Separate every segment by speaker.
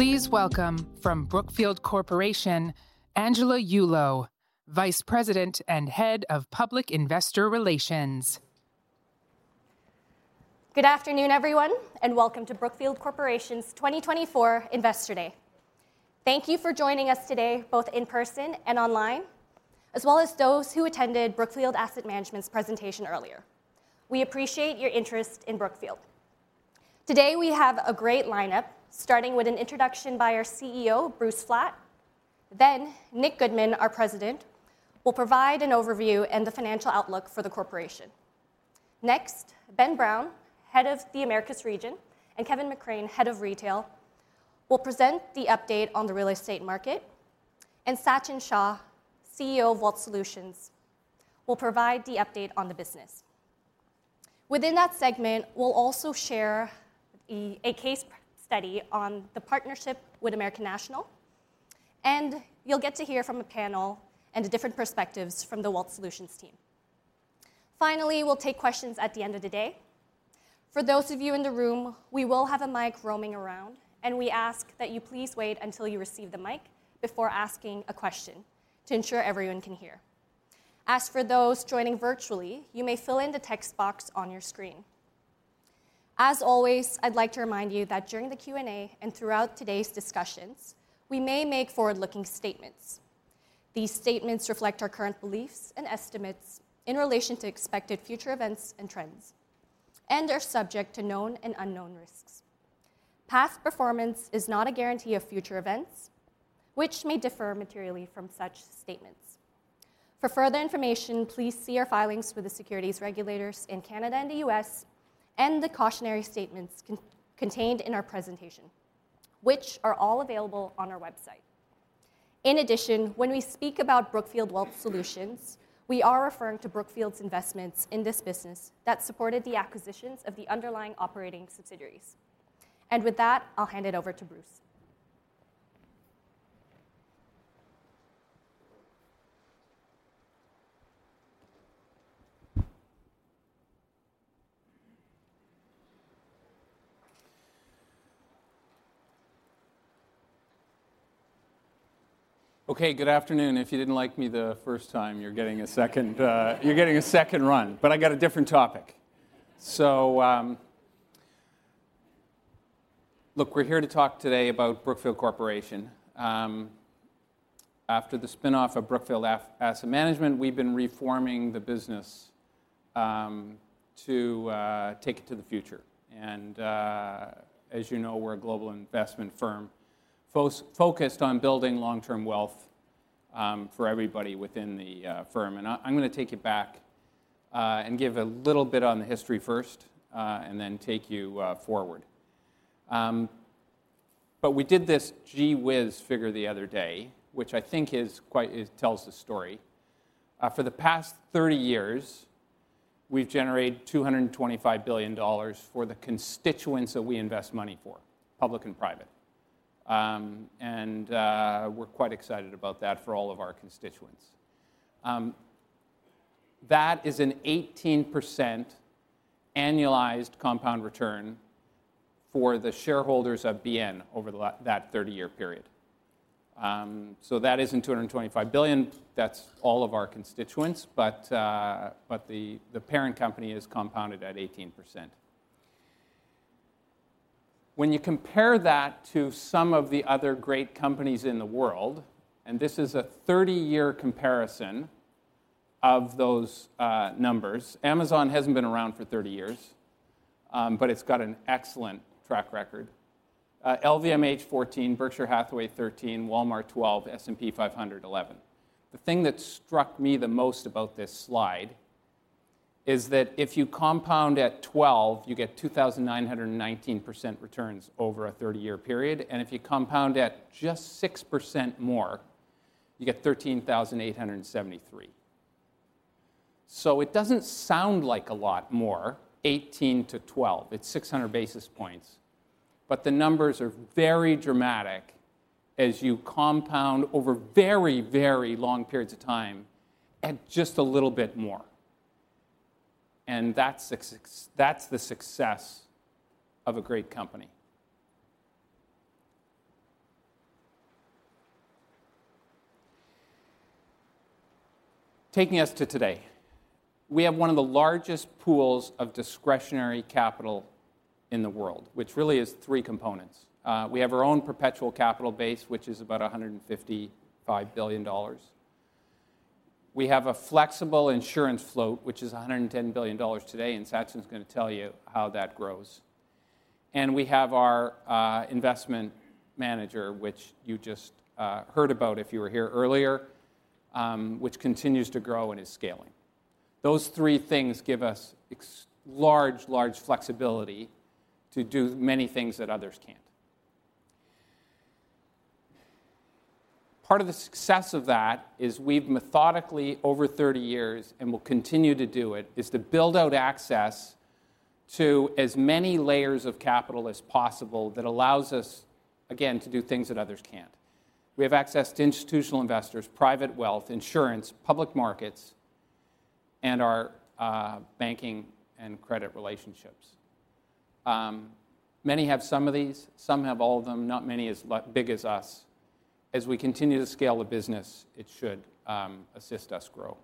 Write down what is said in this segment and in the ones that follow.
Speaker 1: Please welcome, from Brookfield Corporation, Angela Yulo, Vice President and Head of Public Investor Relations.
Speaker 2: Good afternoon, everyone, and welcome to Brookfield Corporation's 2024 Investor Day. Thank you for joining us today, both in person and online, as well as those who attended Brookfield Asset Management's presentation earlier. We appreciate your interest in Brookfield. Today, we have a great lineup, starting with an introduction by our CEO, Bruce Flatt. Then Nick Goodman, our President, will provide an overview and the financial outlook for the corporation. Next, Ben Brown, Head of the Americas region, and Kevin McCrain, Head of Retail, will present the update on the real estate market. And Sachin Shah, CEO of Wealth Solutions, will provide the update on the business. Within that segment, we'll also share a case study on the partnership with American National, and you'll get to hear from a panel and the different perspectives from the Wealth Solutions team. Finally, we'll take questions at the end of the day. For those of you in the room, we will have a mic roaming around, and we ask that you please wait until you receive the mic before asking a question to ensure everyone can hear. As for those joining virtually, you may fill in the text box on your screen. As always, I'd like to remind you that during the Q&A and throughout today's discussions, we may make forward-looking statements. These statements reflect our current beliefs and estimates in relation to expected future events and trends and are subject to known and unknown risks. Past performance is not a guarantee of future events, which may differ materially from such statements. For further information, please see our filings with the securities regulators in Canada and the US, and the cautionary statements contained in our presentation, which are all available on our website. In addition, when we speak about Brookfield Wealth Solutions, we are referring to Brookfield's investments in this business that supported the acquisitions of the underlying operating subsidiaries, and with that, I'll hand it over to Bruce.
Speaker 3: Okay, good afternoon. If you didn't like me the first time, you're getting a second run, but I got a different topic. So, look, we're here to talk today about Brookfield Corporation. After the spin-off of Brookfield Asset Management, we've been reforming the business to take it to the future. And, as you know, we're a global investment firm, focused on building long-term wealth for everybody within the firm. And I'm gonna take you back and give a little bit on the history first, and then take you forward. But we did this gee-whiz figure the other day, which I think is quite... It tells the story. For the past 30 years, we've generated $225 billion for the constituents that we invest money for, public and private. And we're quite excited about that for all of our constituents. That is an 18% annualized compound return for the shareholders of BN over that 30-year period. So that is in $225 billion. That's all of our constituents, but the parent company is compounded at 18%. When you compare that to some of the other great companies in the world, and this is a 30-year comparison of those numbers, Amazon hasn't been around for 30 years, but it's got an excellent track record. LVMH, 14%; Berkshire Hathaway, 13%; Walmart, 12%; S&P 500, 11%. The thing that struck me the most about this slide is that if you compound at 12%, you get 2,919% returns over a 30-year period, and if you compound at just 6% more, you get 13,873%. So it doesn't sound like a lot more, 18% to 12%, it's 600 basis points, but the numbers are very dramatic as you compound over very, very long periods of time at just a little bit more, and that's success- that's the success of a great company. Taking us to today, we have one of the largest pools of discretionary capital in the world, which really is three components. We have our own perpetual capital base, which is about $155 billion. We have a flexible insurance float, which is $110 billion today, and Sachin is gonna tell you how that grows. And we have our investment manager, which you just heard about if you were here earlier, which continues to grow and is scaling. Those three things give us extra-large flexibility to do many things that others can't. Part of the success of that is we've methodically, over thirty years, and will continue to do it, is to build out access to as many layers of capital as possible that allows us, again, to do things that others can't. We have access to institutional investors, private wealth, insurance, public markets and our banking and credit relationships. Many have some of these, some have all of them, not many as big as us. As we continue to scale the business, it should assist us grow.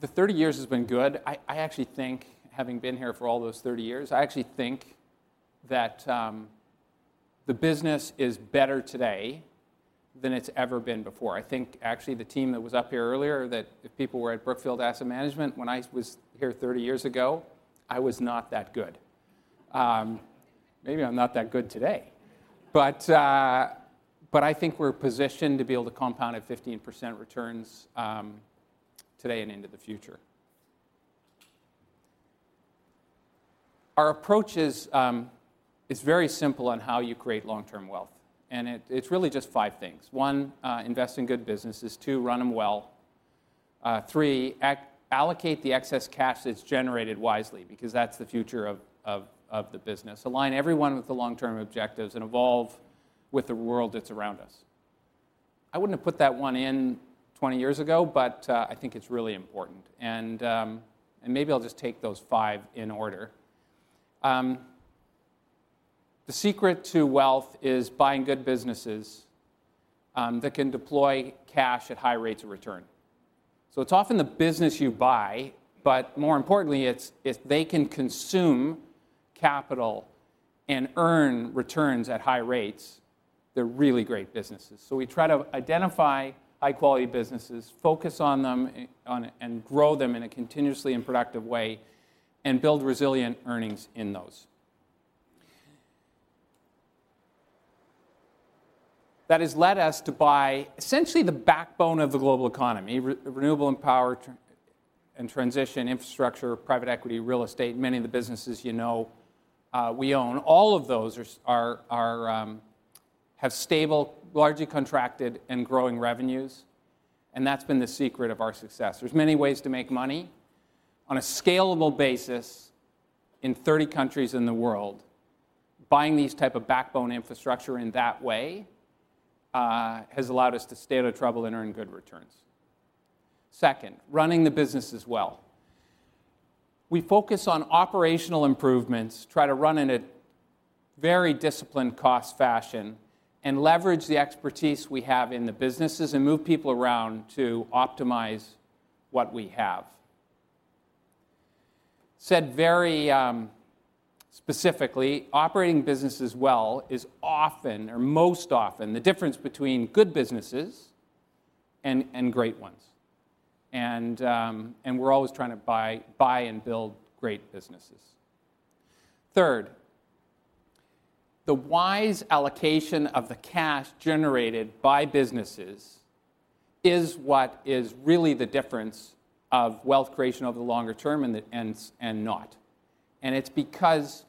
Speaker 3: The thirty years has been good. I actually think, having been here for all those thirty years, I actually think that the business is better today than it's ever been before. I think actually the team that was up here earlier, that the people were at Brookfield Asset Management when I was here thirty years ago, I was not that good. Maybe I'm not that good today, but I think we're positioned to be able to compound at 15% returns today and into the future. Our approach is very simple on how you create long-term wealth, and it's really just five things. One, invest in good businesses. Two, run them well. Three, allocate the excess cash that's generated wisely because that's the future of the business. Align everyone with the long-term objectives, and evolve with the world that's around us. I wouldn't have put that one in twenty years ago, but I think it's really important. And, and maybe I'll just take those five in order. The secret to wealth is buying good businesses that can deploy cash at high rates of return. So it's often the business you buy, but more importantly, it's if they can consume capital and earn returns at high rates, they're really great businesses. So we try to identify high-quality businesses, focus on them, and grow them in a continuously and productive way, and build resilient earnings in those. That has led us to buy essentially the backbone of the global economy, renewable and power and transition, infrastructure, private equity, real estate, many of the businesses you know we own. All of those have stable, largely contracted and growing revenues, and that's been the secret of our success. There's many ways to make money on a scalable basis in thirty countries in the world. Buying these type of backbone infrastructure in that way has allowed us to stay out of trouble and earn good returns. Second, running the businesses well. We focus on operational improvements, try to run in a very disciplined cost fashion, and leverage the expertise we have in the businesses, and move people around to optimize what we have. Said very specifically, operating businesses well is often, or most often, the difference between good businesses and great ones. And we're always trying to buy and build great businesses. Third, the wise allocation of the cash generated by businesses is what is really the difference of wealth creation over the longer term and not. And it's because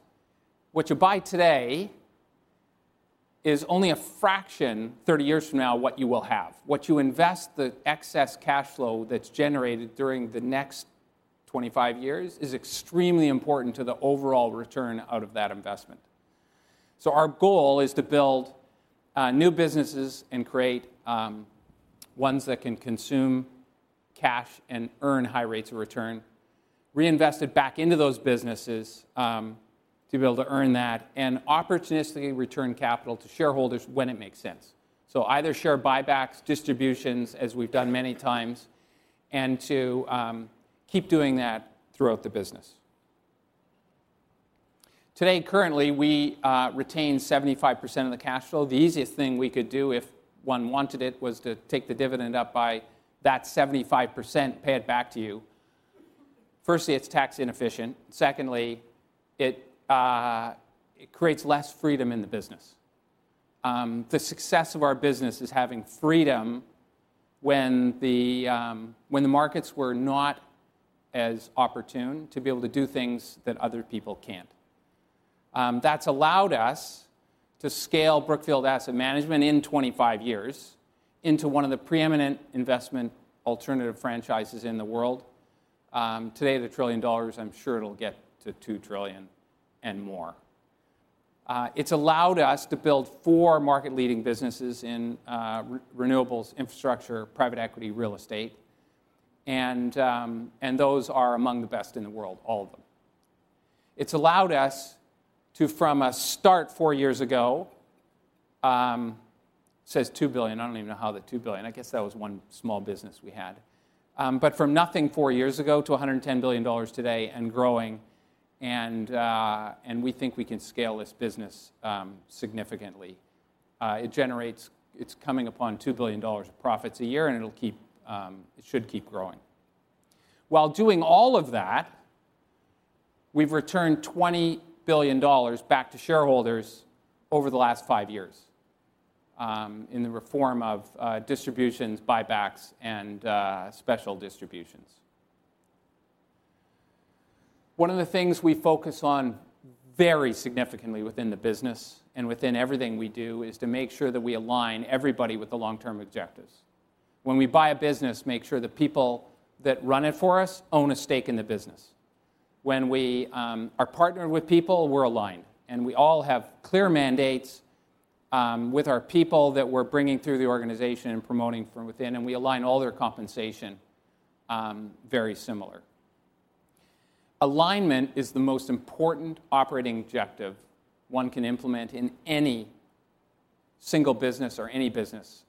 Speaker 3: what you buy today is only a fraction, 30 years from now, what you will have. What you invest, the excess cash flow that's generated during the next 25 years, is extremely important to the overall return out of that investment. So our goal is to build new businesses and create ones that can consume cash and earn high rates of return, reinvest it back into those businesses to be able to earn that, and opportunistically return capital to shareholders when it makes sense. So either share buybacks, distributions, as we've done many times, and to keep doing that throughout the business. Today, currently, we retain 75% of the cash flow. The easiest thing we could do, if one wanted it, was to take the dividend up by that 75%, pay it back to you. Firstly, it's tax inefficient. Secondly, it creates less freedom in the business. The success of our business is having freedom when the markets were not as opportune to be able to do things that other people can't. That's allowed us to scale Brookfield Asset Management in twenty-five years into one of the preeminent investment alternative franchises in the world. Today, the $1 trillion, I'm sure it'll get to $2 trillion and more. It's allowed us to build four market-leading businesses in renewables, infrastructure, private equity, real estate, and those are among the best in the world, all of them. It's allowed us to, from a start four years ago, says $2 billion, I don't even know how the $2 billion, I guess that was one small business we had. But from nothing four years ago to $110 billion today and growing, and we think we can scale this business significantly. It generates, it's coming upon $2 billion of profits a year, and it'll keep, it should keep growing. While doing all of that, we've returned $20 billion back to shareholders over the last five years, in the form of distributions, buybacks, and special distributions. One of the things we focus on very significantly within the business and within everything we do is to make sure that we align everybody with the long-term objectives. When we buy a business, make sure the people that run it for us own a stake in the business. When we are partnered with people, we're aligned, and we all have clear mandates with our people that we're bringing through the organization and promoting from within, and we align all their compensation very similar. Alignment is the most important operating objective one can implement in any single business or any business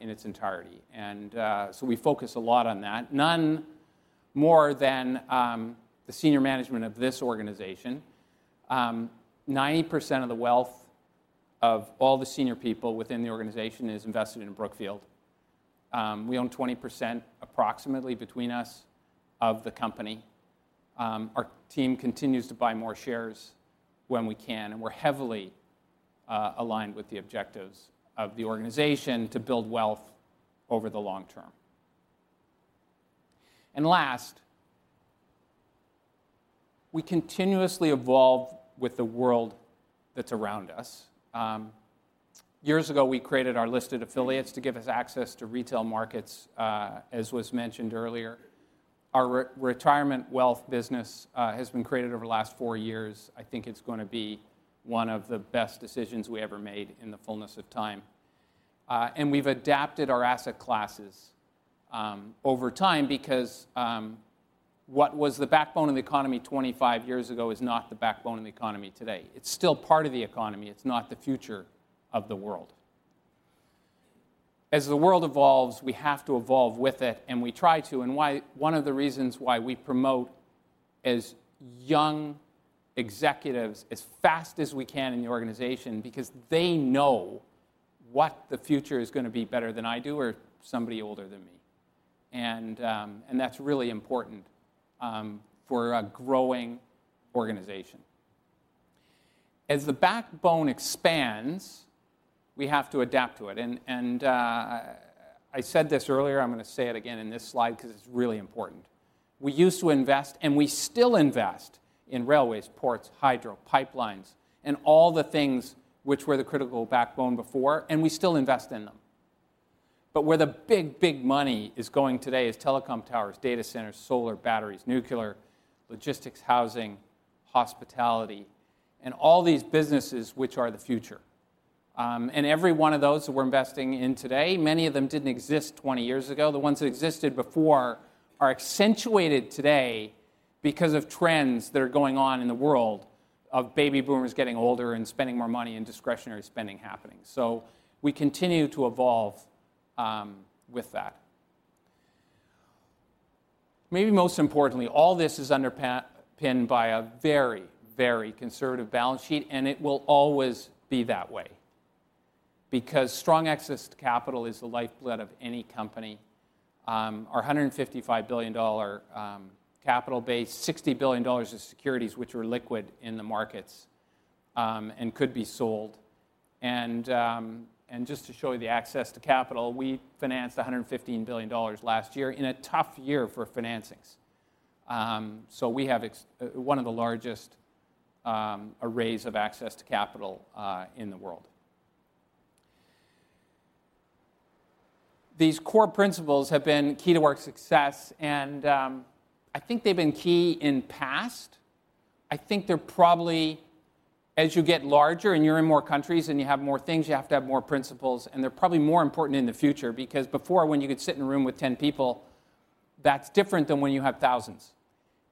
Speaker 3: in its entirety, and so we focus a lot on that, none more than the senior management of this organization. Ninety percent of the wealth of all the senior people within the organization is invested in Brookfield. We own 20%, approximately between us, of the company. Our team continues to buy more shares when we can, and we're heavily aligned with the objectives of the organization to build wealth over the long term. Last, we continuously evolve with the world that's around us. Years ago, we created our listed affiliates to give us access to retail markets, as was mentioned earlier. Our retirement wealth business has been created over the last four years. I think it's going to be one of the best decisions we ever made in the fullness of time. And we've adapted our asset classes over time because what was the backbone of the economy 25 years ago is not the backbone of the economy today. It's still part of the economy, it's not the future of the world. As the world evolves, we have to evolve with it, and we try to. And one of the reasons why we promote young executives as fast as we can in the organization, because they know what the future is gonna be better than I do or somebody older than me. And that's really important for a growing organization. As the backbone expands, we have to adapt to it. I said this earlier, I'm gonna say it again in this slide because it's really important: We used to invest, and we still invest in railways, ports, hydro, pipelines, and all the things which were the critical backbone before, and we still invest in them, but where the big, big money is going today is telecom towers, data centers, solar, batteries, nuclear, logistics, housing, hospitality, and all these businesses which are the future, and every one of those that we're investing in today, many of them didn't exist twenty years ago. The ones that existed before are accentuated today because of trends that are going on in the world of baby boomers getting older and spending more money and discretionary spending happening, so we continue to evolve with that. Maybe most importantly, all this is underpinned by a very, very conservative balance sheet, and it will always be that way, because strong access to capital is the lifeblood of any company. Our $155 billion capital base, $60 billion of which is securities which are liquid in the markets and could be sold. And just to show you the access to capital, we financed $115 billion last year in a tough year for financings. So we have one of the largest arrays of access to capital in the world. These core principles have been key to our success, and I think they've been key in the past. I think they're probably, as you get larger and you're in more countries and you have more things, you have to have more principles, and they're probably more important in the future, because before, when you could sit in a room with ten people, that's different than when you have thousands.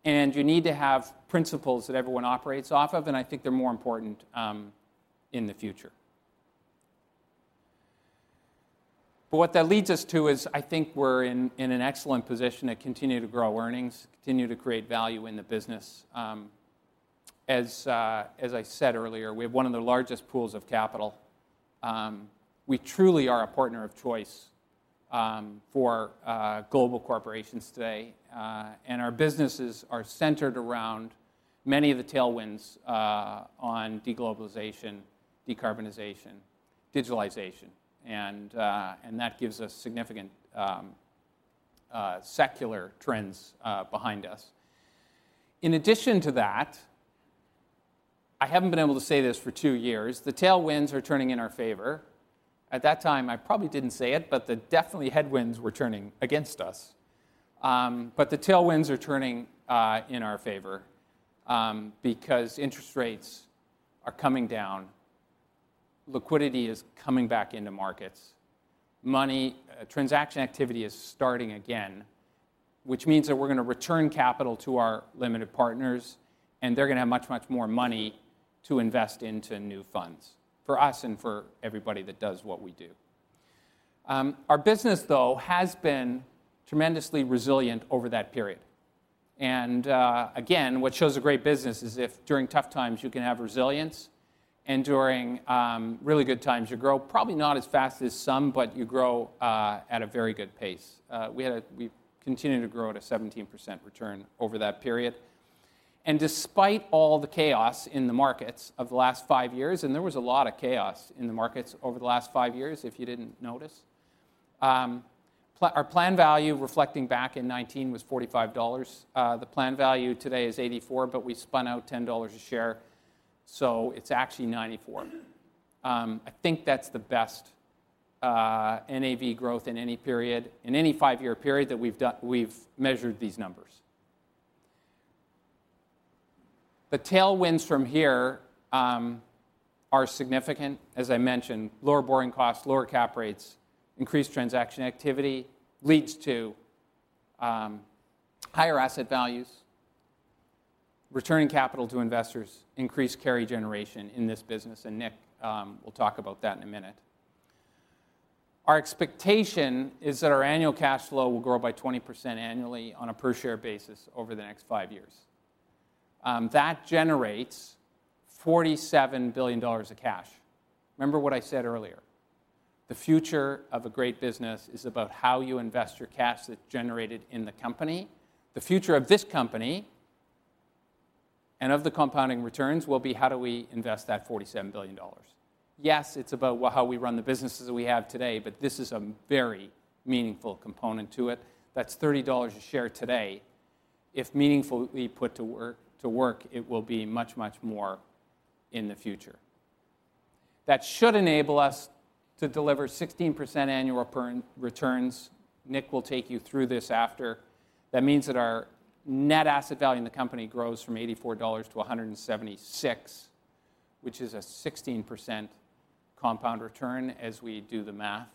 Speaker 3: And you need to have principles that everyone operates off of, and I think they're more important in the future. But what that leads us to is, I think we're in an excellent position to continue to grow earnings, continue to create value in the business. As I said earlier, we have one of the largest pools of capital. We truly are a partner of choice, for global corporations today, and our businesses are centered around many of the tailwinds, on deglobalization, decarbonization, digitalization, and that gives us significant, secular trends, behind us. In addition to that, I haven't been able to say this for two years: The tailwinds are turning in our favor. At that time, I probably didn't say it, but definitely headwinds were turning against us. But the tailwinds are turning, in our favor, because interest rates are coming down, liquidity is coming back into markets, money, transaction activity is starting again, which means that we're gonna return capital to our limited partners, and they're gonna have much, much more money to invest into new funds, for us and for everybody that does what we do. Our business, though, has been tremendously resilient over that period. And, again, what shows a great business is if, during tough times, you can have resilience, and during really good times, you grow, probably not as fast as some, but you grow at a very good pace. We continued to grow at a 17% return over that period. And despite all the chaos in the markets of the last five years, and there was a lot of chaos in the markets over the last five years, if you didn't notice, our NAV, reflecting back in 2019, was $45. The NAV today is $84, but we spun out $10 a share, so it's actually $94. I think that's the best-... NAV growth in any period, in any five-year period that we've done. We've measured these numbers. The tailwinds from here are significant. As I mentioned, lower borrowing costs, lower cap rates, increased transaction activity leads to higher asset values, returning capital to investors, increased carry generation in this business, and Nick will talk about that in a minute. Our expectation is that our annual cash flow will grow by 20% annually on a per share basis over the next five years. That generates $47 billion of cash. Remember what I said earlier, the future of a great business is about how you invest your cash that's generated in the company. The future of this company and of the compounding returns will be: how do we invest that $47 billion? Yes, it's about how we run the businesses that we have today, but this is a very meaningful component to it. That's $30 a share today. If meaningfully put to work, it will be much, much more in the future. That should enable us to deliver 16% annual perpetual returns. Nick will take you through this after. That means that our net asset value in the company grows from $84 to $176, which is a 16% compound return as we do the math.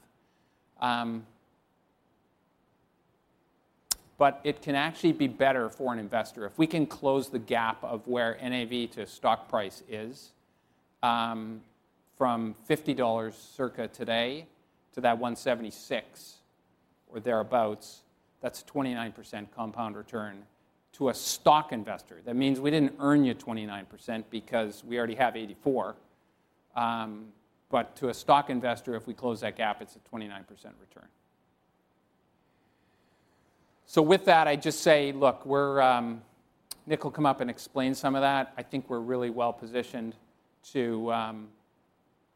Speaker 3: But it can actually be better for an investor. If we can close the gap of where NAV to stock price is, from $50 circa today to that $176 or thereabouts, that's a 29% compound return to a stock investor. That means we didn't earn you 29% because we already have 84. But to a stock investor, if we close that gap, it's a 29% return. So with that, I just say, look, we're... Nick will come up and explain some of that. I think we're really well-positioned to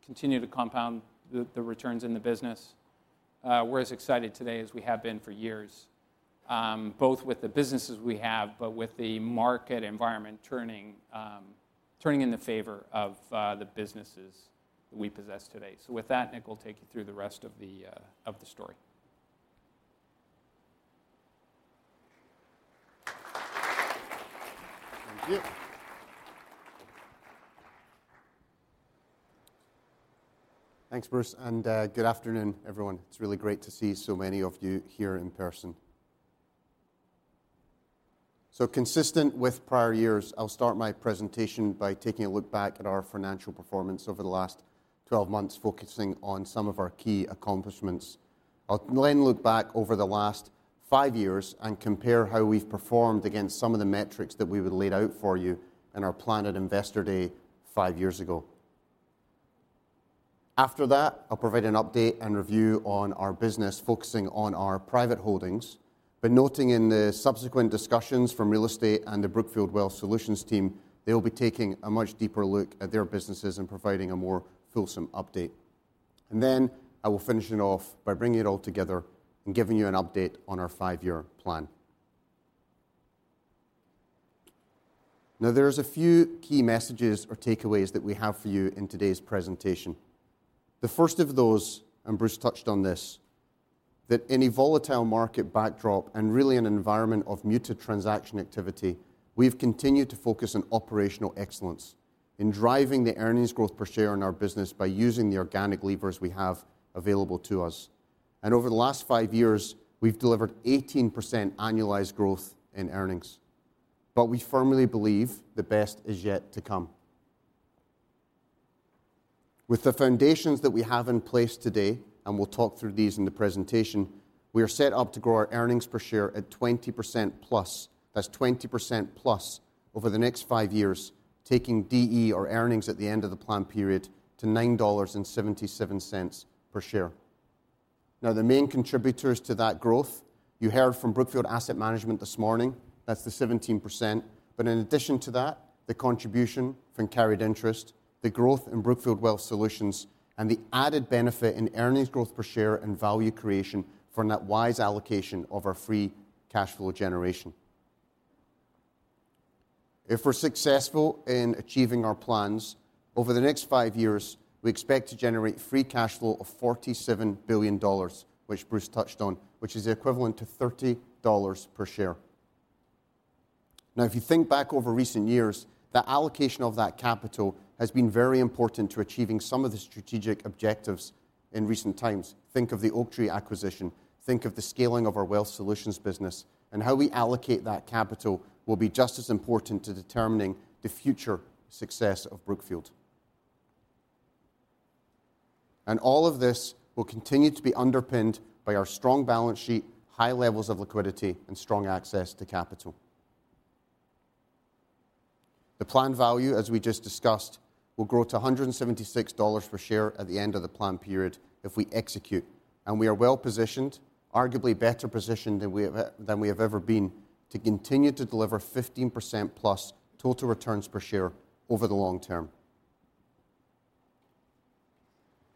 Speaker 3: continue to compound the returns in the business. We're as excited today as we have been for years, both with the businesses we have, but with the market environment turning in the favor of the businesses we possess today. So with that, Nick will take you through the rest of the story.
Speaker 4: Thank you. Thanks, Bruce, and good afternoon, everyone. It's really great to see so many of you here in person. Consistent with prior years, I'll start my presentation by taking a look back at our financial performance over the last 12 months, focusing on some of our key accomplishments. I'll then look back over the last five years and compare how we've performed against some of the metrics that we had laid out for you in our plan at Investor Day five years ago. After that, I'll provide an update and review on our business, focusing on our private holdings, but noting in the subsequent discussions from real estate and the Brookfield Wealth Solutions team, they'll be taking a much deeper look at their businesses and providing a more fulsome update. Then I will finish it off by bringing it all together and giving you an update on our five-year plan. Now, there's a few key messages or takeaways that we have for you in today's presentation. The first of those, and Bruce touched on this, that in a volatile market backdrop and really an environment of muted transaction activity, we've continued to focus on operational excellence in driving the earnings growth per share in our business by using the organic levers we have available to us. And over the last five years, we've delivered 18% annualized growth in earnings, but we firmly believe the best is yet to come. With the foundations that we have in place today, and we'll talk through these in the presentation, we are set up to grow our earnings per share at 20%+. That's 20% plus over the next five years, taking DE or earnings at the end of the plan period to $9.77 per share. Now, the main contributors to that growth, you heard from Brookfield Asset Management this morning, that's the 17%. But in addition to that, the contribution from carried interest, the growth in Brookfield Wealth Solutions, and the added benefit in earnings growth per share and value creation from that wise allocation of our free cash flow generation. If we're successful in achieving our plans over the next five years, we expect to generate free cash flow of $47 billion, which Bruce touched on, which is equivalent to $30 per share. Now, if you think back over recent years, the allocation of that capital has been very important to achieving some of the strategic objectives in recent times. Think of the Oaktree acquisition, think of the scaling of our Wealth Solutions business, and how we allocate that capital will be just as important to determining the future success of Brookfield. And all of this will continue to be underpinned by our strong balance sheet, high levels of liquidity, and strong access to capital. The plan value, as we just discussed, will grow to $176 per share at the end of the plan period if we execute, and we are well positioned, arguably better positioned than we have, than we have ever been, to continue to deliver 15%+ total returns per share over the long term.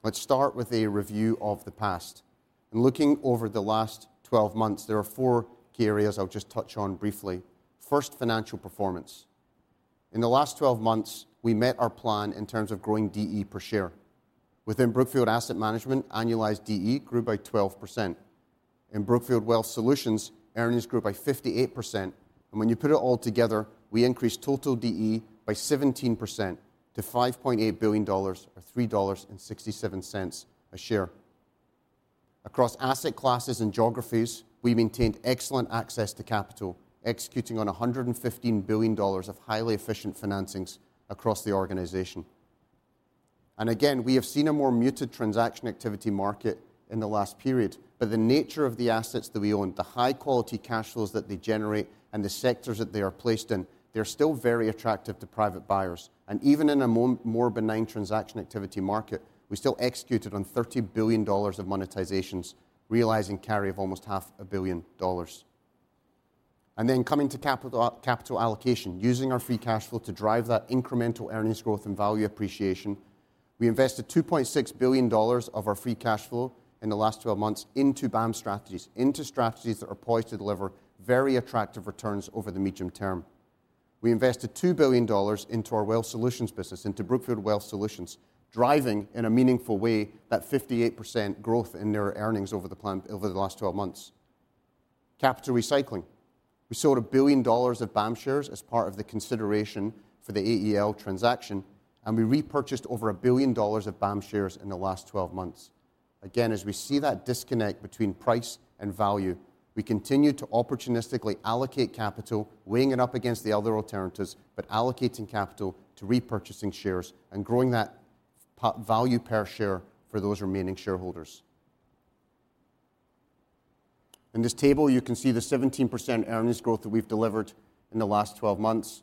Speaker 4: Let's start with a review of the past. And looking over the last 12 months, there are four key areas I'll just touch on briefly. First, financial performance. In the last 12 months, we met our plan in terms of growing DE per share. Within Brookfield Asset Management, annualized DE grew by 12%. In Brookfield Wealth Solutions, earnings grew by 58%, and when you put it all together, we increased total DE by 17% to $5.8 billion, or $3.67 a share. Across asset classes and geographies, we maintained excellent access to capital, executing on $115 billion of highly efficient financings across the organization. And again, we have seen a more muted transaction activity market in the last period, but the nature of the assets that we own, the high-quality cash flows that they generate, and the sectors that they are placed in, they're still very attractive to private buyers. Even in a more, more benign transaction activity market, we still executed on $30 billion of monetizations, realizing carry of almost $500 million. Then coming to capital, capital allocation, using our free cash flow to drive that incremental earnings growth and value appreciation, we invested $2.6 billion of our free cash flow in the last twelve months into BAM strategies, into strategies that are poised to deliver very attractive returns over the medium term. We invested $2 billion into our Wealth Solutions business, into Brookfield Wealth Solutions, driving, in a meaningful way, that 58% growth in their earnings over the plan, over the last twelve months. Capital recycling. We sold $1 billion of BAM shares as part of the consideration for the AEL transaction, and we repurchased over $1 billion of BAM shares in the last twelve months. Again, as we see that disconnect between price and value, we continue to opportunistically allocate capital, weighing it up against the other alternatives, but allocating capital to repurchasing shares and growing that per value per share for those remaining shareholders. In this table, you can see the 17% earnings growth that we've delivered in the last 12 months.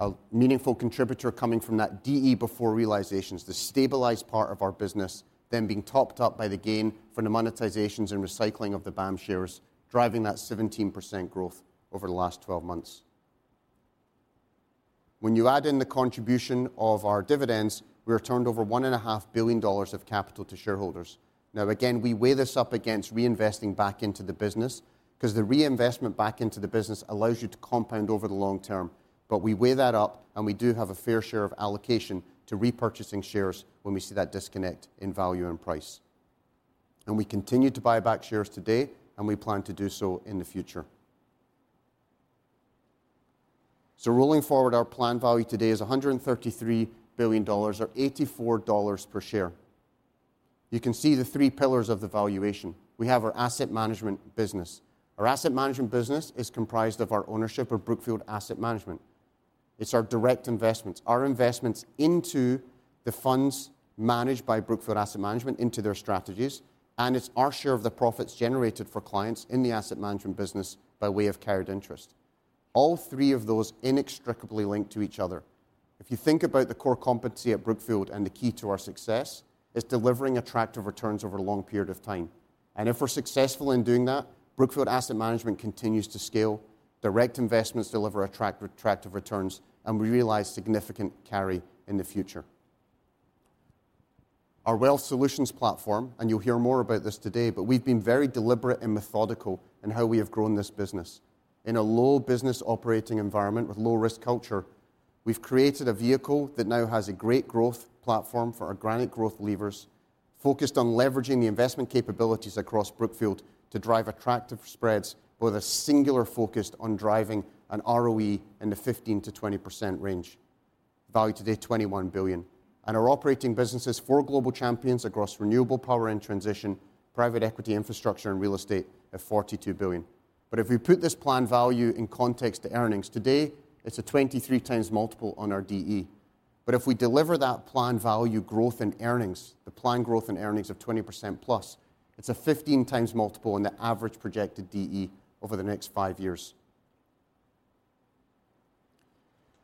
Speaker 4: A meaningful contributor coming from that DE before realizations, the stabilized part of our business, then being topped up by the gain from the monetizations and recycling of the BAM shares, driving that 17% growth over the last 12 months. When you add in the contribution of our dividends, we returned over $1.5 billion of capital to shareholders. Now, again, we weigh this up against reinvesting back into the business, 'cause the reinvestment back into the business allows you to compound over the long term. But we weigh that up, and we do have a fair share of allocation to repurchasing shares when we see that disconnect in value and price. And we continue to buy back shares today, and we plan to do so in the future. So rolling forward, our plan value today is $133 billion, or $84 per share. You can see the three pillars of the valuation. We have our asset management business. Our asset management business is comprised of our ownership of Brookfield Asset Management. It's our direct investments, our investments into the funds managed by Brookfield Asset Management, into their strategies, and it's our share of the profits generated for clients in the asset management business by way of carried interest. All three of those inextricably linked to each other. If you think about the core competency at Brookfield, and the key to our success, it's delivering attractive returns over a long period of time, and if we're successful in doing that, Brookfield Asset Management continues to scale, direct investments deliver attractive returns, and we realize significant carry in the future. Our Wealth Solutions platform, and you'll hear more about this today, but we've been very deliberate and methodical in how we have grown this business. In a low business operating environment with low-risk culture, we've created a vehicle that now has a great growth platform for our granular growth levers, focused on leveraging the investment capabilities across Brookfield to drive attractive spreads with a singular focus on driving an ROE in the 15%-20% range. Value today $21 billion, and our operating businesses, four global champions across renewable power and transition, private equity, infrastructure, and real estate at $42 billion. But if we put this plan value in context to earnings, today, it's a 23 times multiple on our DE. But if we deliver that plan value growth in earnings, the plan growth in earnings of 20% plus, it's a 15 times multiple on the average projected DE over the next five years.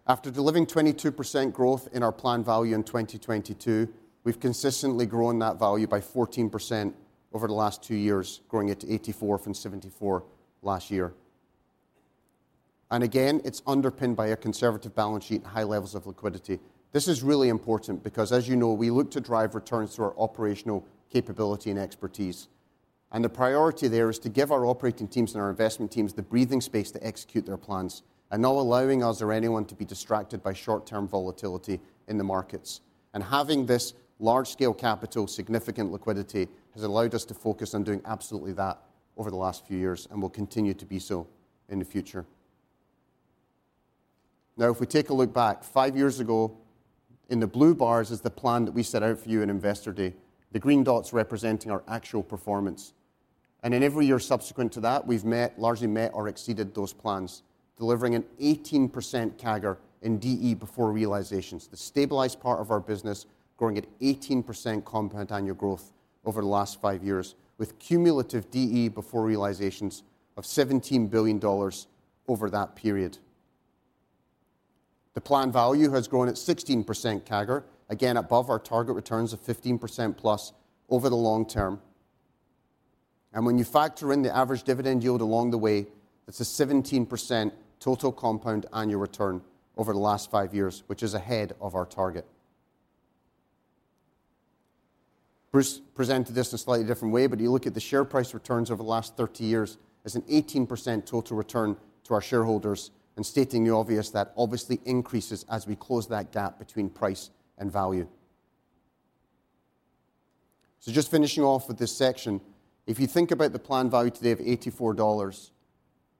Speaker 4: After delivering 22% growth in our plan value in 2022, we've consistently grown that value by 14% over the last two years, growing it to $84 billion from $74 billion last year. And again, it's underpinned by a conservative balance sheet and high levels of liquidity. This is really important because, as you know, we look to drive returns through our operational capability and expertise, and the priority there is to give our operating teams and our investment teams the breathing space to execute their plans and not allowing us or anyone to be distracted by short-term volatility in the markets. And having this large-scale capital, significant liquidity, has allowed us to focus on doing absolutely that over the last few years and will continue to be so in the future. Now, if we take a look back, five years ago, in the blue bars is the plan that we set out for you in Investor Day, the green dots representing our actual performance. And in every year subsequent to that, we've met, largely met or exceeded those plans, delivering an 18% CAGR in DE before realizations. The stabilized part of our business growing at 18% compound annual growth over the last five years, with cumulative DE before realizations of $17 billion over that period. The plan value has grown at 16% CAGR, again, above our target returns of 15%+ over the long term, and when you factor in the average dividend yield along the way, it's a 17% total compound annual return over the last five years, which is ahead of our target.... Bruce presented this in a slightly different way, but you look at the share price returns over the last 30 years as an 18% total return to our shareholders, and stating the obvious, that obviously increases as we close that gap between price and value. Just finishing off with this section, if you think about the plan value today of $84,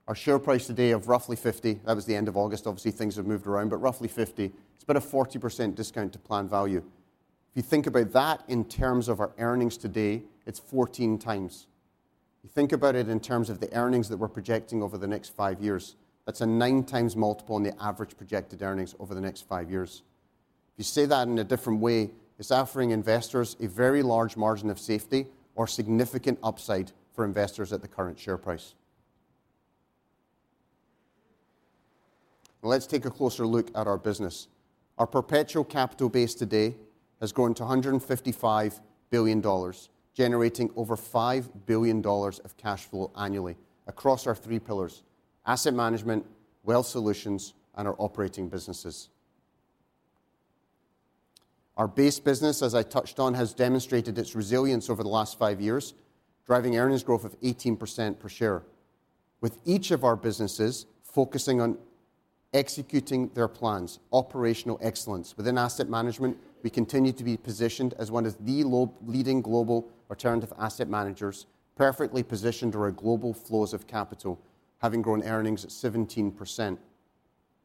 Speaker 4: our share price today of roughly $50, that was the end of August, obviously, things have moved around, but roughly $50, it's about a 40% discount to plan value. If you think about that in terms of our earnings today, it's 14 times. If you think about it in terms of the earnings that we're projecting over the next five years, that's a nine times multiple on the average projected earnings over the next five years. If you say that in a different way, it's offering investors a very large margin of safety or significant upside for investors at the current share price. Let's take a closer look at our business. Our perpetual capital base today has grown to $155 billion, generating over $5 billion of cash flow annually across our three pillars: asset management, wealth solutions, and our operating businesses. Our base business, as I touched on, has demonstrated its resilience over the last five years, driving earnings growth of 18% per share, with each of our businesses focusing on executing their plans, operational excellence. Within asset management, we continue to be positioned as one of the global leading global alternative asset managers, perfectly positioned around global flows of capital, having grown earnings at 17%.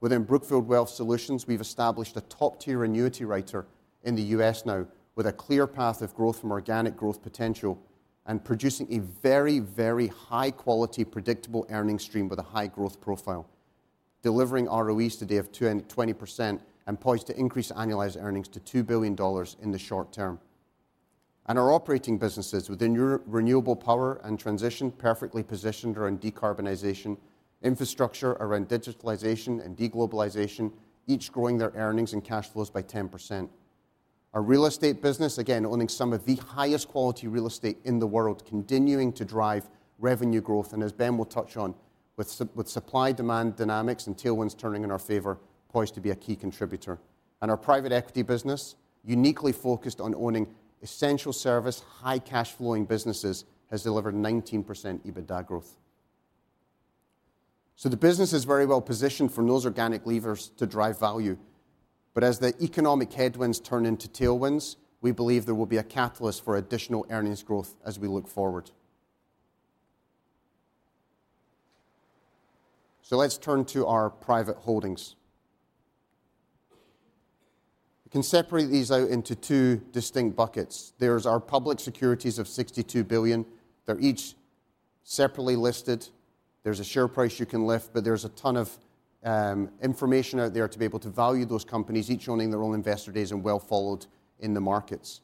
Speaker 4: Within Brookfield Wealth Solutions, we've established a top-tier annuity writer in the US now, with a clear path of growth from organic growth potential and producing a very, very high quality, predictable earning stream with a high growth profile, delivering ROEs today of 20% and poised to increase annualized earnings to $2 billion in the short term. Our operating businesses within Renewable Power and Transition, perfectly positioned around decarbonization, infrastructure around digitalization and de-globalization, each growing their earnings and cash flows by 10%. Our real estate business, again, owning some of the highest quality real estate in the world, continuing to drive revenue growth, and as Ben will touch on, with supply-demand dynamics and tailwinds turning in our favor, poised to be a key contributor. And our private equity business, uniquely focused on owning essential service, high cash flowing businesses, has delivered 19% EBITDA growth. So the business is very well positioned for those organic levers to drive value. But as the economic headwinds turn into tailwinds, we believe there will be a catalyst for additional earnings growth as we look forward. So let's turn to our private holdings. We can separate these out into two distinct buckets. There's our public securities of $62 billion. They're each separately listed. There's a share price you can lift, but there's a ton of information out there to be able to value those companies, each owning their own investor days and well followed in the markets.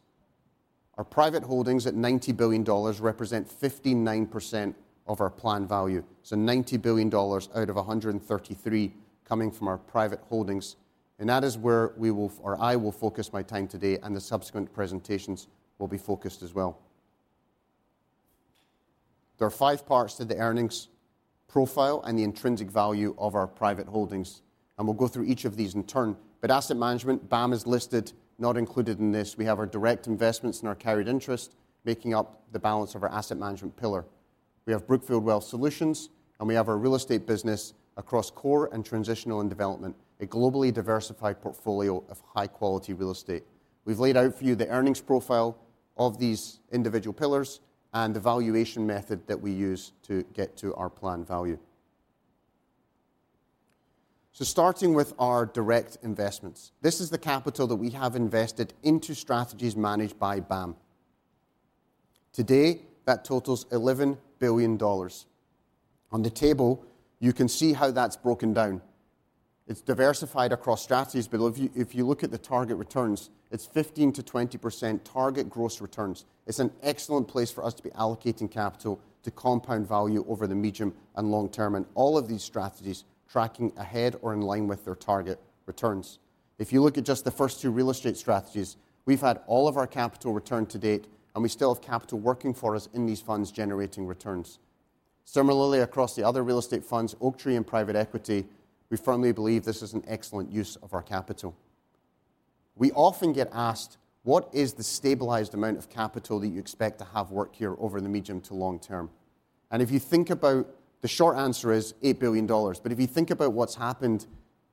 Speaker 4: Our private holdings at $90 billion represent 59% of our plan value. So $90 billion out of $133 billion coming from our private holdings, and that is where we will, or I will focus my time today, and the subsequent presentations will be focused as well. There are five parts to the earnings profile and the intrinsic value of our private holdings, and we'll go through each of these in turn. But asset management, BAM, is listed, not included in this. We have our direct investments and our carried interest, making up the balance of our asset management pillar. We have Brookfield Wealth Solutions, and we have our real estate business across core and transitional and development, a globally diversified portfolio of high-quality real estate. We've laid out for you the earnings profile of these individual pillars and the valuation method that we use to get to our plan value. Starting with our direct investments, this is the capital that we have invested into strategies managed by BAM. Today, that totals $11 billion. On the table, you can see how that's broken down. It's diversified across strategies, but if you look at the target returns, it's 15%-20% target gross returns. It's an excellent place for us to be allocating capital to compound value over the medium and long term, and all of these strategies tracking ahead or in line with their target returns. If you look at just the first two real estate strategies, we've had all of our capital returned to date, and we still have capital working for us in these funds, generating returns. Similarly, across the other real estate funds, Oaktree and Private Equity, we firmly believe this is an excellent use of our capital. We often get asked, "What is the stabilized amount of capital that you expect to have work here over the medium to long term?" And if you think about, the short answer is $8 billion. But if you think about what's happened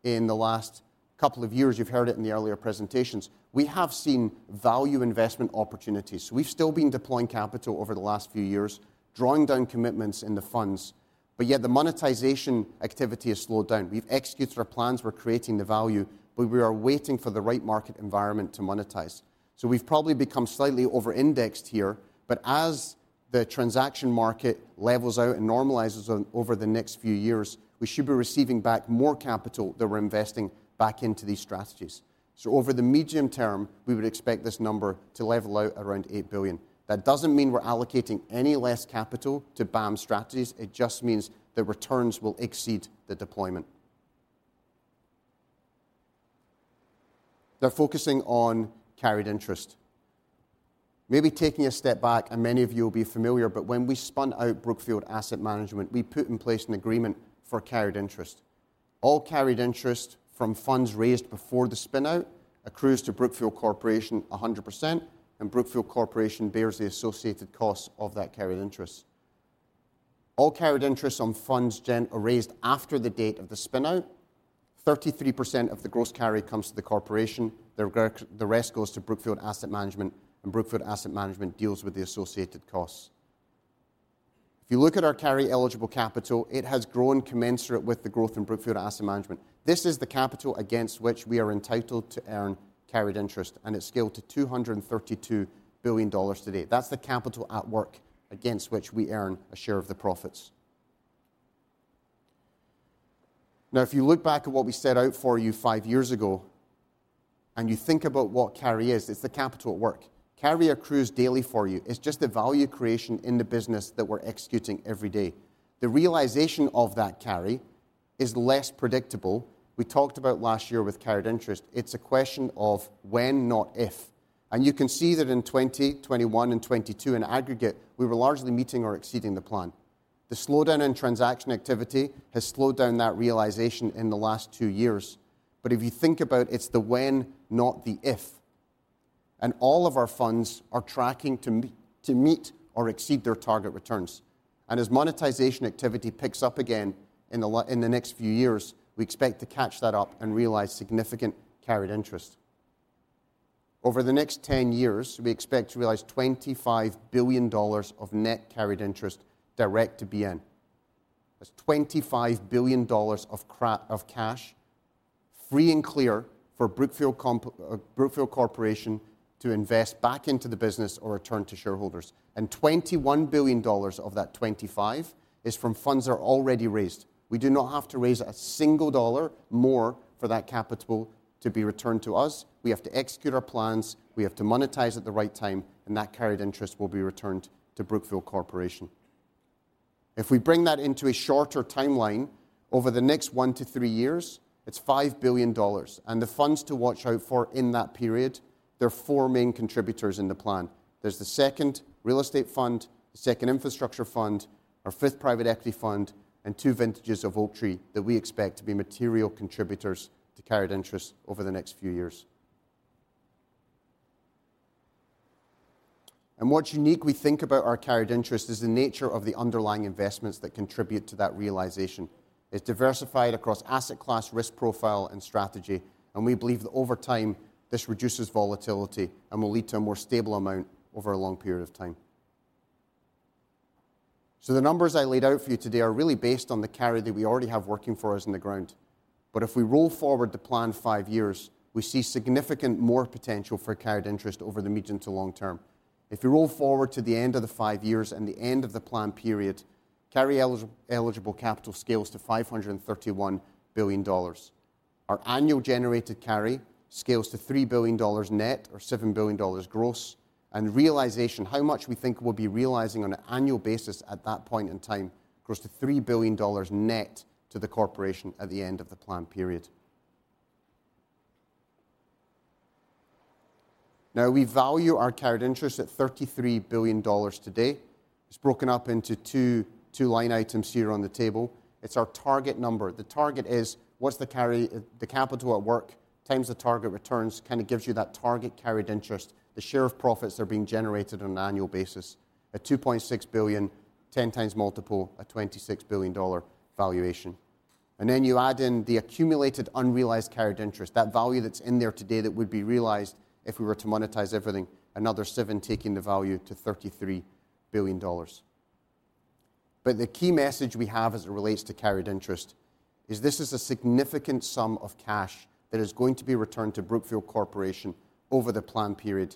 Speaker 4: in the last couple of years, you've heard it in the earlier presentations, we have seen value investment opportunities. We've still been deploying capital over the last few years, drawing down commitments in the funds, but yet the monetization activity has slowed down. We've executed our plans, we're creating the value, but we are waiting for the right market environment to monetize. So we've probably become slightly over-indexed here, but as the transaction market levels out and normalizes on, over the next few years, we should be receiving back more capital that we're investing back into these strategies. Over the medium term, we would expect this number to level out around $8 billion. That doesn't mean we're allocating any less capital to BAM strategies. It just means the returns will exceed the deployment. Now, focusing on carried interest. Maybe taking a step back, and many of you will be familiar, but when we spun out Brookfield Asset Management, we put in place an agreement for carried interest. All carried interest from funds raised before the spin out accrues to Brookfield Corporation 100%, and Brookfield Corporation bears the associated costs of that carried interest. All carried interest on funds raised after the date of the spin out. 33% of the gross carry comes to the corporation. The rest goes to Brookfield Asset Management, and Brookfield Asset Management deals with the associated costs. If you look at our carry-eligible capital, it has grown commensurate with the growth in Brookfield Asset Management. This is the capital against which we are entitled to earn carried interest, and it's scaled to $232 billion today. That's the capital at work against which we earn a share of the profits. Now, if you look back at what we set out for you five years ago and you think about what carry is, it's the capital at work. Carry accrues daily for you. It's just the value creation in the business that we're executing every day. The realization of that carry is less predictable. We talked about last year with carried interest. It's a question of when, not if. And you can see that in 2020, 2021, and 2022, in aggregate, we were largely meeting or exceeding the plan. The slowdown in transaction activity has slowed down that realization in the last two years. But if you think about, it's the when, not the if, and all of our funds are tracking to meet or exceed their target returns. And as monetization activity picks up again in the next few years, we expect to catch that up and realize significant carried interest. Over the next 10 years, we expect to realize $25 billion of net carried interest direct to BN. That's $25 billion of cash, free and clear for Brookfield Corp., Brookfield Corporation to invest back into the business or return to shareholders. And $21 billion of that $25 billion is from funds that are already raised. We do not have to raise a single dollar more for that capital to be returned to us. We have to execute our plans, we have to monetize at the right time, and that carried interest will be returned to Brookfield Corporation. If we bring that into a shorter timeline, over the next one to three years, it's $5 billion. The funds to watch out for in that period, there are four main contributors in the plan. There's the second real estate fund, the second infrastructure fund, our fifth private equity fund, and two vintages of Oaktree that we expect to be material contributors to carried interest over the next few years. What's unique, we think, about our carried interest is the nature of the underlying investments that contribute to that realization. It's diversified across asset class, risk profile, and strategy, and we believe that over time, this reduces volatility and will lead to a more stable amount over a long period of time. The numbers I laid out for you today are really based on the carry that we already have working for us in the ground. But if we roll forward the plan five years, we see significantly more potential for carried interest over the medium to long term. If we roll forward to the end of the five years and the end of the plan period, carry eligible capital scales to $531 billion. Our annual generated carry scales to $3 billion net or $7 billion gross, and realization, how much we think we'll be realizing on an annual basis at that point in time, grows to $3 billion net to the corporation at the end of the plan period. Now, we value our carried interest at $33 billion today. It's broken up into two line items here on the table. It's our target number. The target is what's the carry, the capital at work, times the target returns, kind of gives you that target carried interest. The share of profits are being generated on an annual basis, at $2.6 billion, 10 times multiple, a $26 billion valuation. And then you add in the accumulated unrealized carried interest, that value that's in there today that would be realized if we were to monetize everything, another $7 billion, taking the value to $33 billion. But the key message we have as it relates to carried interest is this is a significant sum of cash that is going to be returned to Brookfield Corporation over the plan period.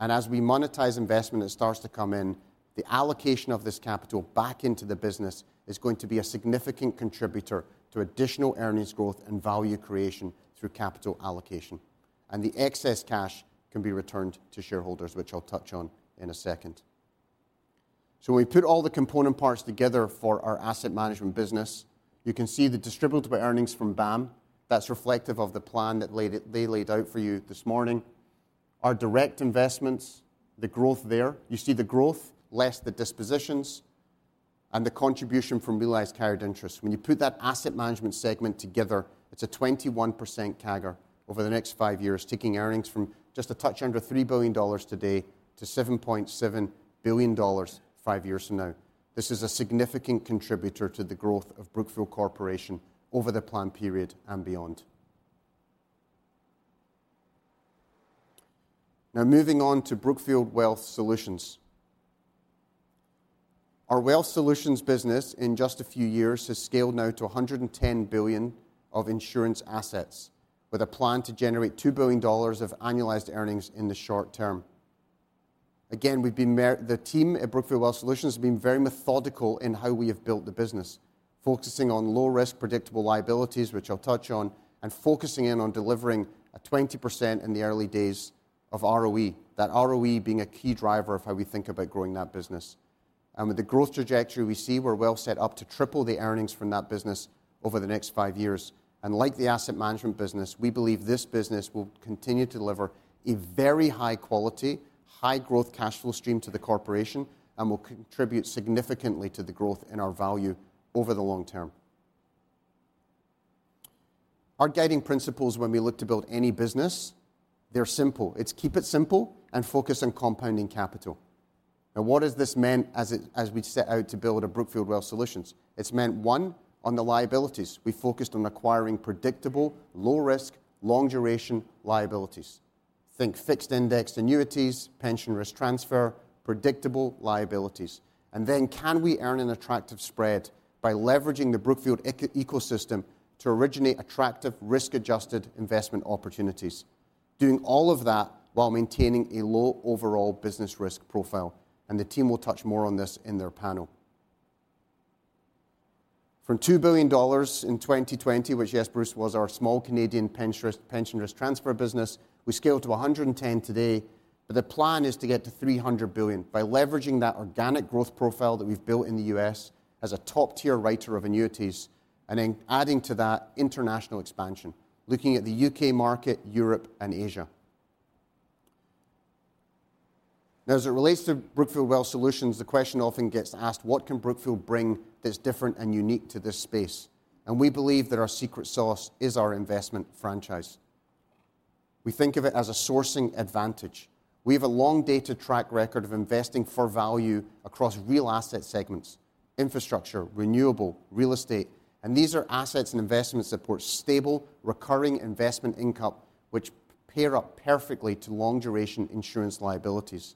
Speaker 4: And as we monetize investment, it starts to come in. The allocation of this capital back into the business is going to be a significant contributor to additional earnings growth and value creation through capital allocation. And the excess cash can be returned to shareholders, which I'll touch on in a second. So we put all the component parts together for our asset management business. You can see the distributable earnings from BAM. That's reflective of the plan they laid out for you this morning. Our direct investments, the growth there, you see the growth, less the dispositions and the contribution from realized carried interest. When you put that asset management segment together, it's a 21% CAGR over the next five years, taking earnings from just a touch under $3 billion today to $7.7 billion five years from now. This is a significant contributor to the growth of Brookfield Corporation over the plan period and beyond. Now, moving on to Brookfield Wealth Solutions. Our Wealth Solutions business, in just a few years, has scaled now to 110 billion of insurance assets, with a plan to generate $2 billion of annualized earnings in the short term. Again, the team at Brookfield Wealth Solutions has been very methodical in how we have built the business, focusing on low-risk, predictable liabilities, which I'll touch on, and focusing in on delivering a 20% in the early days of ROE, that ROE being a key driver of how we think about growing that business. With the growth trajectory we see, we're well set up to triple the earnings from that business over the next five years. And like the asset management business, we believe this business will continue to deliver a very high quality, high growth cash flow stream to the corporation and will contribute significantly to the growth in our value over the long term. Our guiding principles when we look to build any business, they're simple. It's keep it simple and focus on compounding capital. Now, what has this meant as we set out to build Brookfield Wealth Solutions? It's meant, one, on the liabilities, we focused on acquiring predictable, low risk, long duration liabilities. Think fixed indexed annuities, pension risk transfer, predictable liabilities. And then can we earn an attractive spread by leveraging the Brookfield ecosystem to originate attractive risk-adjusted investment opportunities? Doing all of that while maintaining a low overall business risk profile, and the team will touch more on this in their panel. From $2 billion in 2020, which, yes, Bruce, was our small Canadian pension risk transfer business, we scaled to $110 billion today. But the plan is to get to $300 billion by leveraging that organic growth profile that we've built in the U.S. as a top-tier writer of annuities, and then adding to that international expansion, looking at the U.K. market, Europe, and Asia. Now, as it relates to Brookfield Wealth Solutions, the question often gets asked: What can Brookfield bring that's different and unique to this space? And we believe that our secret sauce is our investment franchise. We think of it as a sourcing advantage. We have a long data track record of investing for value across real asset segments, infrastructure, renewable, real estate, and these are assets and investments that support stable, recurring investment income, which pair up perfectly to long-duration insurance liabilities.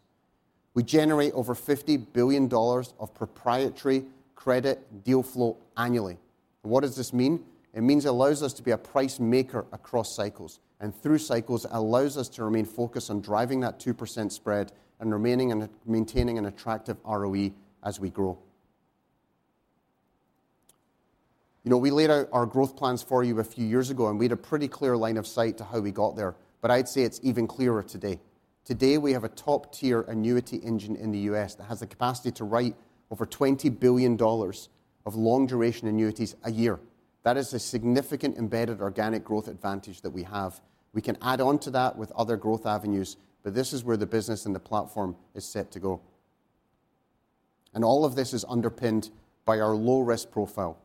Speaker 4: We generate over $50 billion of proprietary credit deal flow annually. What does this mean? It means it allows us to be a price maker across cycles, and through cycles, allows us to remain focused on driving that 2% spread and remaining and maintaining an attractive ROE as we grow. You know, we laid out our growth plans for you a few years ago, and we had a pretty clear line of sight to how we got there, but I'd say it's even clearer today. Today, we have a top-tier annuity engine in the U.S. that has the capacity to write over $20 billion of long-duration annuities a year. That is a significant embedded organic growth advantage that we have. We can add on to that with other growth avenues, but this is where the business and the platform is set to go. And all of this is underpinned by our low risk profile,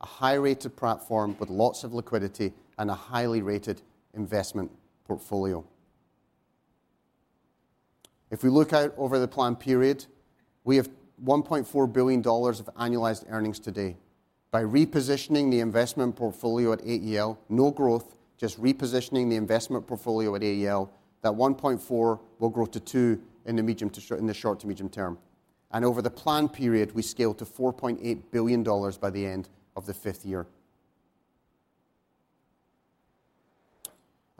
Speaker 4: a high-rated platform with lots of liquidity and a highly rated investment portfolio. If we look out over the plan period, we have $1.4 billion of annualized earnings today. By repositioning the investment portfolio at AEL, no growth, just repositioning the investment portfolio at AEL, that $1.4 billion will grow to $2 billion in the short to medium term. Over the plan period, we scale to $4.8 billion by the end of the fifth year.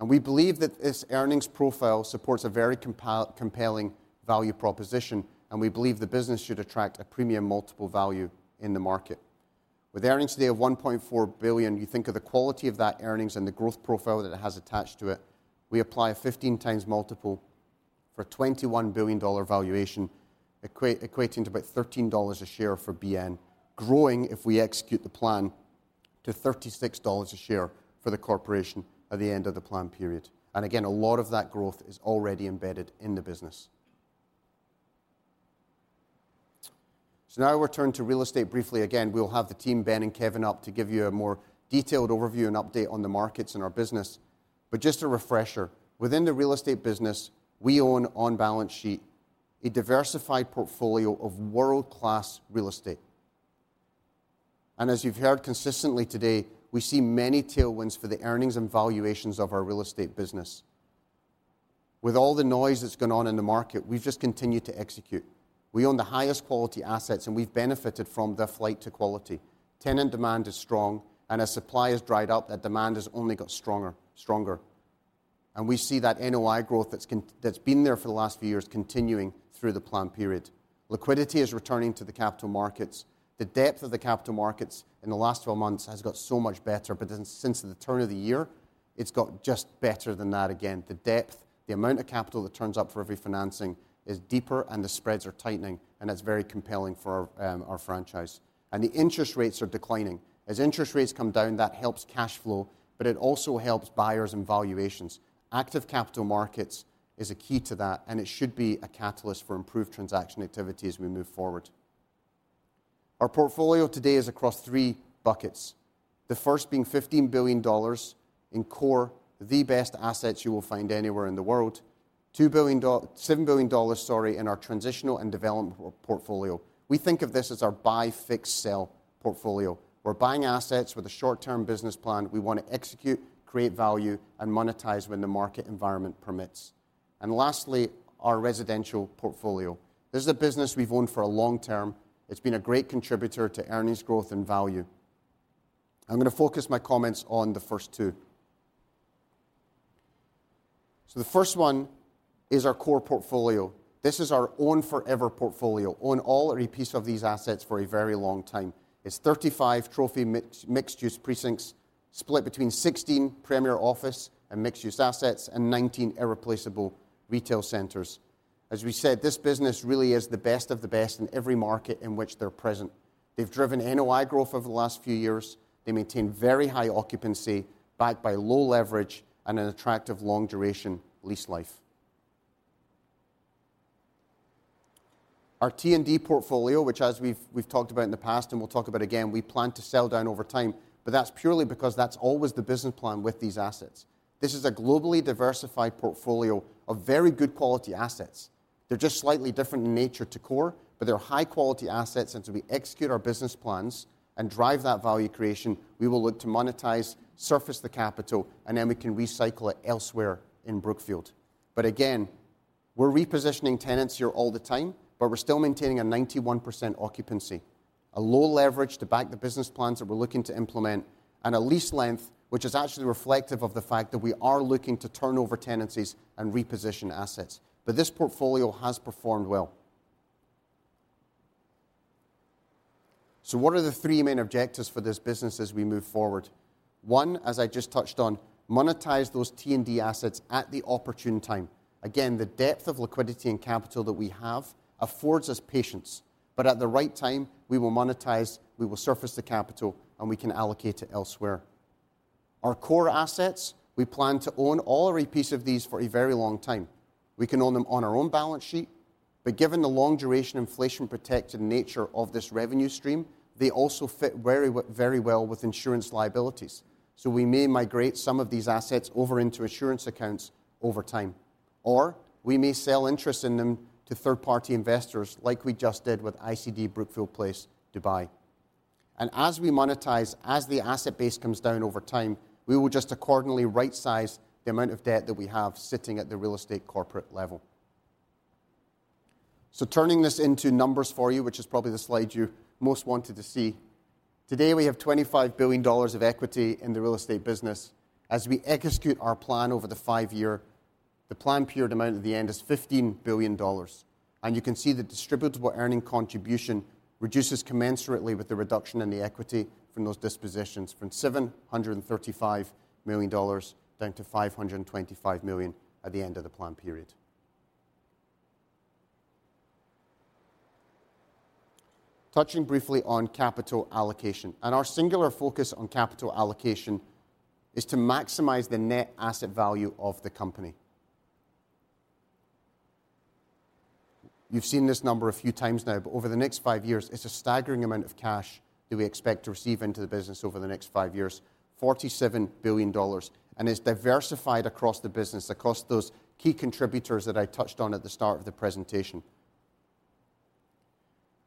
Speaker 4: We believe that this earnings profile supports a very compelling value proposition, and we believe the business should attract a premium multiple value in the market. With earnings today of $1.4 billion, you think of the quality of that earnings and the growth profile that it has attached to it, we apply a 15 times multiple for a $21 billion valuation, equating to about $13 a share for BN, growing, if we execute the plan, to $36 a share for the corporation at the end of the plan period. Again, a lot of that growth is already embedded in the business. Now we'll turn to real estate briefly again. We'll have the team, Ben and Kevin, up to give you a more detailed overview and update on the markets and our business, but just a refresher, within the real estate business, we own on-balance sheet, a diversified portfolio of world-class real estate, and as you've heard consistently today, we see many tailwinds for the earnings and valuations of our real estate business. With all the noise that's going on in the market, we've just continued to execute. We own the highest quality assets, and we've benefited from the flight to quality. Tenant demand is strong, and as supply has dried up, that demand has only got stronger, stronger, and we see that NOI growth that's been there for the last few years continuing through the plan period. Liquidity is returning to the capital markets. The depth of the capital markets in the last twelve months has got so much better, but then since the turn of the year, it's got just better than that again. The depth, the amount of capital that turns up for refinancing is deeper, and the spreads are tightening, and that's very compelling for our our franchise. And the interest rates are declining. As interest rates come down, that helps cash flow, but it also helps buyers and valuations. Active capital markets is a key to that, and it should be a catalyst for improved transaction activity as we move forward. Our portfolio today is across three buckets. The first being $15 billion in core, the best assets you will find anywhere in the world. $7 billion dollars, sorry, in our transitional and development portfolio. We think of this as our buy, fix, sell portfolio. We're buying assets with a short-term business plan. We want to execute, create value, and monetize when the market environment permits. And lastly, our residential portfolio. This is a business we've owned for a long term. It's been a great contributor to earnings growth and value. I'm going to focus my comments on the first two. So the first one is our core portfolio. This is our own forever portfolio, own all or a piece of these assets for a very long time. It's 35 trophy mixed-use precincts split between 16 premier office and mixed-use assets and 19 irreplaceable retail centers. As we said, this business really is the best of the best in every market in which they're present. They've driven NOI growth over the last few years. They maintain very high occupancy, backed by low leverage and an attractive long-duration lease life. Our T&D portfolio, which as we've talked about in the past, and we'll talk about again, we plan to sell down over time, but that's purely because that's always the business plan with these assets. This is a globally diversified portfolio of very good quality assets. They're just slightly different in nature to core, but they're high-quality assets, and so we execute our business plans and drive that value creation, we will look to monetize, surface the capital, and then we can recycle it elsewhere in Brookfield. But again, we're repositioning tenants here all the time, but we're still maintaining a 91% occupancy, a low leverage to back the business plans that we're looking to implement, and a lease length, which is actually reflective of the fact that we are looking to turn over tenancies and reposition assets. But this portfolio has performed well. So what are the three main objectives for this business as we move forward? One, as I just touched on, monetize those T&D assets at the opportune time. Again, the depth of liquidity and capital that we have affords us patience, but at the right time, we will monetize, we will surface the capital, and we can allocate it elsewhere. Our core assets, we plan to own all or a piece of these for a very long time. We can own them on our own balance sheet, but given the long duration, inflation-protected nature of this revenue stream, they also fit very well, very well with insurance liabilities. So we may migrate some of these assets over into insurance accounts over time, or we may sell interest in them to third-party investors like we just did with ICD Brookfield Place, Dubai. As we monetize, as the asset base comes down over time, we will just accordingly rightsize the amount of debt that we have sitting at the real estate corporate level. So turning this into numbers for you, which is probably the slide you most wanted to see. Today, we have $25 billion of equity in the real estate business. As we execute our plan over the five-year plan period, the amount at the end is $15 billion, and you can see the distributable earnings contribution reduces commensurately with the reduction in the equity from those dispositions, from $735 million down to $525 million at the end of the plan period. Touching briefly on capital allocation, our singular focus on capital allocation is to maximize the net asset value of the company. You've seen this number a few times now, but over the next five years, it's a staggering amount of cash that we expect to receive into the business over the next five years, $47 billion, and it's diversified across the business, across those key contributors that I touched on at the start of the presentation.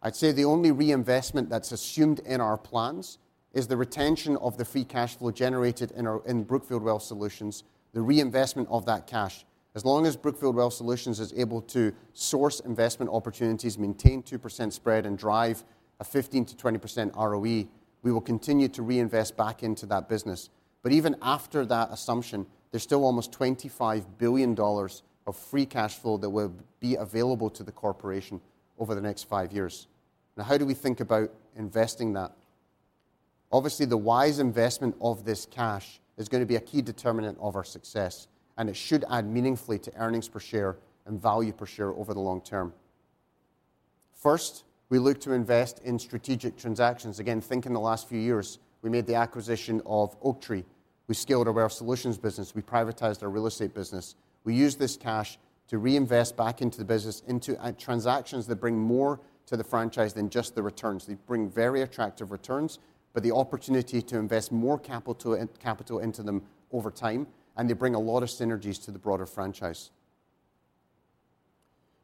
Speaker 4: I'd say the only reinvestment that's assumed in our plans is the retention of the free cash flow generated in our, in Brookfield Wealth Solutions, the reinvestment of that cash. As long as Brookfield Wealth Solutions is able to source investment opportunities, maintain 2% spread, and drive a 15%-20% ROE, we will continue to reinvest back into that business. But even after that assumption, there's still almost $25 billion of free cash flow that will be available to the corporation over the next five years. Now, how do we think about investing that? Obviously, the wise investment of this cash is gonna be a key determinant of our success, and it should add meaningfully to earnings per share and value per share over the long term. First, we look to invest in strategic transactions. Again, think in the last few years, we made the acquisition of Oaktree. We scaled our Wealth Solutions business. We privatized our real estate business. We used this cash to reinvest back into the business, into transactions that bring more to the franchise than just the returns. They bring very attractive returns, but the opportunity to invest more capital into them over time, and they bring a lot of synergies to the broader franchise.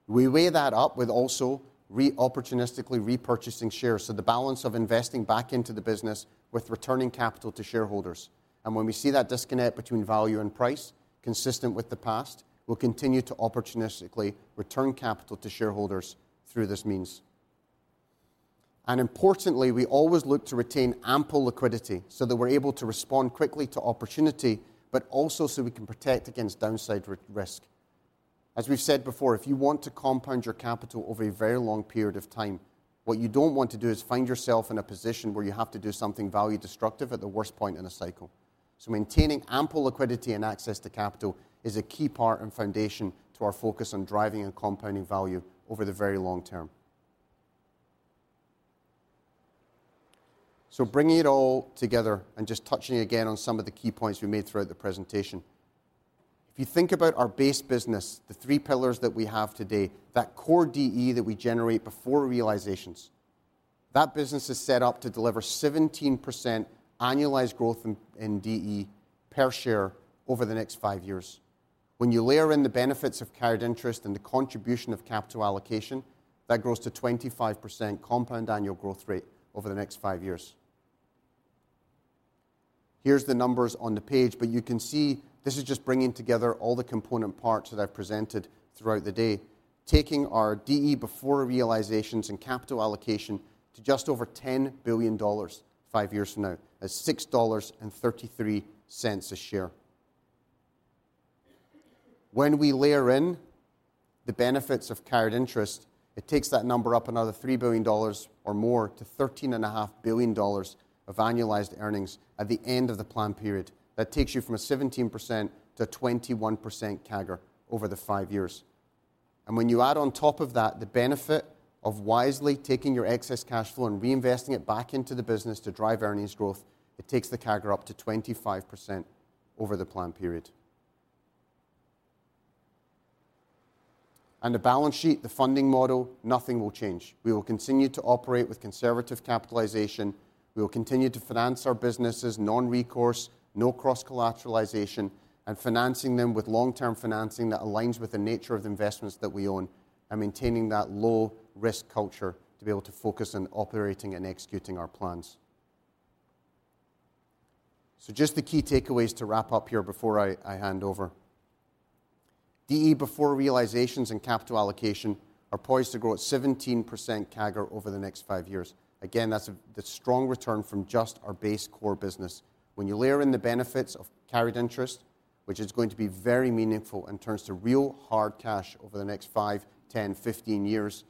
Speaker 4: We weigh that up with also opportunistically repurchasing shares, so the balance of investing back into the business with returning capital to shareholders. When we see that disconnect between value and price, consistent with the past, we'll continue to opportunistically return capital to shareholders through this means. Importantly, we always look to retain ample liquidity so that we're able to respond quickly to opportunity, but also so we can protect against downside risk. As we've said before, if you want to compound your capital over a very long period of time, what you don't want to do is find yourself in a position where you have to do something value destructive at the worst point in a cycle. Maintaining ample liquidity and access to capital is a key part and foundation to our focus on driving and compounding value over the very long term. Bringing it all together and just touching again on some of the key points we made throughout the presentation. If you think about our base business, the three pillars that we have today, that core DE that we generate before realizations, that business is set up to deliver 17% annualized growth in DE per share over the next five years. When you layer in the benefits of carried interest and the contribution of capital allocation, that grows to 25% compound annual growth rate over the next five years. Here's the numbers on the page, but you can see this is just bringing together all the component parts that I've presented throughout the day, taking our DE before realizations and capital allocation to just over $10 billion five years from now, at $6.33 a share. When we layer in the benefits of carried interest, it takes that number up another $3 billion or more to $13.5 billion of annualized earnings at the end of the plan period. That takes you from 17% to 21% CAGR over the five years. And when you add on top of that, the benefit of wisely taking your excess cash flow and reinvesting it back into the business to drive earnings growth, it takes the CAGR up to 25% over the plan period.... And the balance sheet, the funding model, nothing will change. We will continue to operate with conservative capitalization. We will continue to finance our businesses, non-recourse, no cross-collateralization, and financing them with long-term financing that aligns with the nature of the investments that we own, and maintaining that low-risk culture to be able to focus on operating and executing our plans. So just the key takeaways to wrap up here before I, I hand over. DE before realizations and capital allocation are poised to grow at 17% CAGR over the next five years. Again, that's the strong return from just our base core business. When you layer in the benefits of carried interest, which is going to be very meaningful and turns to real hard cash over the next five, ten, fifteen years,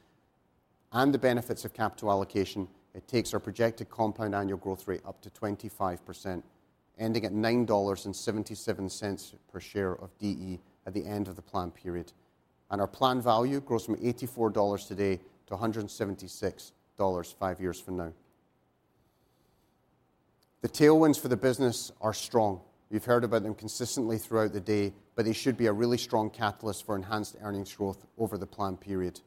Speaker 4: and the benefits of capital allocation, it takes our projected compound annual growth rate up to 25%, ending at $9.77 per share of DE at the end of the plan period. And our plan value grows from $84 today to $176 five years from now. The tailwinds for the business are strong. You've heard about them consistently throughout the day, but they should be a really strong catalyst for enhanced earnings growth over the plan period.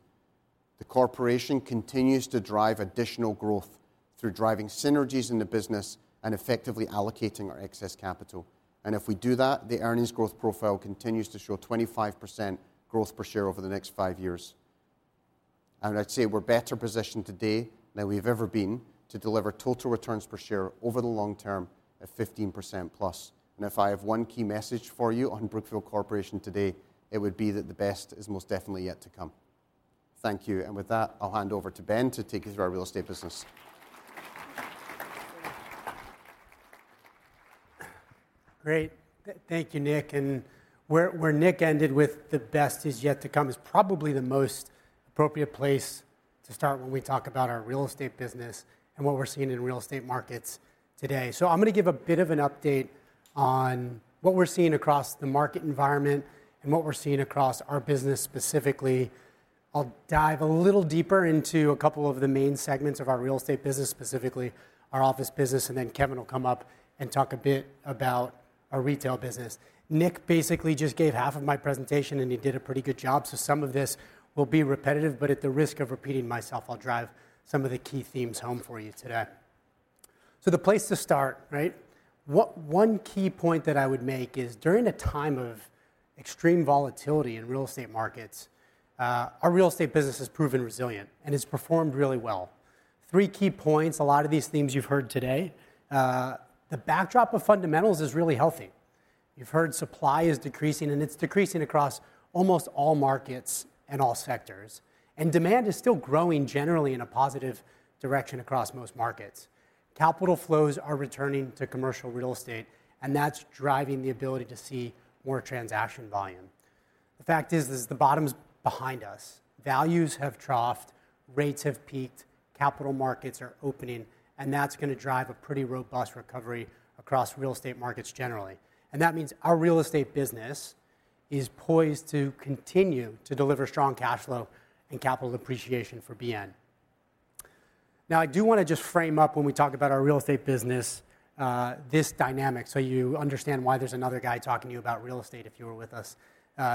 Speaker 4: The corporation continues to drive additional growth through driving synergies in the business and effectively allocating our excess capital. And if we do that, the earnings growth profile continues to show 25% growth per share over the next five years. And I'd say we're better positioned today than we've ever been to deliver total returns per share over the long term at 15%+. And if I have one key message for you on Brookfield Corporation today, it would be that the best is most definitely yet to come. Thank you. And with that, I'll hand over to Ben to take us through our real estate business.
Speaker 5: Great. Thank you, Nick. And where Nick ended with, "The best is yet to come," is probably the most appropriate place to start when we talk about our real estate business and what we're seeing in real estate markets today. So I'm gonna give a bit of an update on what we're seeing across the market environment and what we're seeing across our business specifically. I'll dive a little deeper into a couple of the main segments of our real estate business, specifically our office business, and then Kevin will come up and talk a bit about our retail business. Nick basically just gave half of my presentation, and he did a pretty good job, so some of this will be repetitive, but at the risk of repeating myself, I'll drive some of the key themes home for you today. So the place to start, right? One key point that I would make is, during a time of extreme volatility in real estate markets, our real estate business has proven resilient and has performed really well. Three key points, a lot of these themes you've heard today. The backdrop of fundamentals is really healthy. You've heard supply is decreasing, and it's decreasing across almost all markets and all sectors, and demand is still growing generally in a positive direction across most markets. Capital flows are returning to commercial real estate, and that's driving the ability to see more transaction volume. The fact is the bottom's behind us. Values have troughed, rates have peaked, capital markets are opening, and that's gonna drive a pretty robust recovery across real estate markets generally, and that means our real estate business is poised to continue to deliver strong cash flow and capital appreciation for BN. Now, I do wanna just frame up when we talk about our real estate business, this dynamic, so you understand why there's another guy talking to you about real estate if you were with us,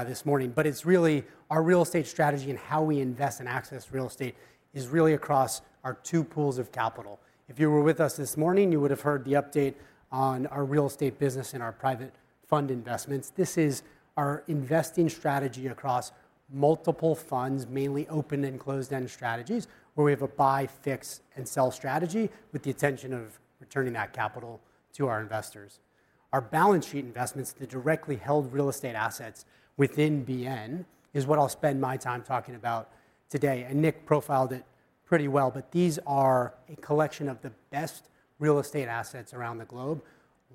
Speaker 5: this morning. But it's really our real estate strategy and how we invest and access real estate is really across our two pools of capital. If you were with us this morning, you would have heard the update on our real estate business and our private fund investments. This is our investing strategy across multiple funds, mainly open and closed-end strategies, where we have a buy, fix, and sell strategy with the intention of returning that capital to our investors. Our balance sheet investments, the directly held real estate assets within BN, is what I'll spend my time talking about today, and Nick profiled it pretty well. But these are a collection of the best real estate assets around the globe,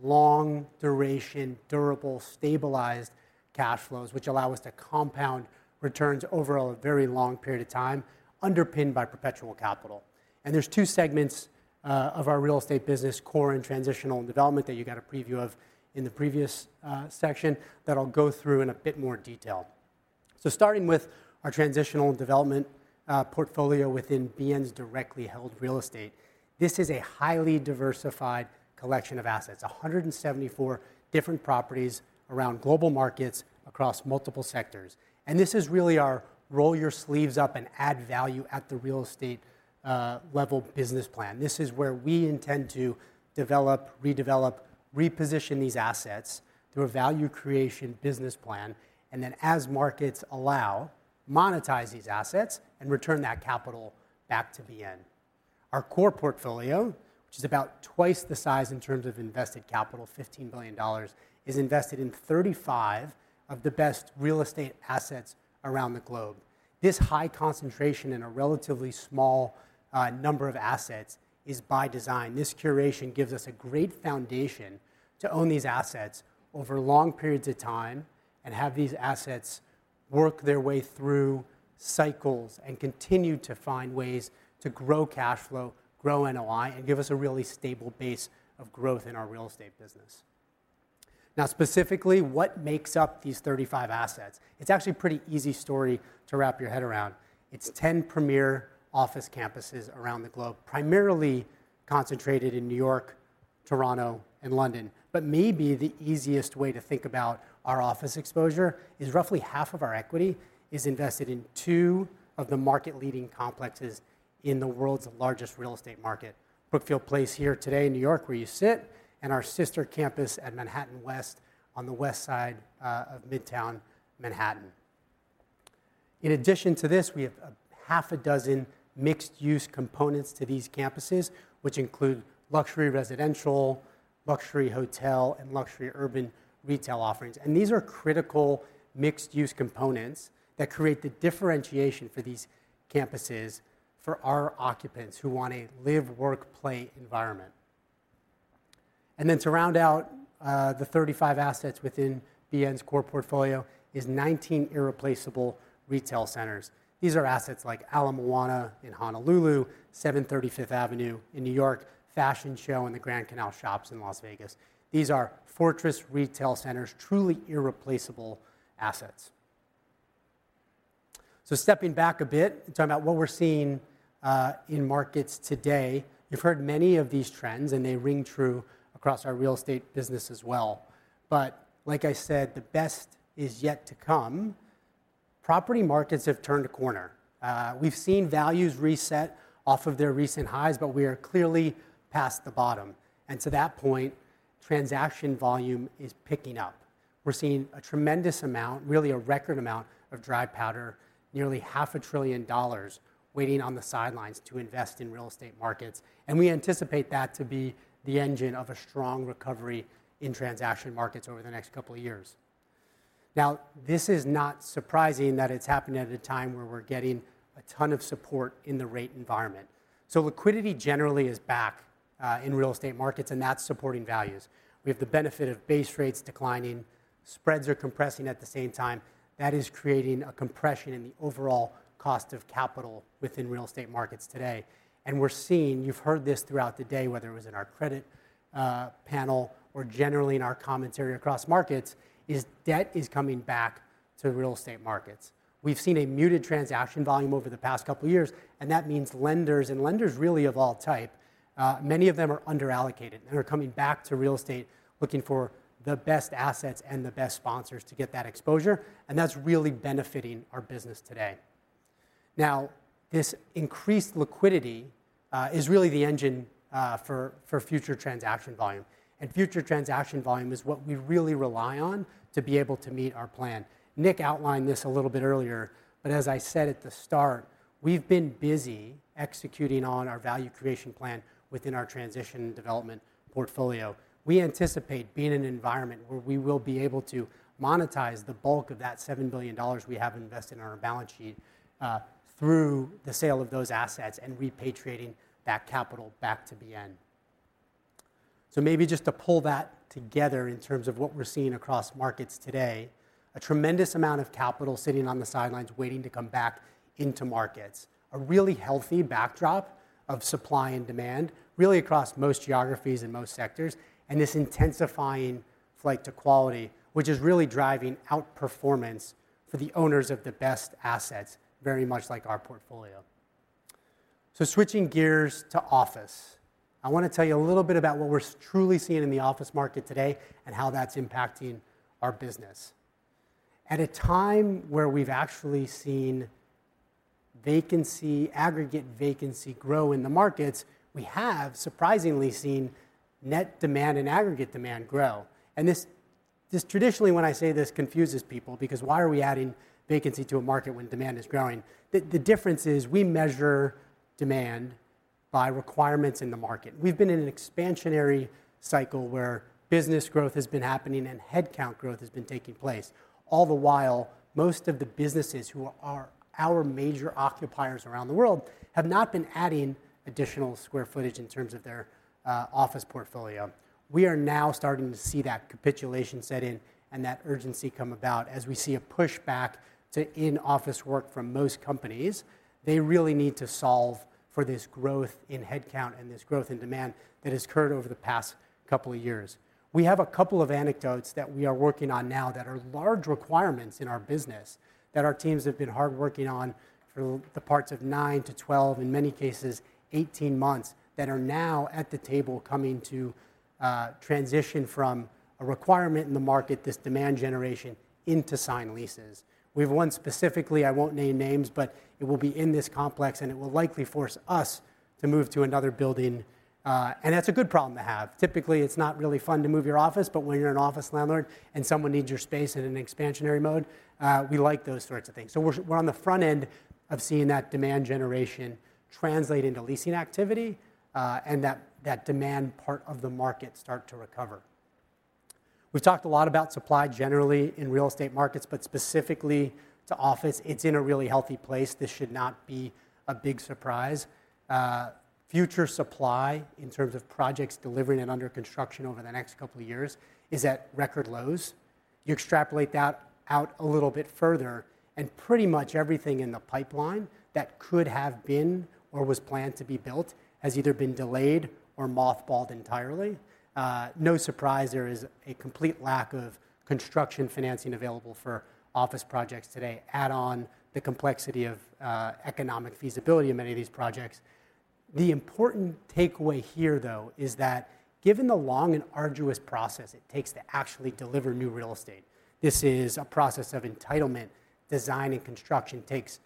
Speaker 5: long duration, durable, stabilized cash flows, which allow us to compound returns over a very long period of time, underpinned by perpetual capital. And there's two segments of our real estate business, core and transitional and development, that you got a preview of in the previous section, that I'll go through in a bit more detail. So starting with our transitional development portfolio within BN's directly held real estate, this is a highly diversified collection of assets, 174 different properties around global markets, across multiple sectors. And this is really our roll your sleeves up and add value at the real estate level business plan. This is where we intend to develop, redevelop, reposition these assets through a value creation business plan, and then, as markets allow, monetize these assets and return that capital back to BN. Our core portfolio, which is about twice the size in terms of invested capital, $15 billion, is invested in 35 of the best real estate assets around the globe. This high concentration in a relatively small, number of assets is by design. This curation gives us a great foundation to own these assets over long periods of time and have these assets work their way through cycles and continue to find ways to grow cash flow, grow NOI, and give us a really stable base of growth in our real estate business. Now, specifically, what makes up these 35 assets? It's actually a pretty easy story to wrap your head around. It's 10 premier office campuses around the globe, primarily concentrated in New York, Toronto, and London. But maybe the easiest way to think about our office exposure is roughly half of our equity is invested in two of the market-leading complexes in the world's largest real estate market, Brookfield Place here today in New York, where you sit, and our sister campus at Manhattan West on the west side of Midtown Manhattan. In addition to this, we have a half a dozen mixed-use components to these campuses, which include luxury residential, luxury hotel, and luxury urban retail offerings. And these are critical mixed-use components that create the differentiation for these campuses for our occupants who want a live, work, play environment. And then to round out the 35 assets within BN's core portfolio is 19 irreplaceable retail centers. These are assets like Ala Moana in Honolulu, 730 Fifth Avenue in New York, Fashion Show and the Grand Canal Shoppes in Las Vegas. These are fortress retail centers, truly irreplaceable assets. So stepping back a bit and talking about what we're seeing in markets today, you've heard many of these trends, and they ring true across our real estate business as well. But like I said, the best is yet to come. Property markets have turned a corner. We've seen values reset off of their recent highs, but we are clearly past the bottom, and to that point, transaction volume is picking up. We're seeing a tremendous amount, really a record amount, of dry powder, nearly $500 billion, waiting on the sidelines to invest in real estate markets, and we anticipate that to be the engine of a strong recovery in transaction markets over the next couple of years. Now, this is not surprising that it's happening at a time where we're getting a ton of support in the rate environment. So liquidity generally is back in real estate markets, and that's supporting values. We have the benefit of base rates declining. Spreads are compressing at the same time. That is creating a compression in the overall cost of capital within real estate markets today. And we're seeing, you've heard this throughout the day, whether it was in our credit panel or generally in our commentary across markets, is debt is coming back to real estate markets. We've seen a muted transaction volume over the past couple of years, and that means lenders, and lenders really of all type, many of them are underallocated and are coming back to real estate, looking for the best assets and the best sponsors to get that exposure, and that's really benefiting our business today. Now, this increased liquidity is really the engine for future transaction volume, and future transaction volume is what we really rely on to be able to meet our plan. Nick outlined this a little bit earlier, but as I said at the start, we've been busy executing on our value creation plan within our transition and development portfolio. We anticipate being in an environment where we will be able to monetize the bulk of that $7 billion we have invested in our balance sheet through the sale of those assets and repatriating that capital back to BN, so maybe just to pull that together in terms of what we're seeing across markets today, a tremendous amount of capital sitting on the sidelines waiting to come back into markets. A really healthy backdrop of supply and demand, really across most geographies and most sectors, and this intensifying flight to quality, which is really driving outperformance for the owners of the best assets, very much like our portfolio, so switching gears to office, I wanna tell you a little bit about what we're truly seeing in the office market today and how that's impacting our business. At a time where we've actually seen vacancy, aggregate vacancy grow in the markets, we have surprisingly seen net demand and aggregate demand grow. And this traditionally, when I say this, confuses people because why are we adding vacancy to a market when demand is growing? The difference is we measure demand by requirements in the market. We've been in an expansionary cycle where business growth has been happening and headcount growth has been taking place. All the while, most of the businesses who are our major occupiers around the world have not been adding additional square footage in terms of their office portfolio. We are now starting to see that capitulation set in and that urgency come about as we see a pushback to in-office work from most companies. They really need to solve for this growth in headcount and this growth in demand that has occurred over the past couple of years. We have a couple of anecdotes that we are working on now that are large requirements in our business, that our teams have been hard working on for the parts of nine to twelve, in many cases, eighteen months, that are now at the table coming to transition from a requirement in the market, this demand generation, into signed leases. We have one specifically, I won't name names, but it will be in this complex, and it will likely force us to move to another building, and that's a good problem to have. Typically, it's not really fun to move your office, but when you're an office landlord and someone needs your space in an expansionary mode, we like those sorts of things. We're on the front end of seeing that demand generation translate into leasing activity, and that demand part of the market start to recover. We've talked a lot about supply generally in real estate markets, but specifically to office, it's in a really healthy place. This should not be a big surprise. Future supply, in terms of projects delivering and under construction over the next couple of years, is at record lows. You extrapolate that out a little bit further, and pretty much everything in the pipeline that could have been or was planned to be built has either been delayed or mothballed entirely. No surprise, there is a complete lack of construction financing available for office projects today. Add on the complexity of economic feasibility in many of these projects. The important takeaway here, though, is that given the long and arduous process it takes to actually deliver new real estate, this is a process of entitlement. Design and construction takes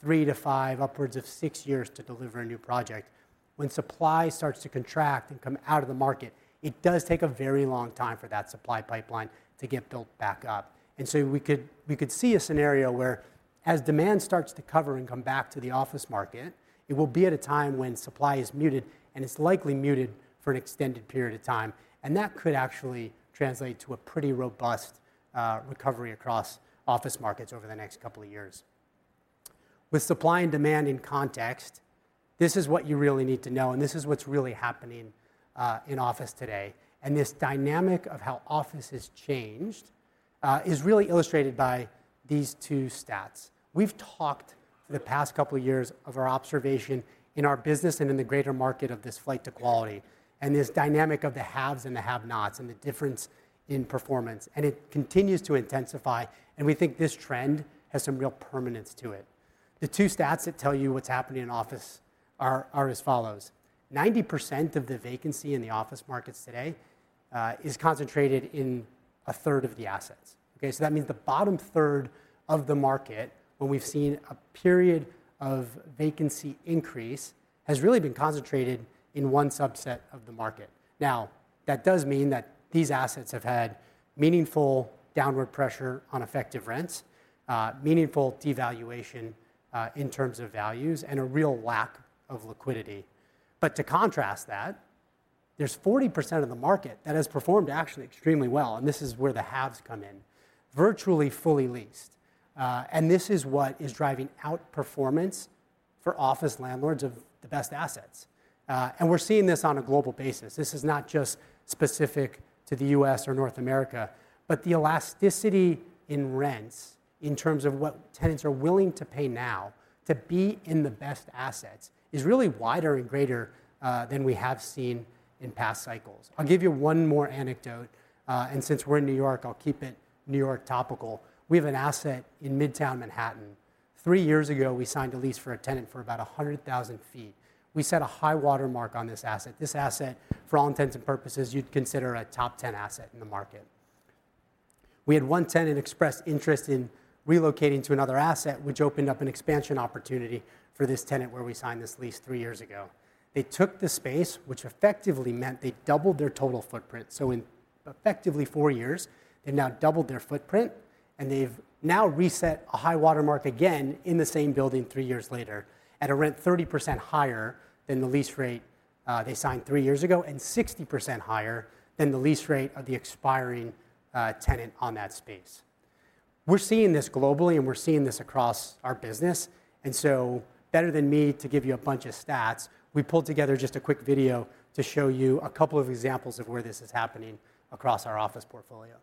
Speaker 5: three to five, upwards of six years to deliver a new project. When supply starts to contract and come out of the market, it does take a very long time for that supply pipeline to get built back up. And so we could see a scenario where as demand starts to recover and come back to the office market, it will be at a time when supply is muted, and it's likely muted for an extended period of time. And that could actually translate to a pretty robust recovery across office markets over the next couple of years. With supply and demand in context, this is what you really need to know, and this is what's really happening in office today. And this dynamic of how office has changed is really illustrated by these two stats. We've talked for the past couple of years of our observation in our business and in the greater market of this flight to quality, and this dynamic of the haves and the have-nots, and the difference in performance. And it continues to intensify, and we think this trend has some real permanence to it. The two stats that tell you what's happening in office are as follows: 90% of the vacancy in the office markets today is concentrated in a third of the assets, okay? So that means the bottom third of the market, when we've seen a period of vacancy increase, has really been concentrated in one subset of the market. Now, that does mean that these assets have had meaningful downward pressure on effective rents, meaningful devaluation, in terms of values, and a real lack of liquidity. But to contrast that, there's 40% of the market that has performed actually extremely well, and this is where the haves come in, virtually fully leased. And this is what is driving outperformance for office landlords of the best assets. And we're seeing this on a global basis. This is not just specific to the US or North America, but the elasticity in rents, in terms of what tenants are willing to pay now to be in the best assets, is really wider and greater than we have seen in past cycles. I'll give you one more anecdote, and since we're in New York, I'll keep it New York topical. We have an asset in Midtown Manhattan. Three years ago, we signed a lease for a tenant for about 100,000 sq ft. We set a high water mark on this asset. This asset, for all intents and purposes, you'd consider a top 10 asset in the market. We had one tenant express interest in relocating to another asset, which opened up an expansion opportunity for this tenant, where we signed this lease three years ago. They took the space, which effectively meant they doubled their total footprint. So in effectively four years, they've now doubled their footprint, and they've now reset a high water mark again in the same building three years later, at a rent 30% higher than the lease rate they signed three years ago, and 60% higher than the lease rate of the expiring tenant on that space. We're seeing this globally, and we're seeing this across our business, and so better than me to give you a bunch of stats, we pulled together just a quick video to show you a couple of examples of where this is happening across our office portfolio.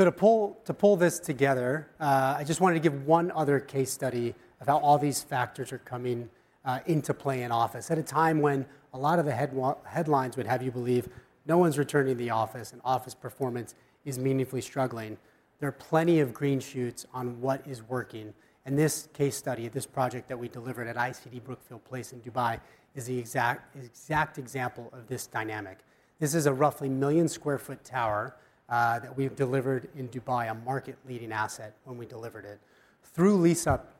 Speaker 5: So to pull this together, I just wanted to give one other case study of how all these factors are coming into play in office. At a time when a lot of the headlines would have you believe no one's returning to the office and office performance is meaningfully struggling, there are plenty of green shoots on what is working. And this case study, this project that we delivered at ICD Brookfield Place in Dubai, is the exact, exact example of this dynamic. This is a roughly 1 million sq ft tower that we've delivered in Dubai, a market-leading asset when we delivered it. Through lease-up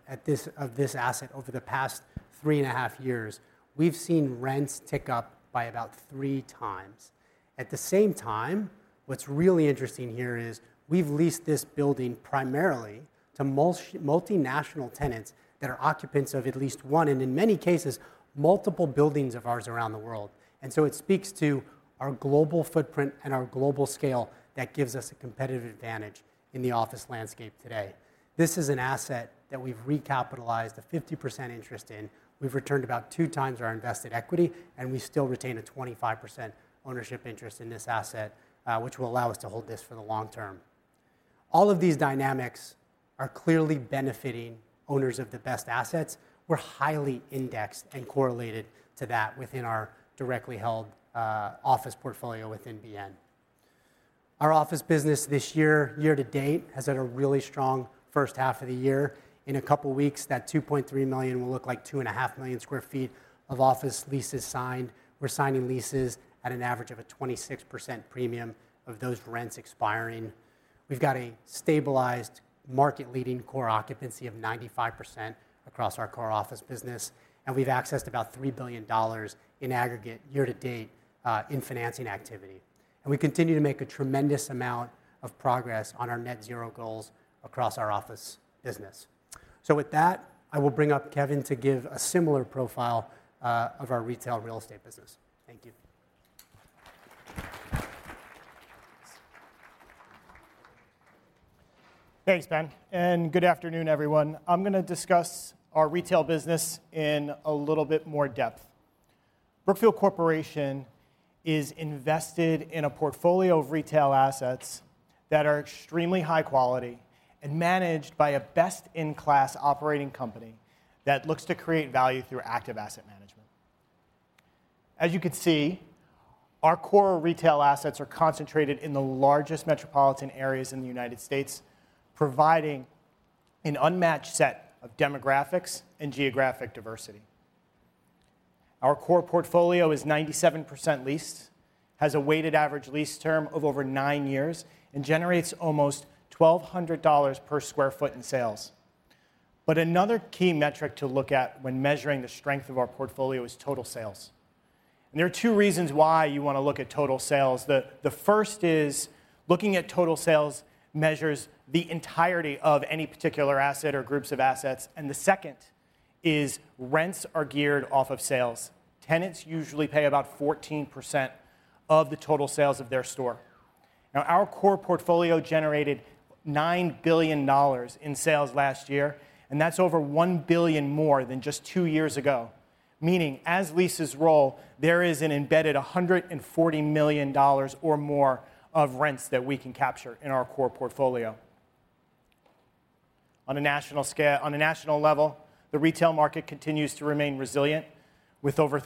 Speaker 5: of this asset over the past three and a half years, we've seen rents tick up by about three times. At the same time, what's really interesting here is, we've leased this building primarily to multinational tenants that are occupants of at least one, and in many cases, multiple buildings of ours around the world. And so it speaks to our global footprint and our global scale that gives us a competitive advantage in the office landscape today. This is an asset that we've recapitalized a 50% interest in. We've returned about two times our invested equity, and we still retain a 25% ownership interest in this asset, which will allow us to hold this for the long term. All of these dynamics are clearly benefiting owners of the best assets. We're highly indexed and correlated to that within our directly held office portfolio within BN. Our office business this year, year to date, has had a really strong first half of the year. In a couple of weeks, that 2.3 million will look like 2.5 million sq ft of office leases signed. We're signing leases at an average of a 26% premium of those rents expiring. We've got a stabilized, market-leading core occupancy of 95% across our core office business, and we've accessed about $3 billion in aggregate year to date in financing activity, and we continue to make a tremendous amount of progress on our net zero goals across our office business, so with that, I will bring up Kevin to give a similar profile of our retail real estate business. Thank you.
Speaker 6: Thanks, Ben, and good afternoon, everyone. I'm gonna discuss our retail business in a little bit more depth. Brookfield Corporation is invested in a portfolio of retail assets that are extremely high quality and managed by a best-in-class operating company that looks to create value through active asset management. As you can see, our core retail assets are concentrated in the largest metropolitan areas in the United States, providing an unmatched set of demographics and geographic diversity. Our core portfolio is 97% leased, has a weighted average lease term of over nine years, and generates almost $1,200 per sq ft in sales. But another key metric to look at when measuring the strength of our portfolio is total sales, and there are two reasons why you want to look at total sales. The first is looking at total sales measures the entirety of any particular asset or groups of assets, and the second is rents are geared off of sales. Tenants usually pay about 14% of the total sales of their store. Now, our core portfolio generated $9 billion in sales last year, and that's over $1 billion more than just two years ago, meaning as leases roll, there is an embedded $140 million or more of rents that we can capture in our core portfolio. On a national level, the retail market continues to remain resilient, with over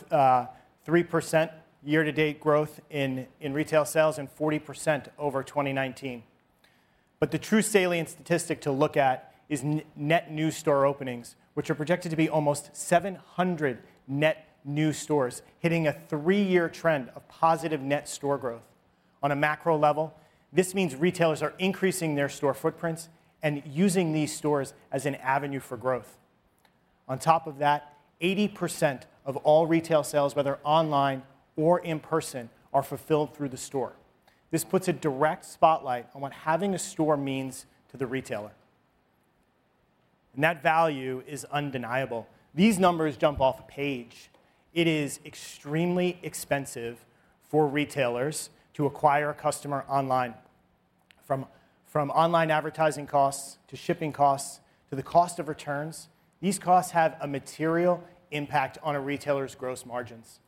Speaker 6: 3% year-to-date growth in retail sales and 40% over 2019. But the true salient statistic to look at is net new store openings, which are projected to be almost 700 net new stores, hitting a three-year trend of positive net store growth. On a macro level, this means retailers are increasing their store footprints and using these stores as an avenue for growth. On top of that, 80% of all retail sales, whether online or in person, are fulfilled through the store. This puts a direct spotlight on what having a store means to the retailer, and that value is undeniable. These numbers jump off the page. It is extremely expensive for retailers to acquire a customer online. From online advertising costs to shipping costs, to the cost of returns, these costs have a material impact on a retailer's gross margins.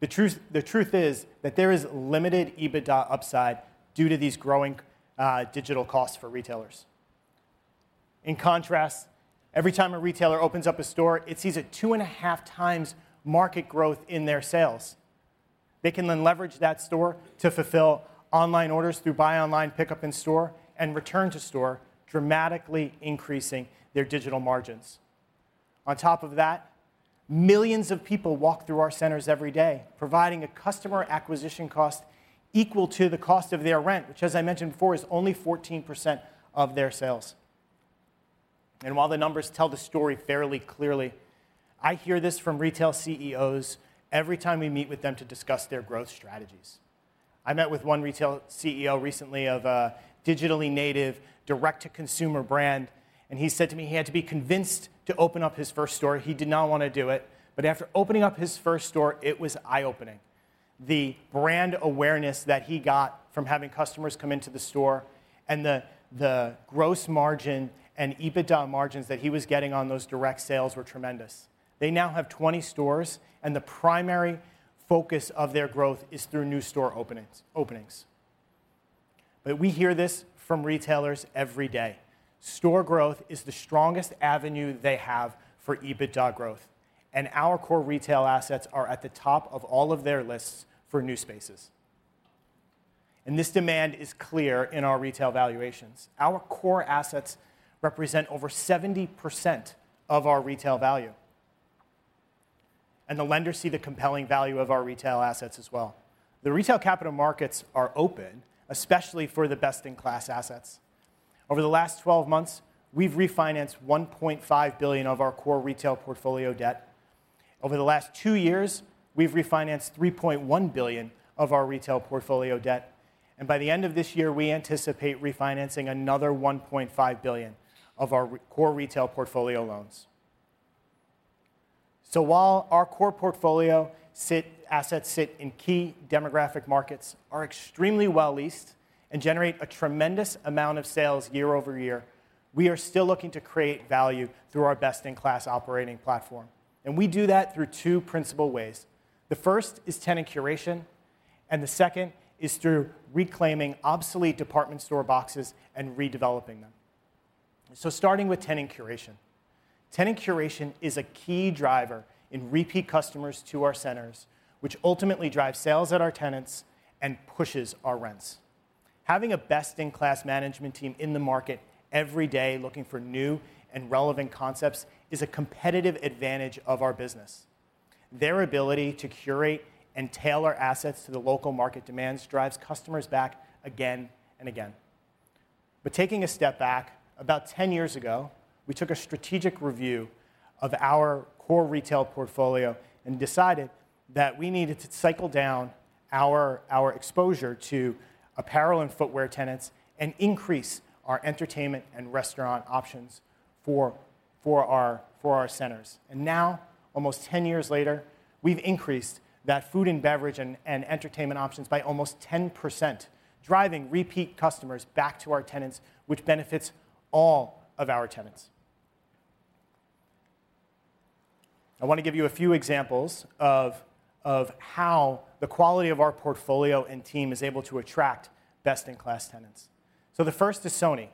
Speaker 6: The truth, the truth is that there is limited EBITDA upside due to these growing digital costs for retailers. In contrast, every time a retailer opens up a store, it sees a two and a half times market growth in their sales. They can then leverage that store to fulfill online orders through buy online, pickup in store, and return to store, dramatically increasing their digital margins. On top of that, millions of people walk through our centers every day, providing a customer acquisition cost equal to the cost of their rent, which, as I mentioned before, is only 14% of their sales. And while the numbers tell the story fairly clearly, I hear this from retail CEOs every time we meet with them to discuss their growth strategies. I met with one retail CEO recently of a digitally native, direct-to-consumer brand, and he said to me he had to be convinced to open up his first store. He did not want to do it. But after opening up his first store, it was eye-opening. The brand awareness that he got from having customers come into the store and the gross margin and EBITDA margins that he was getting on those direct sales were tremendous. They now have 20 stores, and the primary focus of their growth is through new store openings. But we hear this from retailers every day. Store growth is the strongest avenue they have for EBITDA growth, and our core retail assets are at the top of all of their lists for new spaces. And this demand is clear in our retail valuations. Our core assets represent over 70% of our retail value, and the lenders see the compelling value of our retail assets as well. The retail capital markets are open, especially for the best-in-class assets. Over the last twelve months, we've refinanced $1.5 billion of our core retail portfolio debt. Over the last two years, we've refinanced $3.1 billion of our retail portfolio debt, and by the end of this year, we anticipate refinancing another $1.5 billion of our core retail portfolio loans. So while our core portfolio assets sit in key demographic markets, are extremely well leased, and generate a tremendous amount of sales year over year, we are still looking to create value through our best-in-class operating platform, and we do that through two principal ways. The first is tenant curation, and the second is through reclaiming obsolete department store boxes and redeveloping them. So starting with tenant curation. Tenant curation is a key driver in repeat customers to our centers, which ultimately drives sales at our tenants and pushes our rents. Having a best-in-class management team in the market every day, looking for new and relevant concepts, is a competitive advantage of our business. Their ability to curate and tailor assets to the local market demands drives customers back again and again. But taking a step back, about ten years ago, we took a strategic review of our core retail portfolio and decided that we needed to cycle down our exposure to apparel and footwear tenants and increase our entertainment and restaurant options for our centers. And now, almost ten years later, we've increased that food and beverage and entertainment options by almost 10%, driving repeat customers back to our tenants, which benefits all of our tenants. I want to give you a few examples of how the quality of our portfolio and team is able to attract best-in-class tenants. So the first is Sony.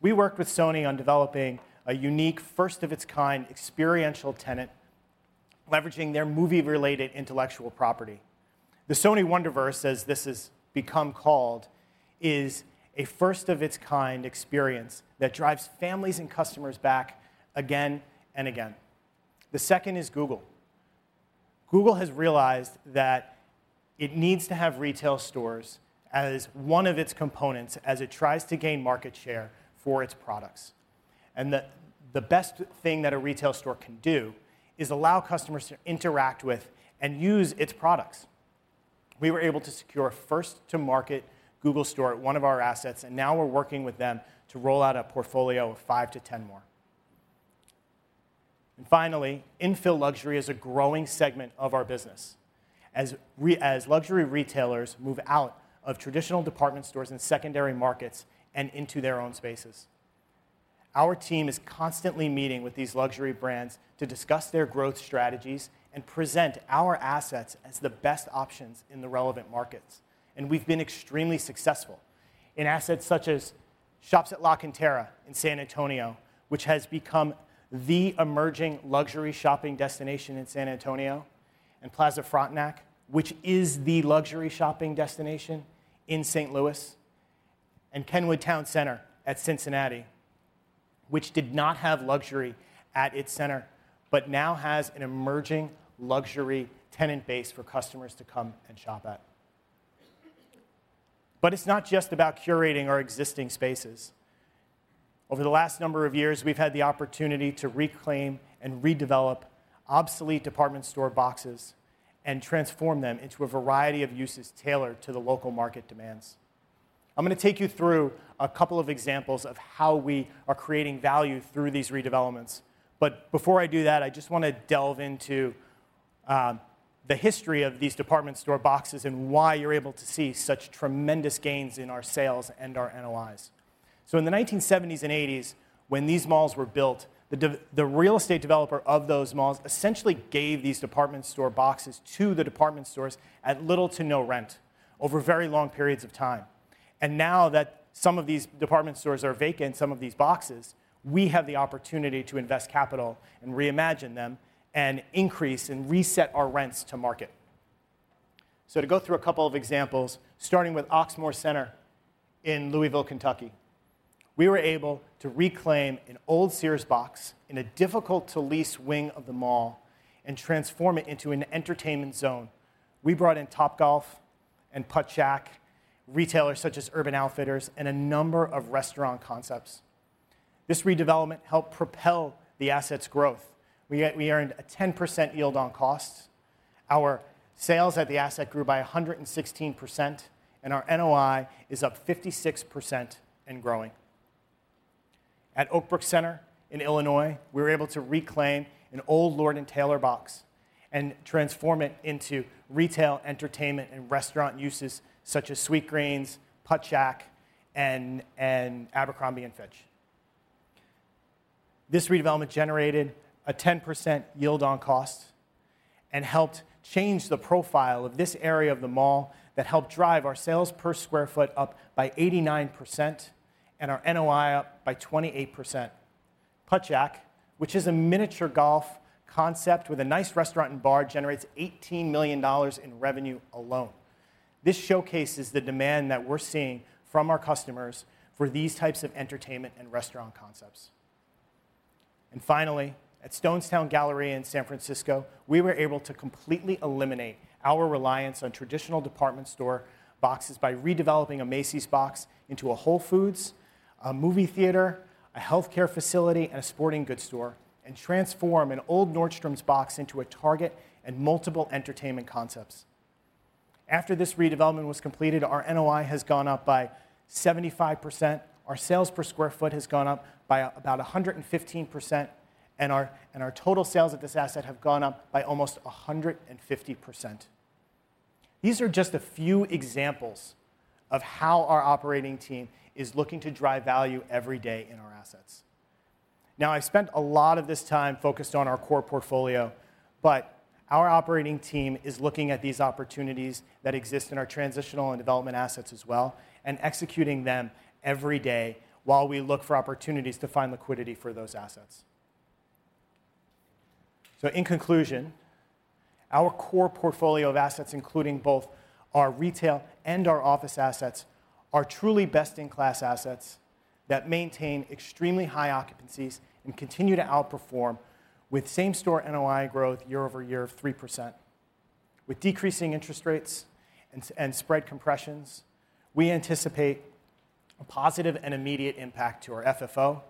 Speaker 6: We worked with Sony on developing a unique, first-of-its-kind, experiential tenant, leveraging their movie-related intellectual property. The Sony Wonderverse, as this has become called, is a first-of-its-kind experience that drives families and customers back again and again. The second is Google. Google has realized that it needs to have retail stores as one of its components as it tries to gain market share for its products, and that the best thing that a retail store can do is allow customers to interact with and use its products. We were able to secure a first-to-market Google store at one of our assets, and now we're working with them to roll out a portfolio of five to 10 more, and finally, infill luxury is a growing segment of our business as luxury retailers move out of traditional department stores and secondary markets and into their own spaces. Our team is constantly meeting with these luxury brands to discuss their growth strategies and present our assets as the best options in the relevant markets, and we've been extremely successful. In assets such as Shops at La Cantera in San Antonio, which has become the emerging luxury shopping destination in San Antonio, and Plaza Frontenac, which is the luxury shopping destination in St. Louis. Louis, and Kenwood Towne Centre at Cincinnati, which did not have luxury at its center, but now has an emerging luxury tenant base for customers to come and shop at. But it's not just about curating our existing spaces. Over the last number of years, we've had the opportunity to reclaim and redevelop obsolete department store boxes and transform them into a variety of uses tailored to the local market demands. I'm gonna take you through a couple of examples of how we are creating value through these redevelopments. But before I do that, I just wanna delve into the history of these department store boxes and why you're able to see such tremendous gains in our sales and our NOIs. So in the 1970s and '80s, when these malls were built, the real estate developer of those malls essentially gave these department store boxes to the department stores at little to no rent over very long periods of time. And now that some of these department stores are vacant, some of these boxes, we have the opportunity to invest capital and reimagine them and increase and reset our rents to market. So to go through a couple of examples, starting with Oxmoor Center in Louisville, Kentucky. We were able to reclaim an old Sears box in a difficult-to-lease wing of the mall and transform it into an entertainment zone. We brought in Topgolf and Puttshack, retailers such as Urban Outfitters, and a number of restaurant concepts. This redevelopment helped propel the asset's growth. We earned a 10% yield on costs, our sales at the asset grew by 116%, and our NOI is up 56% and growing. At Oakbrook Center in Illinois, we were able to reclaim an old Lord & Taylor box and transform it into retail, entertainment, and restaurant uses such as Sweetgreen, Puttshack, and Abercrombie & Fitch. This redevelopment generated a 10% yield on cost and helped change the profile of this area of the mall that helped drive our sales per sq ft up by 89% and our NOI up by 28%. Puttshack, which is a miniature golf concept with a nice restaurant and bar, generates $18 million in revenue alone. This showcases the demand that we're seeing from our customers for these types of entertainment and restaurant concepts. Finally, at Stonestown Galleria in San Francisco, we were able to completely eliminate our reliance on traditional department store boxes by redeveloping a Macy's box into a Whole Foods, a movie theater, a healthcare facility, and a sporting goods store, and transform an old Nordstrom's box into a Target and multiple entertainment concepts. After this redevelopment was completed, our NOI has gone up by 75%, our sales per sq ft has gone up by about 115%, and our total sales at this asset have gone up by almost 150%. These are just a few examples of how our operating team is looking to drive value every day in our assets. Now, I've spent a lot of this time focused on our core portfolio, but our operating team is looking at these opportunities that exist in our transitional and development assets as well and executing them every day while we look for opportunities to find liquidity for those assets. So in conclusion, our core portfolio of assets, including both our retail and our office assets, are truly best-in-class assets that maintain extremely high occupancies and continue to outperform with same-store NOI growth year over year of 3%. With decreasing interest rates and spread compressions, we anticipate a positive and immediate impact to our FFO,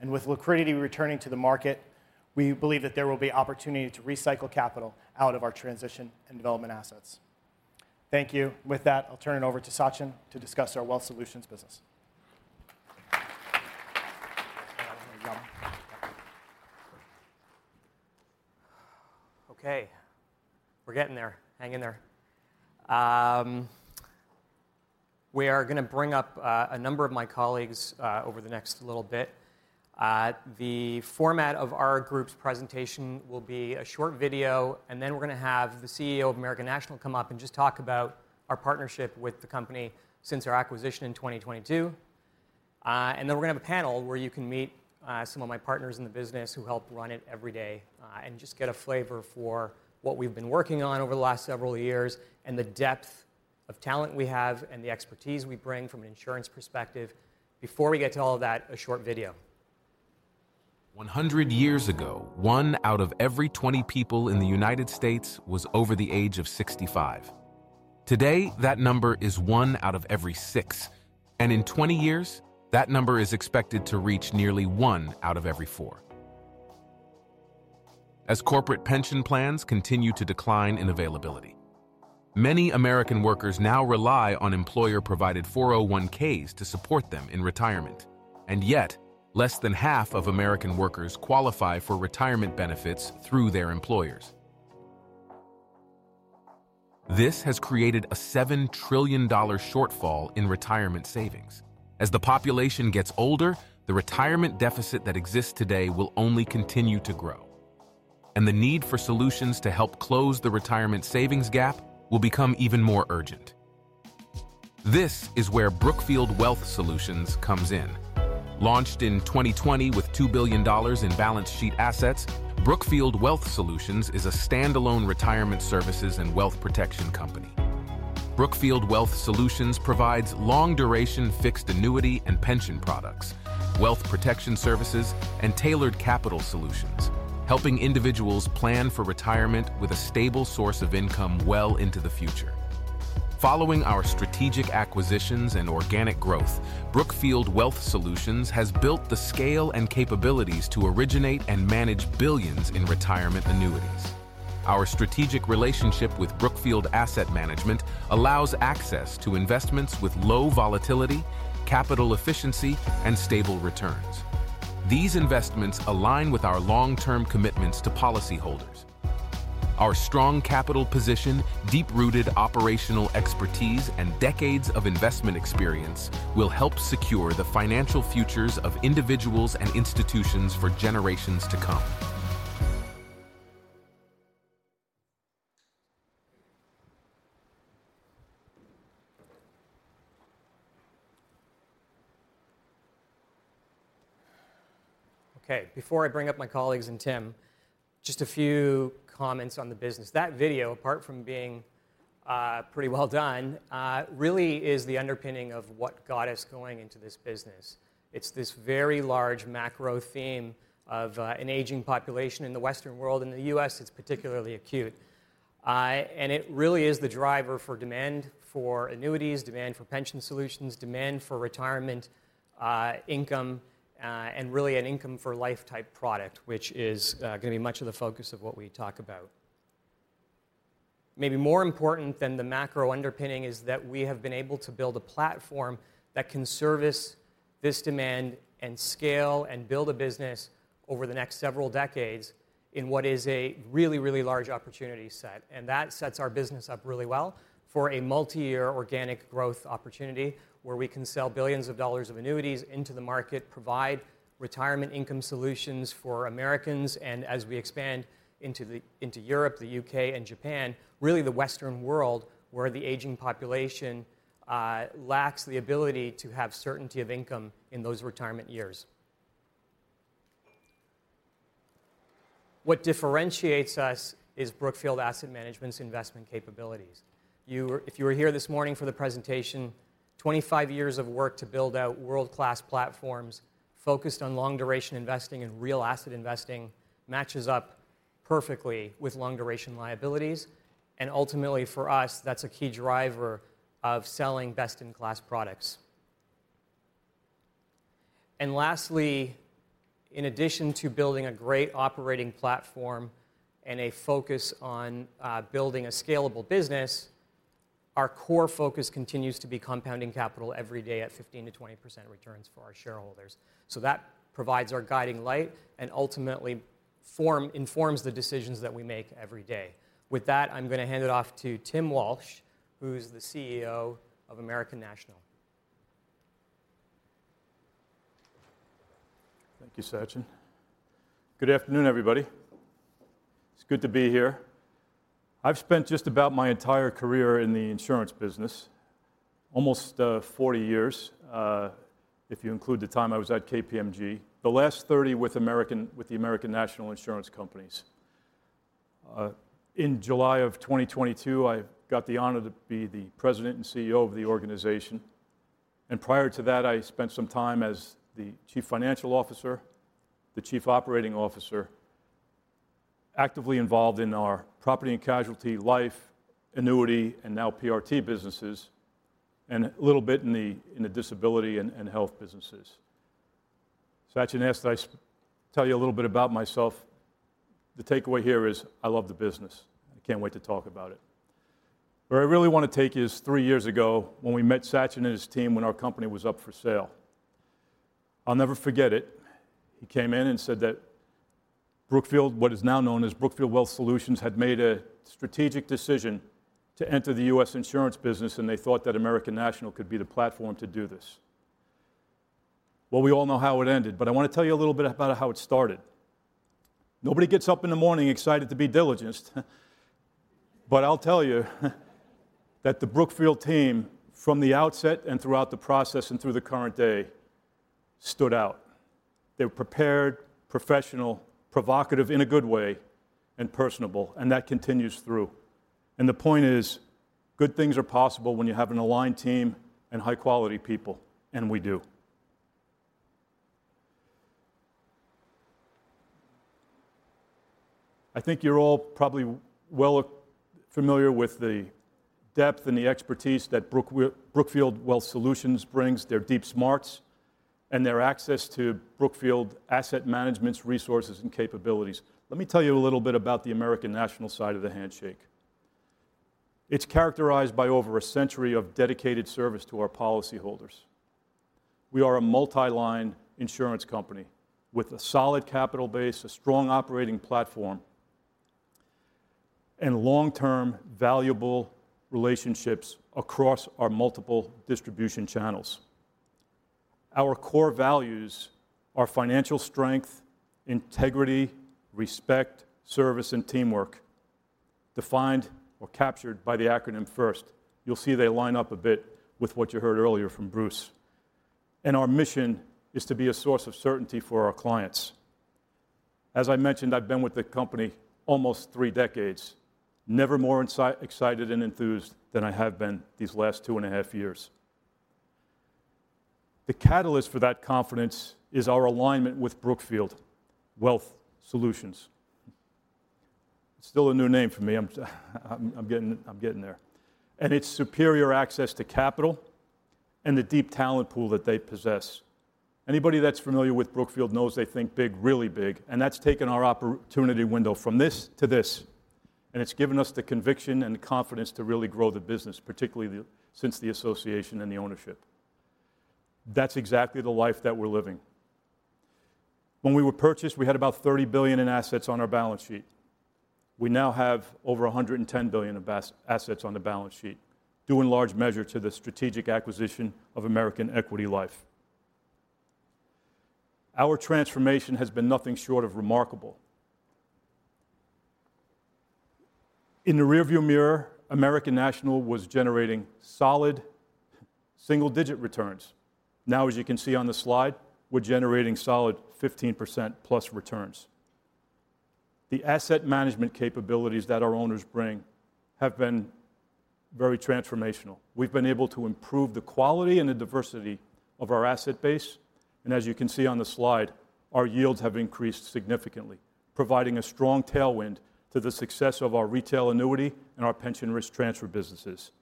Speaker 6: and with liquidity returning to the market, we believe that there will be opportunity to recycle capital out of our transition and development assets. Thank you. With that, I'll turn it over to Sachin to discuss our Wealth Solutions business.
Speaker 7: Okay, we're getting there. Hang in there. We are gonna bring up a number of my colleagues over the next little bit. The format of our group's presentation will be a short video, and then we're gonna have the CEO of American National come up and just talk about our partnership with the company since our acquisition in 2022, and then we're gonna have a panel where you can meet some of my partners in the business who help run it every day, and just get a flavor for what we've been working on over the last several years, and the depth of talent we have and the expertise we bring from an insurance perspective. Before we get to all of that, a short video. 100 years ago, one out of every 20 people in the United States was over the age of 65. Today, that number is one out of every six, and in 20 years, that number is expected to reach nearly one out of every four. As corporate pension plans continue to decline in availability, many American workers now rely on employer-provided 401(k)s to support them in retirement, and yet less than half of American workers qualify for retirement benefits through their employers. This has created a $7 trillion shortfall in retirement savings. As the population gets older, the retirement deficit that exists today will only continue to grow, and the need for solutions to help close the retirement savings gap will become even more urgent. This is where Brookfield Wealth Solutions comes in. Launched in 2020 with $2 billion in balance sheet assets, Brookfield Wealth Solutions is a standalone retirement services and wealth protection company. Brookfield Wealth Solutions provides long-duration fixed annuity and pension products, wealth protection services, and tailored capital solutions, helping individuals plan for retirement with a stable source of income well into the future. Following our strategic acquisitions and organic growth, Brookfield Wealth Solutions has built the scale and capabilities to originate and manage billions in retirement annuities. Our strategic relationship with Brookfield Asset Management allows access to investments with low volatility, capital efficiency, and stable returns. These investments align with our long-term commitments to policyholders. Our strong capital position, deep-rooted operational expertise, and decades of investment experience will help secure the financial futures of individuals and institutions for generations to come. Okay, before I bring up my colleagues and Tim, just a few comments on the business. That video, apart from being pretty well done, really is the underpinning of what got us going into this business. It's this very large macro theme of an aging population in the Western world. In the US, it's particularly acute. And it really is the driver for demand for annuities, demand for pension solutions, demand for retirement income, and really an income-for-life type product, which is gonna be much of the focus of what we talk about. Maybe more important than the macro underpinning is that we have been able to build a platform that can service this demand and scale and build a business over the next several decades in what is a really, really large opportunity set. And that sets our business up really well for a multi-year organic growth opportunity, where we can sell billions of dollars of annuities into the market, provide retirement income solutions for Americans, and as we expand into Europe, the U.K. and Japan, really the Western world, where the aging population lacks the ability to have certainty of income in those retirement years. What differentiates us is Brookfield Asset Management's investment capabilities. If you were here this morning for the presentation 25 years of work to build out world-class platforms focused on long-duration investing and real asset investing matches up perfectly with long-duration liabilities, and ultimately, for us, that's a key driver of selling best-in-class products. And lastly, in addition to building a great operating platform and a focus on building a scalable business, our core focus continues to be compounding capital every day at 15%-20% returns for our shareholders. So that provides our guiding light and ultimately informs the decisions that we make every day. With that, I'm gonna hand it off to Tim Walsh, who's the CEO of American National.
Speaker 8: Thank you, Sachin. Good afternoon, everybody. It's good to be here. I've spent just about my entire career in the insurance business, almost, forty years, if you include the time I was at KPMG, the last thirty with the American National Insurance companies.... in July of 2022, I got the honor to be the President and CEO of the organization, and prior to that, I spent some time as the Chief Financial Officer, the Chief Operating Officer, actively involved in our property and casualty, life, annuity, and now PRT businesses, and a little bit in the disability and health businesses. Sachin asked that I tell you a little bit about myself. The takeaway here is I love the business. I can't wait to talk about it. Where I really want to take you is three years ago, when we met Sachin and his team when our company was up for sale. I'll never forget it. He came in and said that Brookfield, what is now known as Brookfield Wealth Solutions, had made a strategic decision to enter the U.S. insurance business, and they thought that American National could be the platform to do this. Well, we all know how it ended, but I want to tell you a little bit about how it started. Nobody gets up in the morning excited to be diligenced, but I'll tell you, that the Brookfield team, from the outset and throughout the process and through the current day, stood out. They were prepared, professional, provocative in a good way, and personable, and that continues through. And the point is, good things are possible when you have an aligned team and high-quality people, and we do. I think you're all probably well familiar with the depth and the expertise that Brookfield, Brookfield Wealth Solutions brings, their deep smarts and their access to Brookfield Asset Management's resources and capabilities. Let me tell you a little bit about the American National side of the handshake. It's characterized by over a century of dedicated service to our policyholders. We are a multi-line insurance company with a solid capital base, a strong operating platform, and long-term valuable relationships across our multiple distribution channels. Our core values are financial strength, integrity, respect, service, and teamwork, defined or captured by the acronym FIRST. You'll see they line up a bit with what you heard earlier from Bruce, and our mission is to be a source of certainty for our clients. As I mentioned, I've been with the company almost three decades, never more excited and enthused than I have been these last two and a half years. The catalyst for that confidence is our alignment with Brookfield Wealth Solutions. Still a new name for me, I'm getting there, and its superior access to capital and the deep talent pool that they possess. Anybody that's familiar with Brookfield knows they think big, really big, and that's taken our opportunity window from this to this, and it's given us the conviction and the confidence to really grow the business, particularly since the association and the ownership. That's exactly the life that we're living. When we were purchased, we had about $30 billion in assets on our balance sheet. We now have over $110 billion of assets on the balance sheet, due in large measure to the strategic acquisition of American Equity Life. Our transformation has been nothing short of remarkable. In the rearview mirror, American National was generating solid single-digit returns. Now, as you can see on the slide, we're generating solid 15%+ returns. The asset management capabilities that our owners bring have been very transformational. We've been able to improve the quality and the diversity of our asset base, and as you can see on the slide, our yields have increased significantly, providing a strong tailwind to the success of our retail annuity and our pension risk transfer businesses,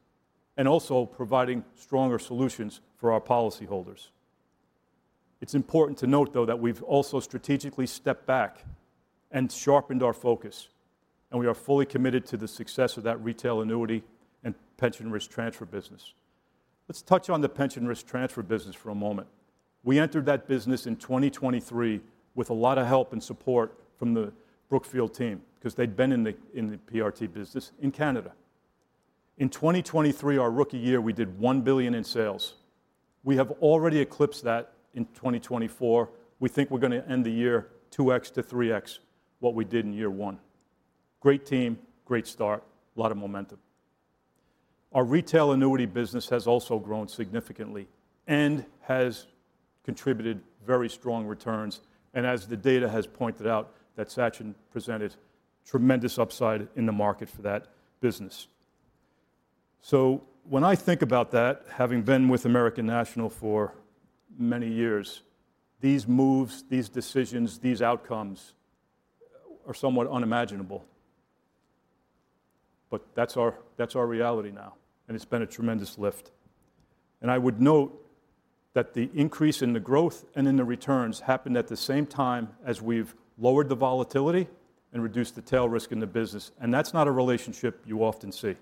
Speaker 8: and also providing stronger solutions for our policyholders. It's important to note, though, that we've also strategically stepped back and sharpened our focus, and we are fully committed to the success of that retail annuity and pension risk transfer business. Let's touch on the pension risk transfer business for a moment. We entered that business in 2023 with a lot of help and support from the Brookfield team because they'd been in the PRT business in Canada. In 2023, our rookie year, we did $1 billion in sales. We have already eclipsed that in 2024. We think we're going to end the year 2x-3x what we did in year one. Great team, great start, lot of momentum. Our retail annuity business has also grown significantly and has contributed very strong returns, and as the data has pointed out, that Sachin presented tremendous upside in the market for that business. So when I think about that, having been with American National for many years, these moves, these decisions, these outcomes are somewhat unimaginable. But that's our, that's our reality now, and it's been a tremendous lift. And I would note that the increase in the growth and in the returns happened at the same time as we've lowered the volatility and reduced the tail risk in the business, and that's not a relationship you often see.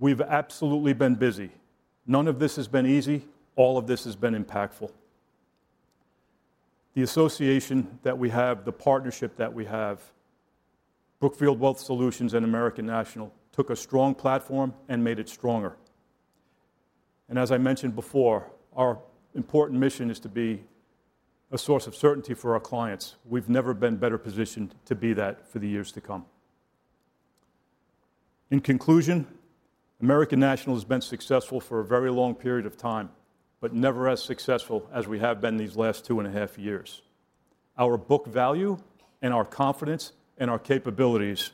Speaker 8: We've absolutely been busy. None of this has been easy. All of this has been impactful. The association that we have, the partnership that we have, Brookfield Wealth Solutions and American National, took a strong platform and made it stronger. And as I mentioned before, our important mission is to be a source of certainty for our clients. We've never been better positioned to be that for the years to come. In conclusion, American National has been successful for a very long period of time, but never as successful as we have been these last two and a half years. Our book value, and our confidence, and our capabilities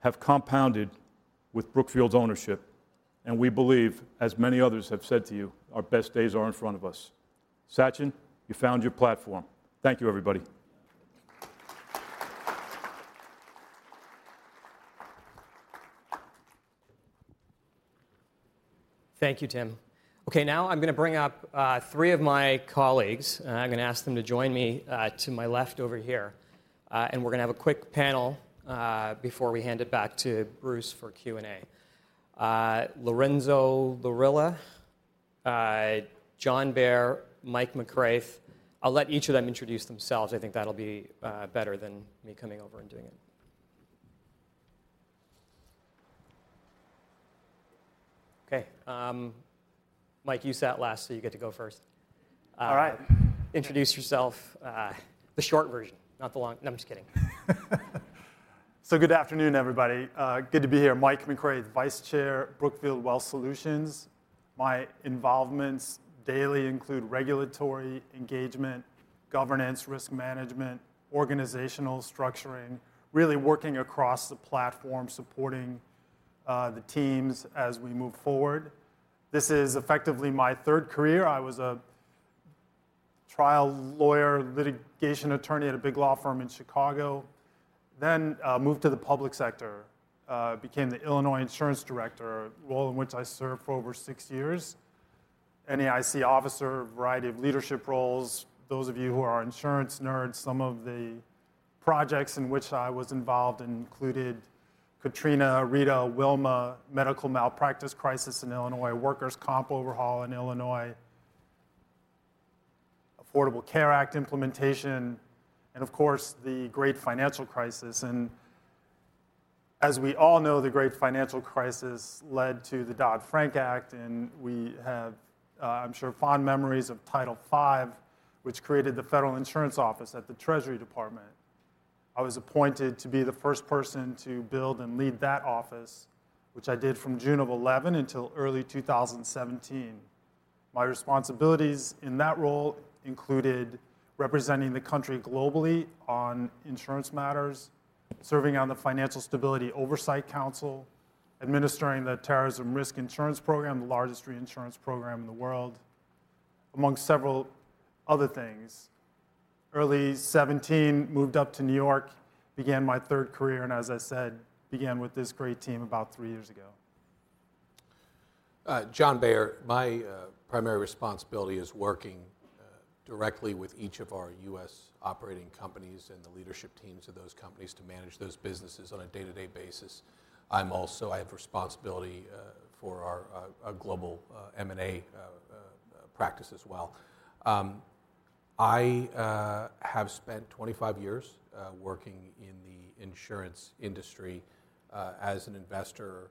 Speaker 8: have compounded with Brookfield's ownership, and we believe, as many others have said to you, our best days are in front of us. Sachin, you found your platform. Thank you, everybody.
Speaker 7: Thank you, Tim. Okay, now I'm gonna bring up three of my colleagues, and I'm gonna ask them to join me to my left over here, and we're gonna have a quick panel before we hand it back to Bruce for Q&A. Lorenzo Lorilla, John Beyer, Mike McRaith. I'll let each of them introduce themselves. I think that'll be better than me coming over and doing it. Okay, Mike, you sat last, so you get to go first.
Speaker 9: All right.
Speaker 7: Introduce yourself, the short version, not the long... No, I'm just kidding.
Speaker 9: So good afternoon, everybody. Good to be here. Mike McRaith, Vice Chair, Brookfield Wealth Solutions. My involvements daily include regulatory engagement, governance, risk management, organizational structuring, really working across the platform, supporting the teams as we move forward. This is effectively my third career. I was a trial lawyer, litigation attorney at a big law firm in Chicago, then moved to the public sector, became the Illinois Insurance Director, a role in which I served for over six years. NAIC officer, a variety of leadership roles. Those of you who are insurance nerds, some of the projects in which I was involved included Katrina, Rita, Wilma, medical malpractice crisis in Illinois, workers' comp overhaul in Illinois, Affordable Care Act implementation, and of course, the great financial crisis. As we all know, the great financial crisis led to the Dodd-Frank Act, and we have, I'm sure, fond memories of Title V, which created the Federal Insurance Office at the Treasury Department. I was appointed to be the first person to build and lead that office, which I did from June of 2011 until early 2017. My responsibilities in that role included representing the country globally on insurance matters, serving on the Financial Stability Oversight Council, administering the Terrorism Risk Insurance Program, the largest reinsurance program in the world, among several other things. Early 2017, I moved up to New York, began my third career, and, as I said, began with this great team about three years ago.
Speaker 10: John Beyer. My primary responsibility is working directly with each of our U.S. operating companies and the leadership teams of those companies to manage those businesses on a day-to-day basis. I also have responsibility for our global M&A practice as well. I have spent 25 years working in the insurance industry as an investor,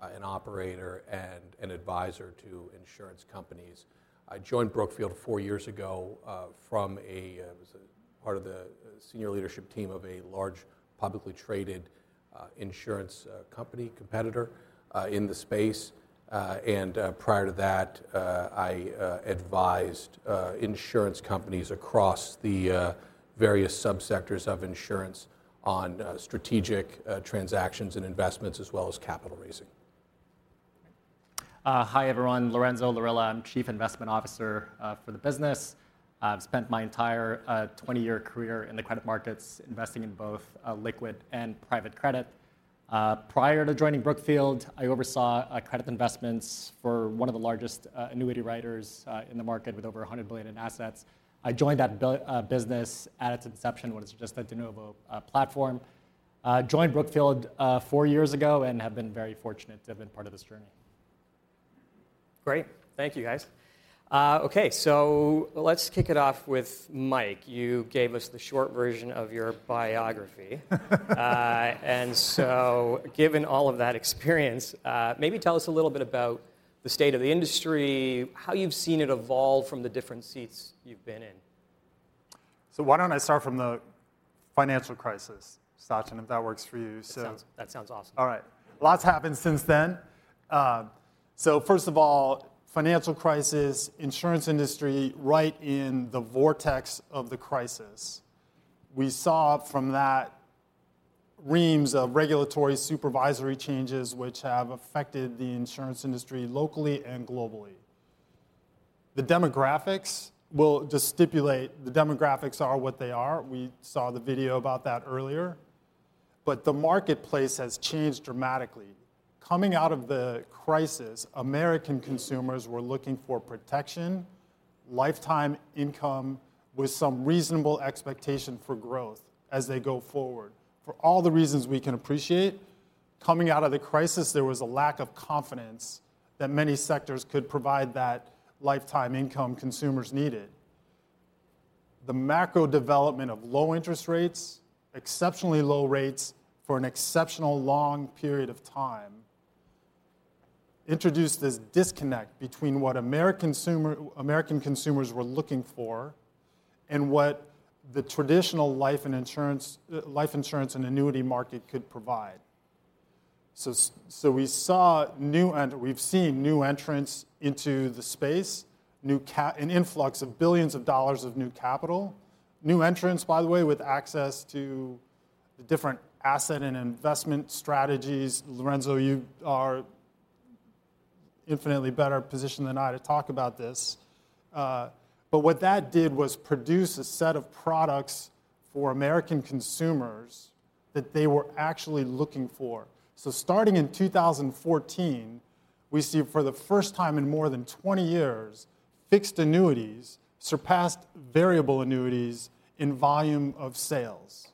Speaker 10: an operator, and an advisor to insurance companies. I joined Brookfield four years ago. I was part of the senior leadership team of a large, publicly traded insurance company, a competitor in the space. Prior to that, I advised insurance companies across the various subsectors of insurance on strategic transactions and investments, as well as capital raising.
Speaker 11: Hi, everyone, Lorenzo Lorilla. I'm Chief Investment Officer for the business. I've spent my entire twenty-year career in the credit markets, investing in both liquid and private credit. Prior to joining Brookfield, I oversaw credit investments for one of the largest annuity writers in the market, with over 100 billion in assets. I joined that business at its inception, when it was just a de novo platform. Joined Brookfield four years ago and have been very fortunate to have been part of this journey.
Speaker 7: Great. Thank you, guys. Okay, so let's kick it off with Mike. You gave us the short version of your biography. And so, given all of that experience, maybe tell us a little bit about the state of the industry, how you've seen it evolve from the different seats you've been in.
Speaker 9: So why don't I start from the financial crisis, Sachin, if that works for you? So-
Speaker 7: That sounds awesome.
Speaker 9: All right. Lots happened since then. So first of all, financial crisis, insurance industry, right in the vortex of the crisis. We saw from that reams of regulatory supervisory changes which have affected the insurance industry locally and globally. The demographics, we'll just stipulate the demographics are what they are. We saw the video about that earlier. But the marketplace has changed dramatically. Coming out of the crisis, American consumers were looking for protection, lifetime income, with some reasonable expectation for growth as they go forward. For all the reasons we can appreciate, coming out of the crisis, there was a lack of confidence that many sectors could provide that lifetime income consumers needed. The macro development of low interest rates, exceptionally low rates for an exceptional long period of time... introduced this disconnect between what American consumer, American consumers were looking for and what the traditional life and insurance, life insurance and annuity market could provide. So we've seen new entrants into the space, an influx of billions of dollars of new capital. New entrants, by the way, with access to the different asset and investment strategies. Lorenzo, you are infinitely better positioned than I to talk about this. But what that did was produce a set of products for American consumers that they were actually looking for. So starting in 2014, we see for the first time in more than twenty years, fixed annuities surpassed variable annuities in volume of sales.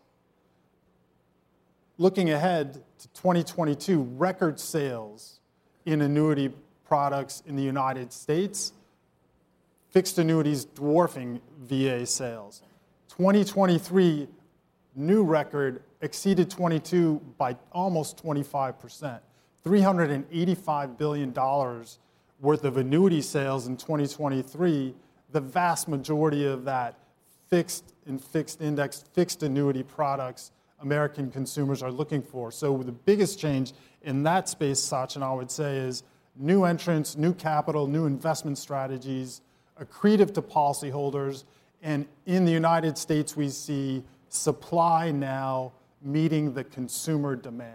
Speaker 9: Looking ahead to 2022, record sales in annuity products in the United States, fixed annuities dwarfing VA sales. 2023, new record exceeded 2022 by almost 25%. $385 billion worth of annuity sales in 2023, the vast majority of that fixed and fixed-indexed fixed annuity products American consumers are looking for, so the biggest change in that space, Sachin, I would say, is new entrants, new capital, new investment strategies, accretive to policyholders, and in the United States, we see supply now meeting the consumer demand.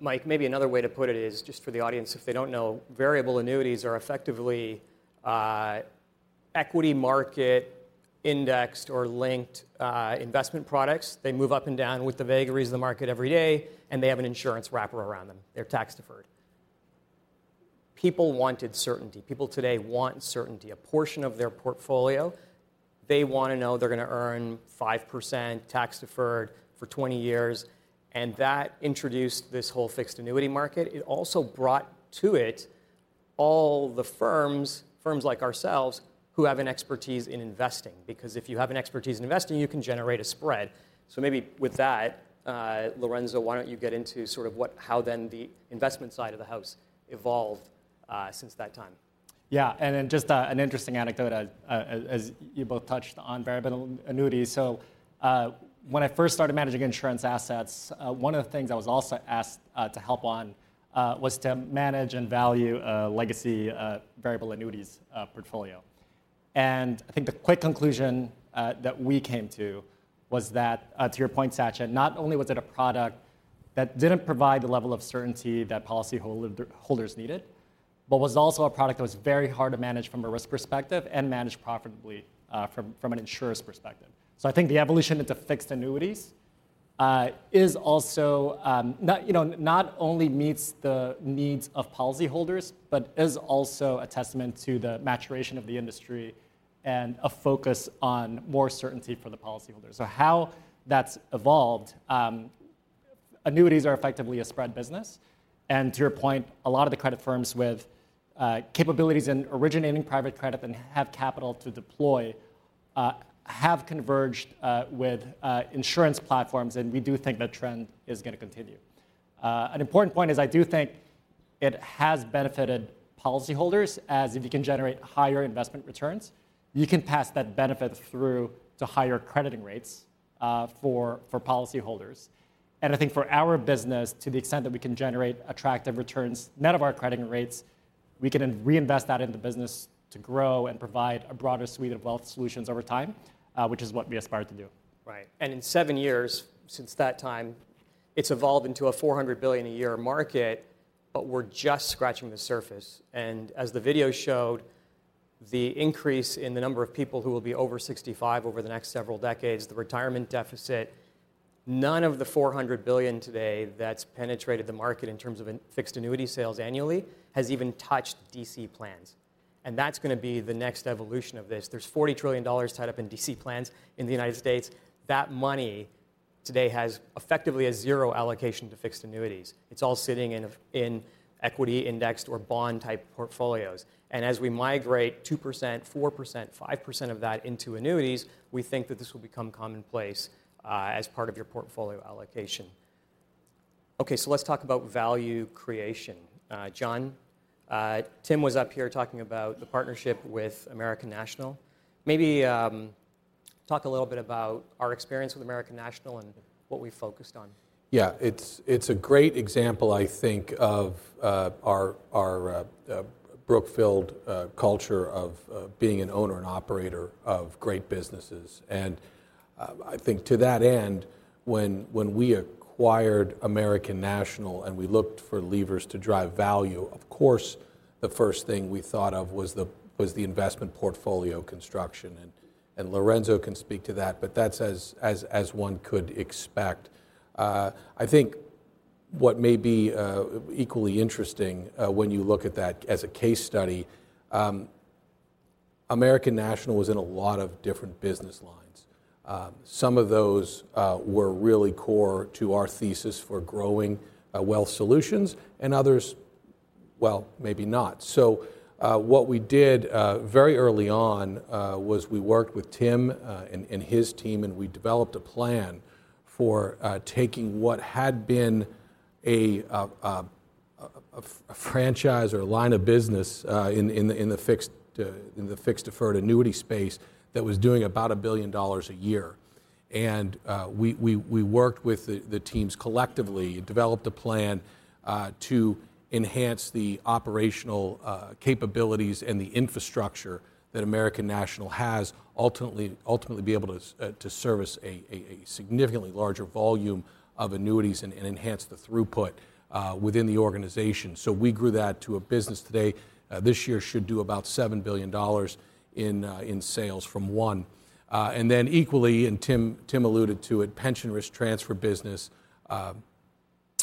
Speaker 7: Mike, maybe another way to put it is, just for the audience if they don't know, variable annuities are effectively equity market indexed or linked investment products. They move up and down with the vagaries of the market every day, and they have an insurance wrapper around them. They're tax-deferred. People wanted certainty. People today want certainty. A portion of their portfolio, they wanna know they're gonna earn 5%, tax-deferred for 20 years, and that introduced this whole fixed annuity market. It also brought to it all the firms, firms like ourselves, who have an expertise in investing, because if you have an expertise in investing, you can generate a spread. So maybe with that, Lorenzo, why don't you get into sort of how then the investment side of the house evolved since that time?
Speaker 11: Yeah, and then just an interesting anecdote, as you both touched on variable annuities. So, when I first started managing insurance assets, one of the things I was also asked to help on was to manage and value a legacy variable annuities portfolio. And I think the quick conclusion that we came to was that, to your point, Sachin, not only was it a product that didn't provide the level of certainty that policyholders needed, but was also a product that was very hard to manage from a risk perspective and manage profitably, from an insurer's perspective. So I think the evolution into fixed annuities is also, you know, not only meets the needs of policyholders, but is also a testament to the maturation of the industry and a focus on more certainty for the policyholders. So how that's evolved, annuities are effectively a spread business, and to your point, a lot of the credit firms with capabilities in originating private credit and have capital to deploy have converged with insurance platforms, and we do think that trend is gonna continue. An important point is, I do think it has benefited policyholders, as if you can generate higher investment returns, you can pass that benefit through to higher crediting rates for policyholders. I think for our business, to the extent that we can generate attractive returns, net of our crediting rates, we can reinvest that in the business to grow and provide a broader suite of wealth solutions over time, which is what we aspire to do.
Speaker 7: Right. And in seven years, since that time, it's evolved into a $400 billion a year market, but we're just scratching the surface. And as the video showed, the increase in the number of people who will be over 65 over the next several decades, the retirement deficit, none of the $400 billion today that's penetrated the market in terms of fixed annuity sales annually, has even touched DC plans, and that's gonna be the next evolution of this. There's $40 trillion tied up in DC plans in the United States. That money today has effectively a zero allocation to fixed annuities. It's all sitting in equity-indexed or bond-type portfolios, and as we migrate 2%, 4%, 5% of that into annuities, we think that this will become commonplace as part of your portfolio allocation. Okay, so let's talk about value creation. John, Tim was up here talking about the partnership with American National. Maybe, talk a little bit about our experience with American National and what we focused on.
Speaker 9: Yeah, it's a great example, I think, of our Brookfield culture of being an owner and operator of great businesses. And I think to that end, when we acquired American National, and we looked for levers to drive value, of course, the first thing we thought of was the investment portfolio construction, and Lorenzo can speak to that, but that's as one could expect. I think what may be equally interesting when you look at that as a case study, American National was in a lot of different business lines. Some of those were really core to our thesis for growing Wealth Solutions, and others, well, maybe not. What we did very early on was we worked with Tim and his team, and we developed a plan-... for taking what had been a franchise or a line of business in the fixed deferred annuity space that was doing about $1 billion a year. And we worked with the teams collectively, and developed a plan to enhance the operational capabilities and the infrastructure that American National has, ultimately be able to service a significantly larger volume of annuities and enhance the throughput within the organization. So we grew that to a business today, this year should do about $7 billion in sales from one. And then equally, and Tim alluded to it, pension risk transfer business,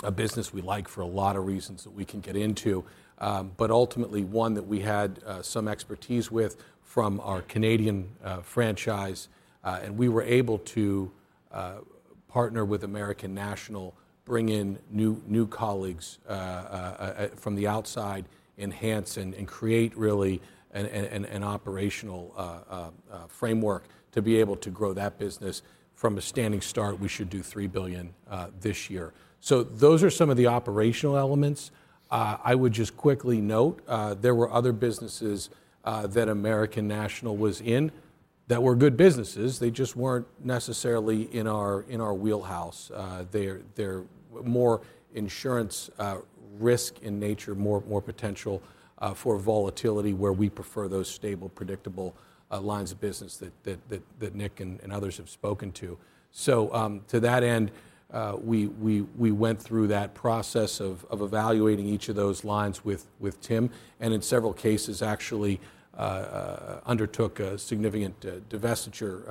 Speaker 9: a business we like for a lot of reasons that we can get into. But ultimately one that we had some expertise with from our Canadian franchise, and we were able to partner with American National, bring in new colleagues from the outside, enhance and create really an operational framework to be able to grow that business. From a standing start, we should do $3 billion this year. So those are some of the operational elements. I would just quickly note, there were other businesses that American National was in, that were good businesses, they just weren't necessarily in our wheelhouse. They're more insurance risk in nature, more potential for volatility, where we prefer those stable, predictable lines of business that Nick and others have spoken to. To that end, we went through that process of evaluating each of those lines with Tim, and in several cases actually undertook a significant divestiture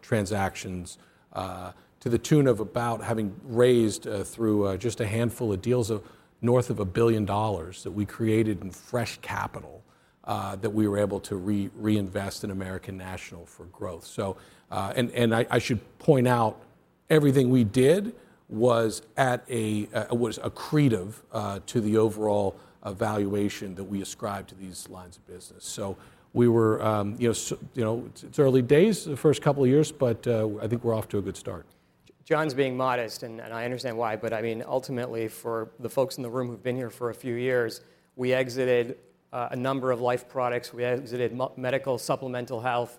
Speaker 9: transactions to the tune of about having raised through just a handful of deals north of $1 billion that we created in fresh capital that we were able to reinvest in American National for growth. I should point out, everything we did was accretive to the overall valuation that we ascribed to these lines of business. We were, you know, you know, it's early days, the first couple of years, but I think we're off to a good start.
Speaker 7: John's being modest, and I understand why, but I mean, ultimately, for the folks in the room who've been here for a few years, we exited a number of life products. We exited Medicare supplemental health.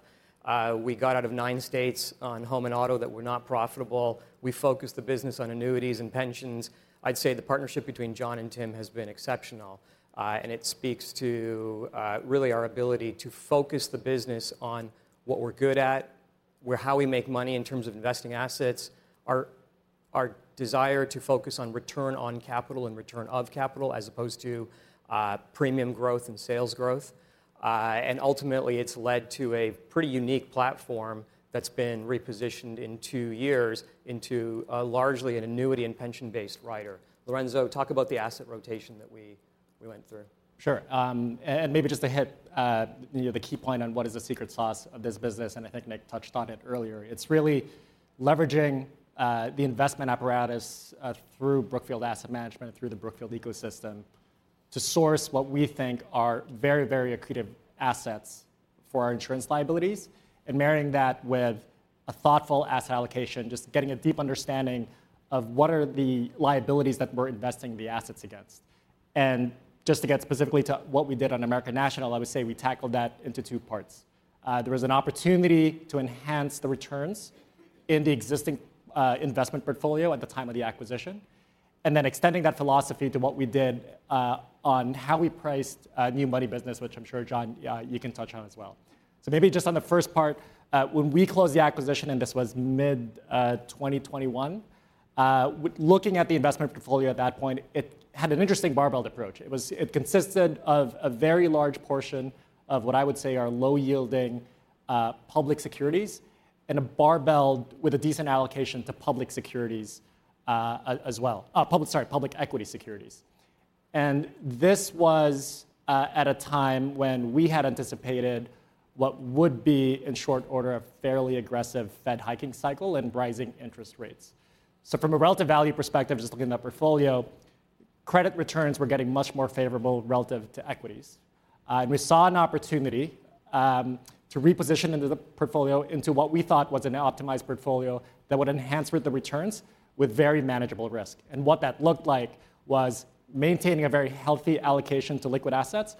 Speaker 7: We got out of nine states on home and auto that were not profitable. We focused the business on annuities and pensions. I'd say the partnership between John and Tim has been exceptional, and it speaks to really our ability to focus the business on what we're good at, where we make money in terms of investing assets, our desire to focus on return on capital and return of capital, as opposed to premium growth and sales growth. And ultimately, it's led to a pretty unique platform that's been repositioned in two years into largely an annuity and pension-based writer. Lorenzo, talk about the asset rotation that we went through.
Speaker 11: Sure. And maybe just to hit, you know, the key point on what is the secret sauce of this business, and I think Nick touched on it earlier. It's really leveraging the investment apparatus through Brookfield Asset Management, through the Brookfield ecosystem, to source what we think are very, very accretive assets for our insurance liabilities, and marrying that with a thoughtful asset allocation, just getting a deep understanding of what are the liabilities that we're investing the assets against. And just to get specifically to what we did on American National, I would say we tackled that into two parts. There was an opportunity to enhance the returns in the existing investment portfolio at the time of the acquisition, and then extending that philosophy to what we did on how we priced new money business, which I'm sure, John, you can touch on as well. Maybe just on the first part, when we closed the acquisition, and this was mid 2021, looking at the investment portfolio at that point, it had an interesting barbell approach. It consisted of a very large portion of what I would say are low-yielding public securities, and a barbell with a decent allocation to public securities as well. Public equity securities. This was at a time when we had anticipated what would be, in short order, a fairly aggressive Fed hiking cycle and rising interest rates. From a relative value perspective, just looking at that portfolio, credit returns were getting much more favorable relative to equities. We saw an opportunity to reposition the portfolio into what we thought was an optimized portfolio that would enhance the returns with very manageable risk. What that looked like was maintaining a very healthy allocation to liquid assets,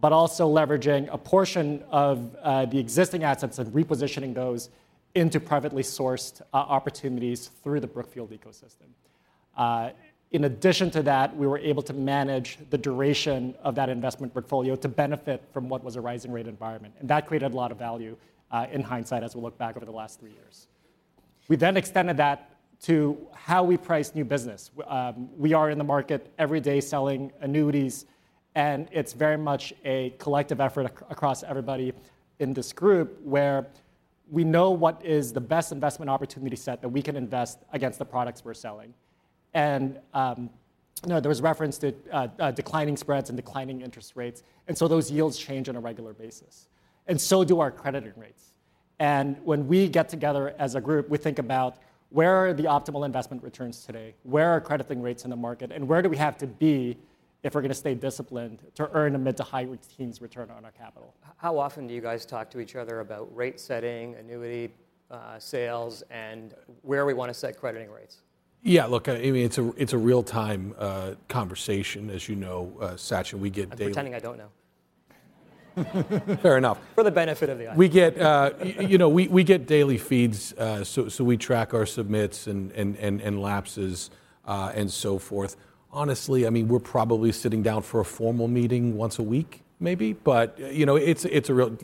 Speaker 11: but also leveraging a portion of the existing assets and repositioning those into privately sourced opportunities through the Brookfield ecosystem. In addition to that, we were able to manage the duration of that investment portfolio to benefit from what was a rising rate environment, and that created a lot of value in hindsight, as we look back over the last three years. We then extended that to how we price new business. We are in the market every day selling annuities, and it's very much a collective effort across everybody in this group, where we know what is the best investment opportunity set that we can invest against the products we're selling. You know, there was reference to declining spreads and declining interest rates, and so those yields change on a regular basis, and so do our crediting rates, and when we get together as a group, we think about where are the optimal investment returns today? Where are crediting rates in the market? And where do we have to be if we're gonna stay disciplined to earn a mid- to high-teens return on our capital?
Speaker 7: How often do you guys talk to each other about rate setting, annuity sales, and where we wanna set crediting rates?
Speaker 9: Yeah, look, I mean, it's a real-time conversation, as you know, Sachin. We get data-
Speaker 7: I'm pretending I don't know. Fair enough. For the benefit of the audience.
Speaker 9: We get, you know, daily feeds. So we track our submits and lapses, and so forth. Honestly, I mean, we're probably sitting down for a formal meeting once a week maybe, but, you know, it's a real...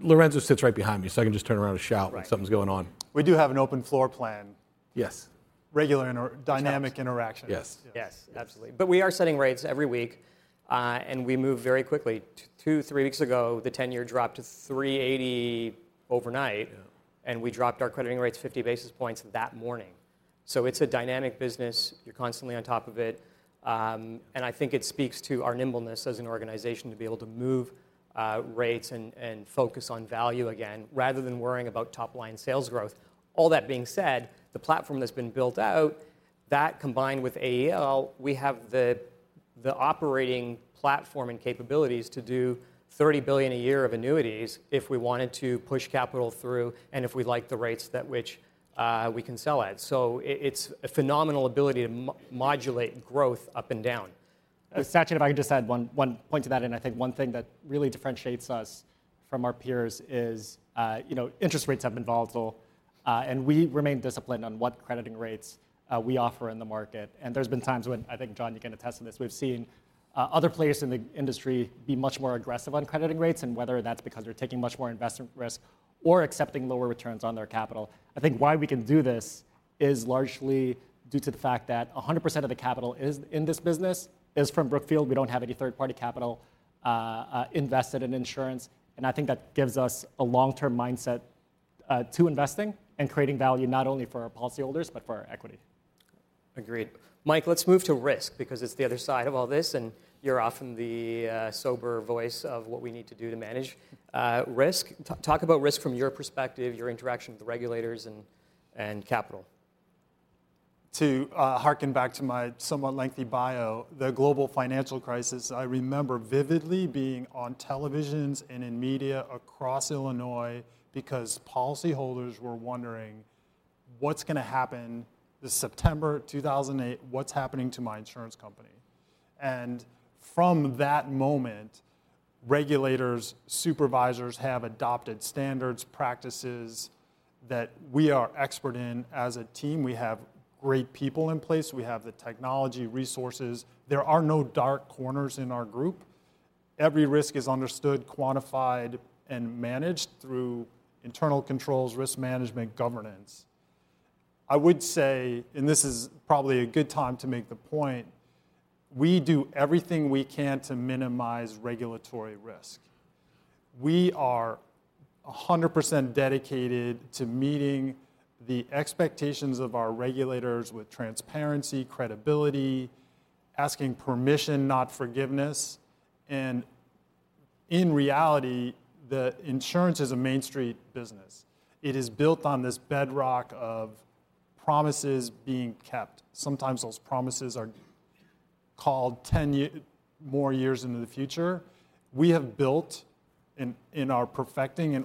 Speaker 9: Lorenzo sits right behind me, so I can just turn around and shout-
Speaker 7: Right... if something's going on.
Speaker 9: We do have an open floor plan. Yes. Regular inter- It's happens... dynamic interaction. Yes.
Speaker 7: Yes, absolutely. But we are setting rates every week, and we move very quickly. Two, three weeks ago, the ten-year dropped to 3.80 overnight. Yeah... and we dropped our crediting rates 50 basis points that morning. So it's a dynamic business. You're constantly on top of it, and I think it speaks to our nimbleness as an organization to be able to move, rates and focus on value again, rather than worrying about top-line sales growth. All that being said, the platform that's been built out, that combined with AEL, we have the operating platform and capabilities to do $30 billion a year of annuities if we wanted to push capital through and if we like the rates at which we can sell at. So it's a phenomenal ability to modulate growth up and down.
Speaker 11: Sachin, if I could just add one point to that, and I think one thing that really differentiates us from our peers is, you know, interest rates have been volatile, and we remain disciplined on what crediting rates we offer in the market. There's been times when, I think, John, you can attest to this, we've seen other players in the industry be much more aggressive on crediting rates, and whether that's because they're taking much more investment risk or accepting lower returns on their capital. I think why we can do this is largely due to the fact that 100% of the capital is, in this business, from Brookfield. We don't have any third-party capital, invested in insurance, and I think that gives us a long-term mindset, to investing and creating value not only for our policyholders but for our equity.
Speaker 7: Agreed. Mike, let's move to risk, because it's the other side of all this, and you're often the sober voice of what we need to do to manage risk. Talk about risk from your perspective, your interaction with the regulators, and capital.
Speaker 9: To harken back to my somewhat lengthy bio, the global financial crisis. I remember vividly being on televisions and in media across Illinois because policyholders were wondering, "What's gonna happen?" This is September 2008. "What's happening to my insurance company?" From that moment, regulators, supervisors have adopted standards, practices that we are expert in as a team. We have great people in place. We have the technology, resources. There are no dark corners in our group. Every risk is understood, quantified, and managed through internal controls, risk management, governance. I would say, and this is probably a good time to make the point, we do everything we can to minimize regulatory risk. We are 100% dedicated to meeting the expectations of our regulators with transparency, credibility, asking permission, not forgiveness, and in reality, the insurance is a Main Street business. It is built on this bedrock of promises being kept. Sometimes those promises are called 10 years or more into the future. We have built an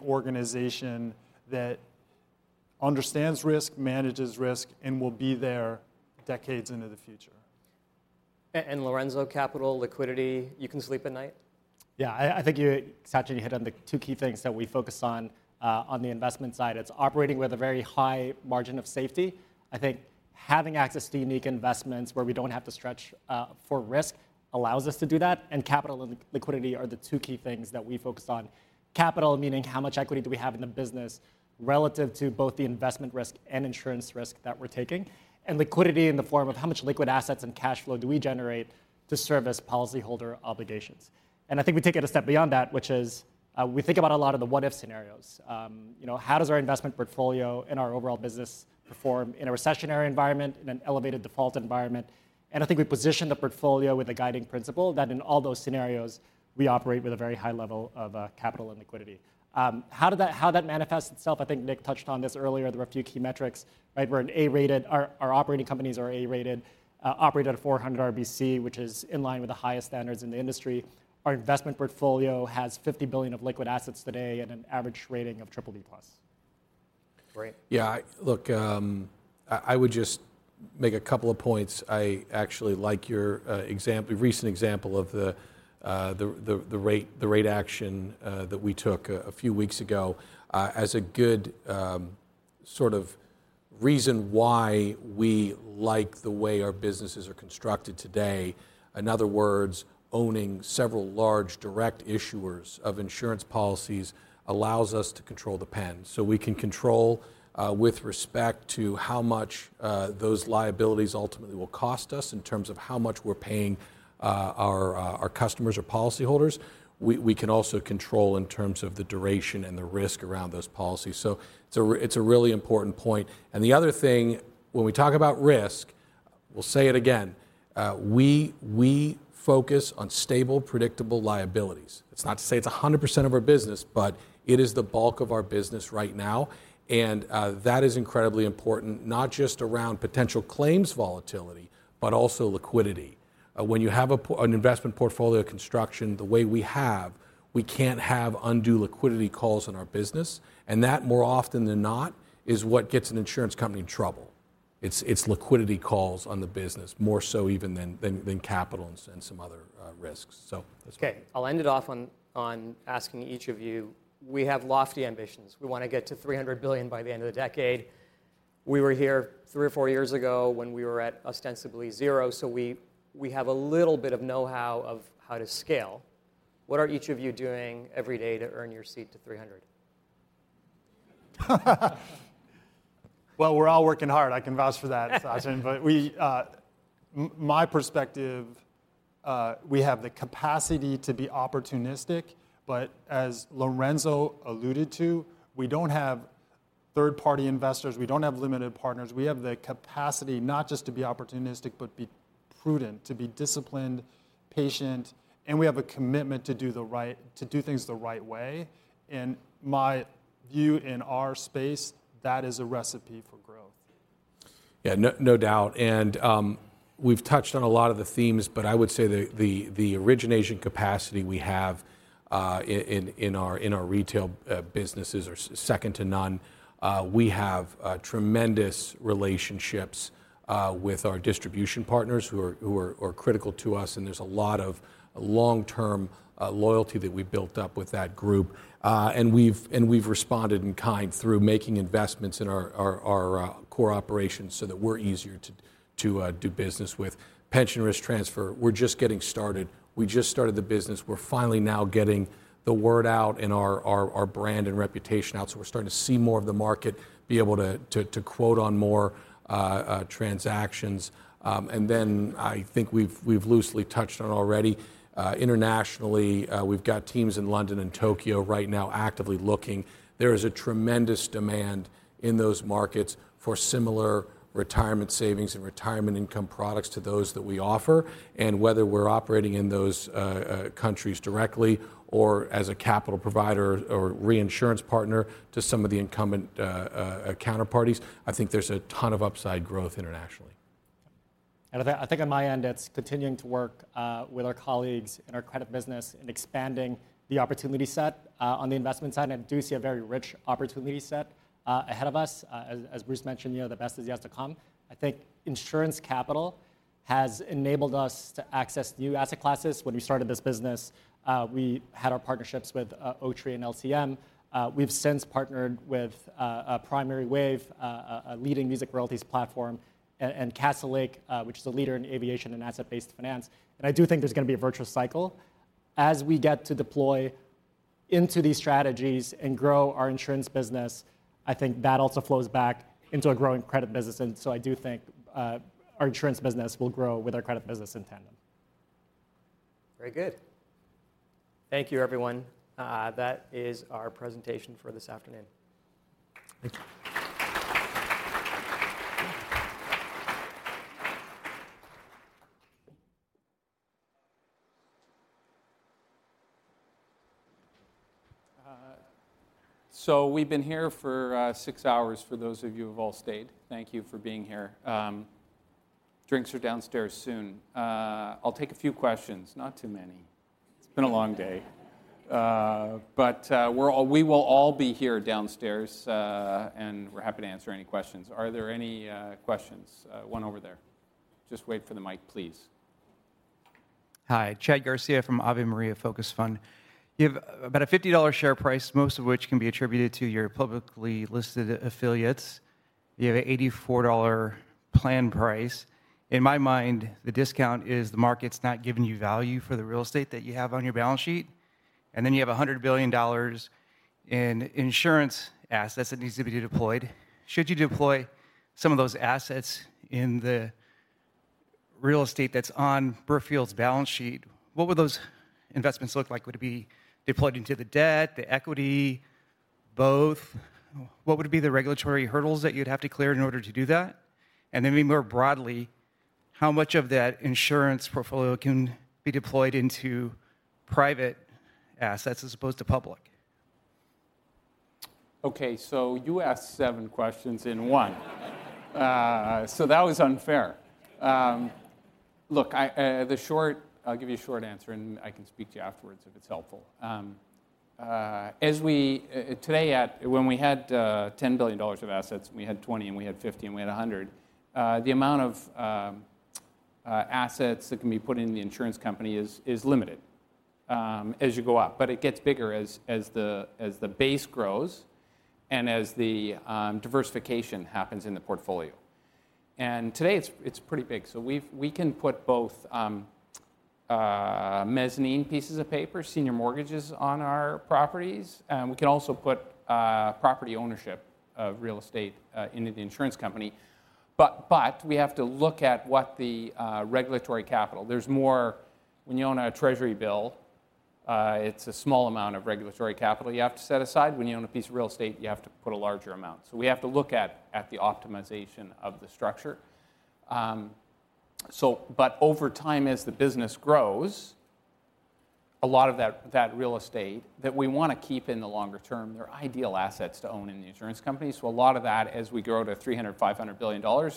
Speaker 9: organization that understands risk, manages risk, and will be there decades into the future.
Speaker 7: And, Lorenzo, capital, liquidity, you can sleep at night?
Speaker 11: Yeah, I think you, Sachin, you hit on the two key things that we focus on the investment side. It's operating with a very high margin of safety. I think having access to unique investments where we don't have to stretch for risk allows us to do that, and capital and liquidity are the two key things that we focus on. Capital, meaning how much equity do we have in the business relative to both the investment risk and insurance risk that we're taking, and liquidity in the form of how much liquid assets and cash flow do we generate to service policyholder obligations? And I think we take it a step beyond that, which is, we think about a lot of the what if scenarios. You know, how does our investment portfolio and our overall business perform in a recessionary environment, in an elevated default environment? And I think we position the portfolio with the guiding principle that in all those scenarios, we operate with a very high level of capital and liquidity. How that manifests itself, I think Nick touched on this earlier. There are a few key metrics, right? We're an A-rated. Our operating companies are A-rated, operate at a 400 RBC, which is in line with the highest standards in the industry. Our investment portfolio has $50 billion of liquid assets today and an average rating of triple-B+.
Speaker 7: Great.
Speaker 9: Yeah, look, I would just make a couple of points. I actually like your recent example of the rate action that we took a few weeks ago as a good sort of reason why we like the way our businesses are constructed today. In other words, owning several large direct issuers of insurance policies allows us to control the pen, so we can control with respect to how much those liabilities ultimately will cost us in terms of how much we're paying our customers or policyholders. We can also control in terms of the duration and the risk around those policies, so it's a really important point. And the other thing, when we talk about risk-... We'll say it again, we focus on stable, predictable liabilities. It's not to say it's 100% of our business, but it is the bulk of our business right now, and that is incredibly important, not just around potential claims volatility, but also liquidity. When you have an investment portfolio construction the way we have, we can't have undue liquidity calls on our business, and that, more often than not, is what gets an insurance company in trouble. It's liquidity calls on the business, more so even than capital and some other risks. So that's-
Speaker 7: Okay, I'll end it off on asking each of you: we have lofty ambitions. We want to get to 300 billion by the end of the decade. We were here three or four years ago when we were at ostensibly zero, so we have a little bit of know-how of how to scale. What are each of you doing every day to earn your seat to 300?
Speaker 3: We're all working hard. I can vouch for that, Sachin. But from my perspective, we have the capacity to be opportunistic, but as Lorenzo alluded to, we don't have third-party investors. We don't have limited partners. We have the capacity not just to be opportunistic, but be prudent, to be disciplined, patient, and we have a commitment to do things the right way, and my view in our space, that is a recipe for growth.
Speaker 10: Yeah, no, no doubt. And we've touched on a lot of the themes, but I would say the origination capacity we have in our retail businesses are second to none. We have tremendous relationships with our distribution partners, who are critical to us, and there's a lot of long-term loyalty that we've built up with that group. And we've responded in kind through making investments in our core operations so that we're easier to do business with. Pension Risk Transfer, we're just getting started. We just started the business. We're finally now getting the word out and our brand and reputation out, so we're starting to see more of the market be able to quote on more transactions. And then I think we've loosely touched on already. Internationally, we've got teams in London and Tokyo right now actively looking. There is a tremendous demand in those markets for similar retirement savings and retirement income products to those that we offer, and whether we're operating in those countries directly or as a capital provider or reinsurance partner to some of the incumbent counterparties, I think there's a ton of upside growth internationally. And I think on my end, it's continuing to work with our colleagues in our credit business and expanding the opportunity set on the investment side, and I do see a very rich opportunity set ahead of us. As Bruce mentioned, you know, the best is yet to come. I think insurance capital has enabled us to access new asset classes. When we started this business, we had our partnerships with Oaktree and LCM. We've since partnered with Primary Wave, a leading music royalties platform, and Castlelake, which is a leader in aviation and asset-based finance. And I do think there's gonna be a virtuous cycle. As we get to deploy into these strategies and grow our insurance business, I think that also flows back into a growing credit business, and so I do think our insurance business will grow with our credit business in tandem.
Speaker 7: Very good. Thank you, everyone. That is our presentation for this afternoon. Thank you.
Speaker 3: So we've been here for six hours, for those of you who have all stayed. Thank you for being here. Drinks are downstairs soon. I'll take a few questions, not too many. It's been a long day. But we will all be here downstairs, and we're happy to answer any questions. Are there any questions? One over there. Just wait for the mic, please. Hi, Chadd Garcia from Ave Maria Focused Fund. You have about a $50 share price, most of which can be attributed to your publicly listed affiliates. You have an $84 NAV price. In my mind, the discount is the market's not giving you value for the real estate that you have on your balance sheet. And then you have $100 billion in insurance assets that needs to be deployed. Should you deploy some of those assets in the real estate that's on Brookfield's balance sheet, what would those investments look like? Would it be deployed into the debt, the equity, both? What would be the regulatory hurdles that you'd have to clear in order to do that? And then maybe more broadly, how much of that insurance portfolio can be deployed into private assets as opposed to public? Okay, so you asked seven questions in one. So that was unfair. Look, I'll give you a short answer, and I can speak to you afterwards if it's helpful. As we, today, when we had $10 billion of assets, and we had 20, and we had 50, and we had 100, the amount of assets that can be put in the insurance company is limited as you go up, but it gets bigger as the base grows and as the diversification happens in the portfolio. Today, it's pretty big. So we can put both mezzanine pieces of paper, senior mortgages on our properties, and we can also put property ownership of real estate into the insurance company, but we have to look at what the regulatory capital. There's more. When you own a Treasury bill, it's a small amount of regulatory capital you have to set aside. When you own a piece of real estate, you have to put a larger amount. So we have to look at the optimization of the structure. But over time, as the business grows, a lot of that real estate that we want to keep in the longer term, they're ideal assets to own in the insurance company. A lot of that, as we grow to $300-$500 billion,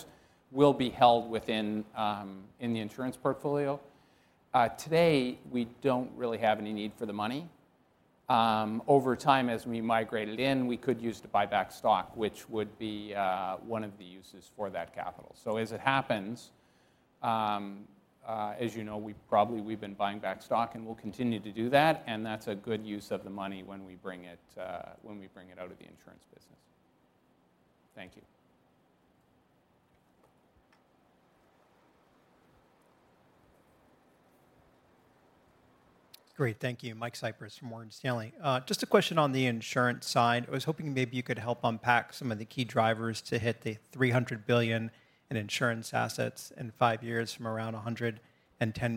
Speaker 3: will be held within the insurance portfolio. Today, we don't really have any need for the money. Over time, as we migrate it in, we could use to buy back stock, which would be one of the uses for that capital. So as it happens, as you know, we've probably been buying back stock, and we'll continue to do that, and that's a good use of the money when we bring it out of the insurance business. Thank you. Great. Thank you. Mike Cyprrys from Morgan Stanley. Just a question on the insurance side. I was hoping maybe you could help unpack some of the key drivers to hit the $300 billion in insurance assets in five years from around $110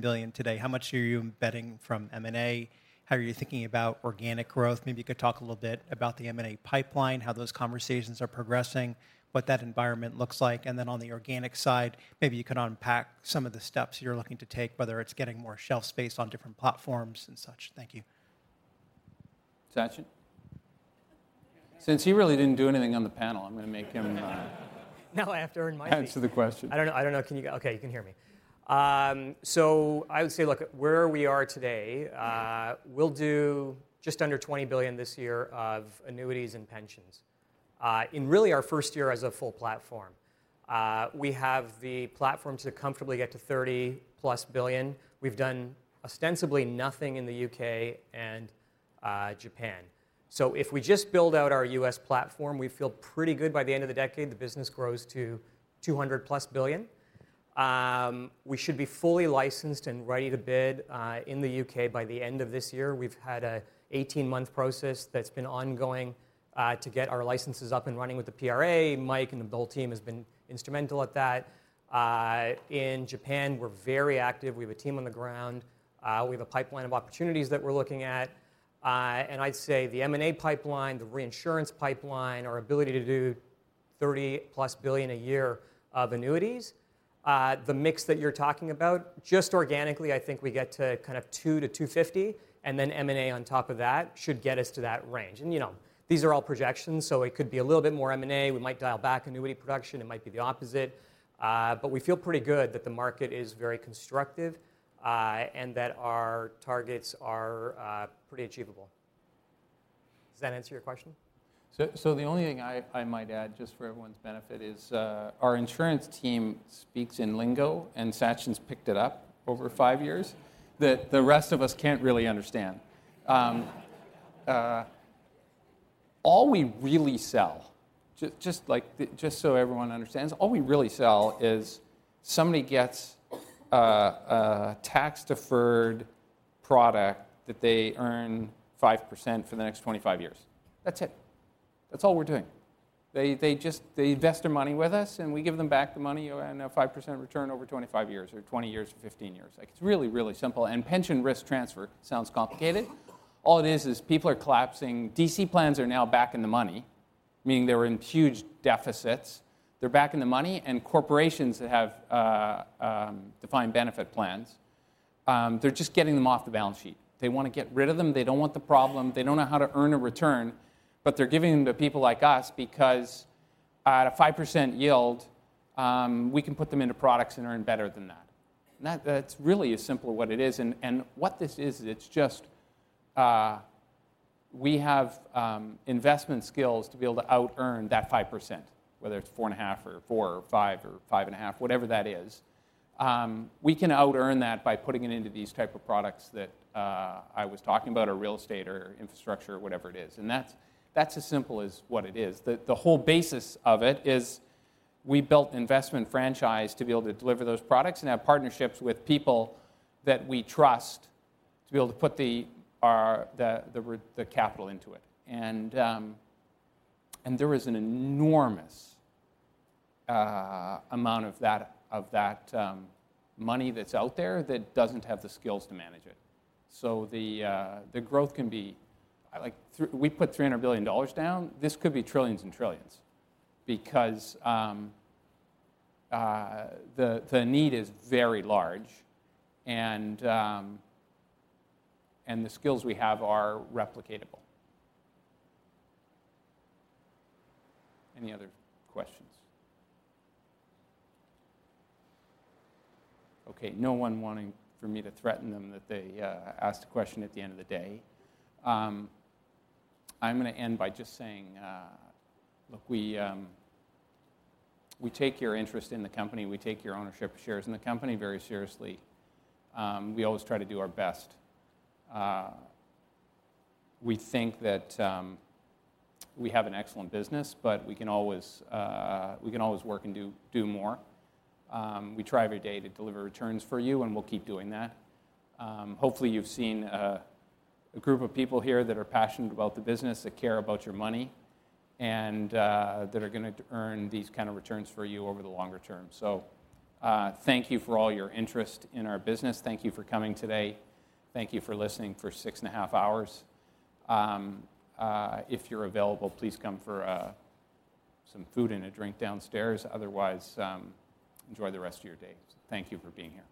Speaker 3: billion today. How much are you betting from M&A? How are you thinking about organic growth? Maybe you could talk a little bit about the M&A pipeline, how those conversations are progressing, what that environment looks like. And then on the organic side, maybe you could unpack some of the steps you're looking to take, whether it's getting more shelf space on different platforms and such. Thank you. Sachin? Since he really didn't do anything on the panel, I'm gonna make him, -
Speaker 7: Now I have to earn my-
Speaker 3: Answer the question.
Speaker 7: I don't know. I don't know. Can you... Okay, you can hear me. So I would say, look, where we are today, we'll do just under 20 billion this year of annuities and pensions, in really our first year as a full platform. We have the platform to comfortably get to 30+ billion. We've done ostensibly nothing in the U.K. and, Japan. So if we just build out our U.S. platform, we feel pretty good by the end of the decade, the business grows to 200 plus billion. We should be fully licensed and ready to bid, in the U.K. by the end of this year. We've had an 18-month process that's been ongoing, to get our licenses up and running with the PRA. Mike and the whole team has been instrumental at that. In Japan, we're very active. We have a team on the ground. We have a pipeline of opportunities that we're looking at. And I'd say the M&A pipeline, the reinsurance pipeline, our ability to do $30+ billion a year of annuities, the mix that you're talking about, just organically, I think we get to kind of $2 billion-$2.5 billion, and then M&A on top of that should get us to that range. And, you know, these are all projections, so it could be a little bit more M&A. We might dial back annuity production, it might be the opposite. But we feel pretty good that the market is very constructive, and that our targets are pretty achievable. Does that answer your question? The only thing I might add, just for everyone's benefit, is our insurance team speaks in lingo, and Sachin's picked it up over 5 years, that the rest of us can't really understand. All we really sell, just like, just so everyone understands, all we really sell is somebody gets a tax-deferred product that they earn 5% for the next 25 years. That's it. That's all we're doing. They just invest their money with us, and we give them back the money and a 5% return over 25 years or 20 years or 15 years. Like, it's really, really simple, and Pension Risk Transfer sounds complicated. All it is is people are collapsing. DC plans are now back in the money, meaning they were in huge deficits. They're back in the money, and corporations that have defined benefit plans, they're just getting them off the balance sheet. They want to get rid of them. They don't want the problem. They don't know how to earn a return, but they're giving them to people like us, because at a 5% yield, we can put them into products and earn better than that. That's really as simple as what it is. And what this is, it's just we have investment skills to be able to outearn that 5%, whether it's four and a half or four or five or five and a half, whatever that is. We can outearn that by putting it into these type of products that I was talking about, or real estate or infrastructure or whatever it is. That's, that's as simple as what it is. The whole basis of it is we built an investment franchise to be able to deliver those products and have partnerships with people that we trust, to be able to put our capital into it. There is an enormous amount of that money that's out there that doesn't have the skills to manage it. The growth can be like we put $300 billion down. This could be trillions and trillions because the need is very large and the skills we have are replicatable. Any other questions? Okay, no one wanting for me to threaten them that they ask a question at the end of the day. I'm gonna end by just saying, look, we take your interest in the company, we take your ownership shares in the company very seriously. We always try to do our best. We think that we have an excellent business, but we can always work and do more. We try every day to deliver returns for you, and we'll keep doing that. Hopefully, you've seen a group of people here that are passionate about the business, that care about your money, and that are gonna earn these kind of returns for you over the longer term, so thank you for all your interest in our business. Thank you for coming today. Thank you for listening for six and a half hours. If you're available, please come for some food and a drink downstairs. Otherwise, enjoy the rest of your day. Thank you for being here.